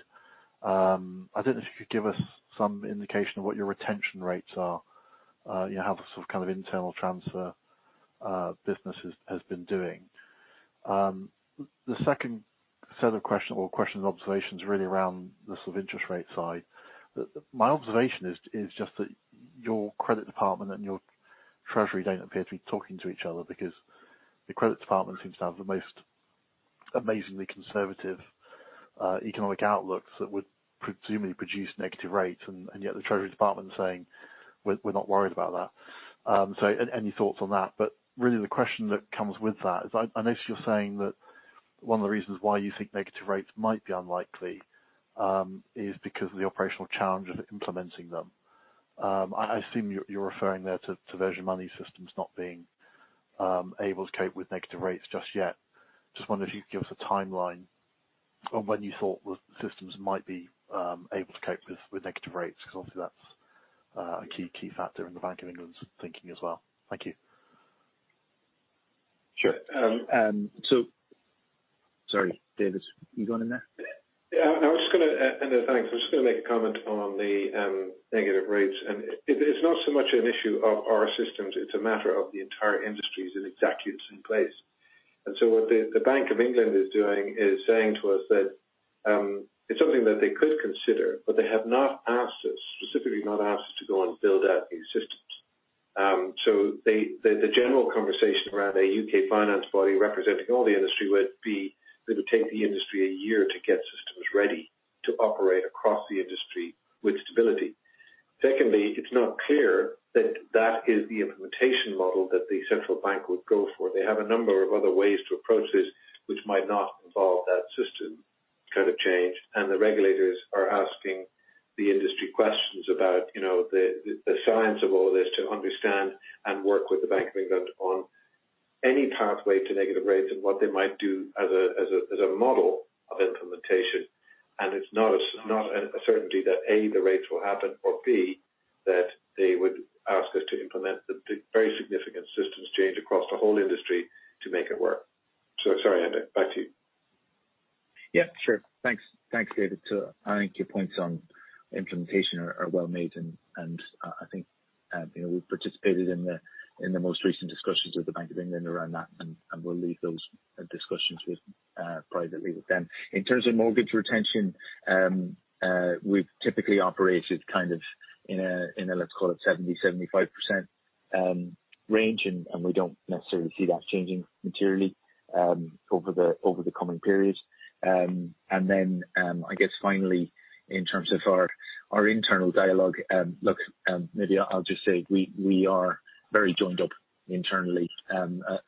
I don't know if you could give us some indication of what your retention rates are, how the sort of internal transfer business has been doing. The second set of question or question observations really around the sort of interest rate side. My observation is just that your credit department and your treasury don't appear to be talking to each other because the credit department seems to have the most amazingly conservative economic outlooks that would presumably produce negative rates, and yet the treasury department's saying, "We're not worried about that." Any thoughts on that? Really the question that comes with that is, I notice you're saying that one of the reasons why you think negative rates might be unlikely is because of the operational challenge of implementing them. I assume you're referring there to Virgin Money systems not being able to cope with negative rates just yet. Just wondering if you could give us a timeline on when you thought the systems might be able to cope with negative rates, because obviously that's a key factor in the Bank of England's thinking as well. Thank you.
Sure.
Sorry, David, you going in there?
Yeah. No, I was just going to end there. Thanks. I was just going to make a comment on the negative rates. It's not so much an issue of our systems, it's a matter of the entire industry is in exactly the same place. What the Bank of England is doing is saying to us that it's something that they could consider, but they have not asked us, specifically not asked us to go and build out these systems. The general conversation around a UK Finance body representing all the industry would be that it would take the industry a year to get systems ready to operate across the industry with stability. Secondly, it's not clear that that is the implementation model that the central bank would go for. They have a number of other ways to approach this, which might not involve that system kind of change. The regulators are asking the industry questions about the science of all this to understand and work with the Bank of England on any pathway to negative rates and what they might do as a model of implementation. It's not a certainty that, A, the rates will happen. B, that they would ask us to implement the very significant systems change across the whole industry to make it work. Sorry, Enda, back to you.
Yeah, sure. Thanks. Thanks, David. I think your points on implementation are well made, and I think we've participated in the most recent discussions with the Bank of England around that, and we'll leave those discussions privately with them. In terms of mortgage retention, we've typically operated kind of in a, let's call it 70%-75% range, and we don't necessarily see that changing materially over the coming period. I guess finally, in terms of our internal dialogue, look, maybe I'll just say we are very joined up internally,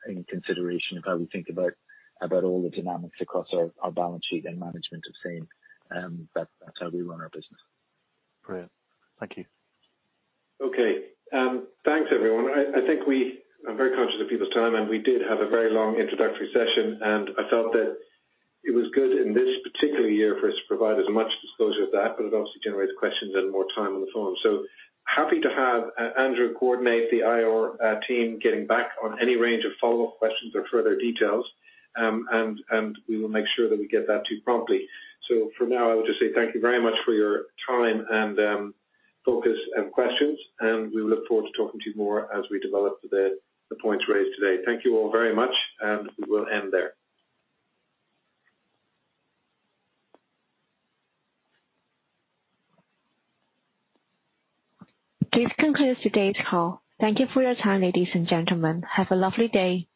in consideration of how we think about all the dynamics across our balance sheet and management of same. That's how we run our business.
Brilliant. Thank you.
Okay. Thanks everyone. I'm very conscious of people's time, and we did have a very long introductory session, and I felt that it was good in this particular year for us to provide as much disclosure as that, but it obviously generated questions and more time on the phone. Happy to have Andrew coordinate the IR team getting back on any range of follow-up questions or further details. We will make sure that we get that to you promptly. For now, I would just say thank you very much for your time and focus and questions, and we look forward to talking to you more as we develop the points raised today. Thank you all very much, and we will end there.
This concludes today's call. Thank you for your time, ladies and gentlemen. Have a lovely day.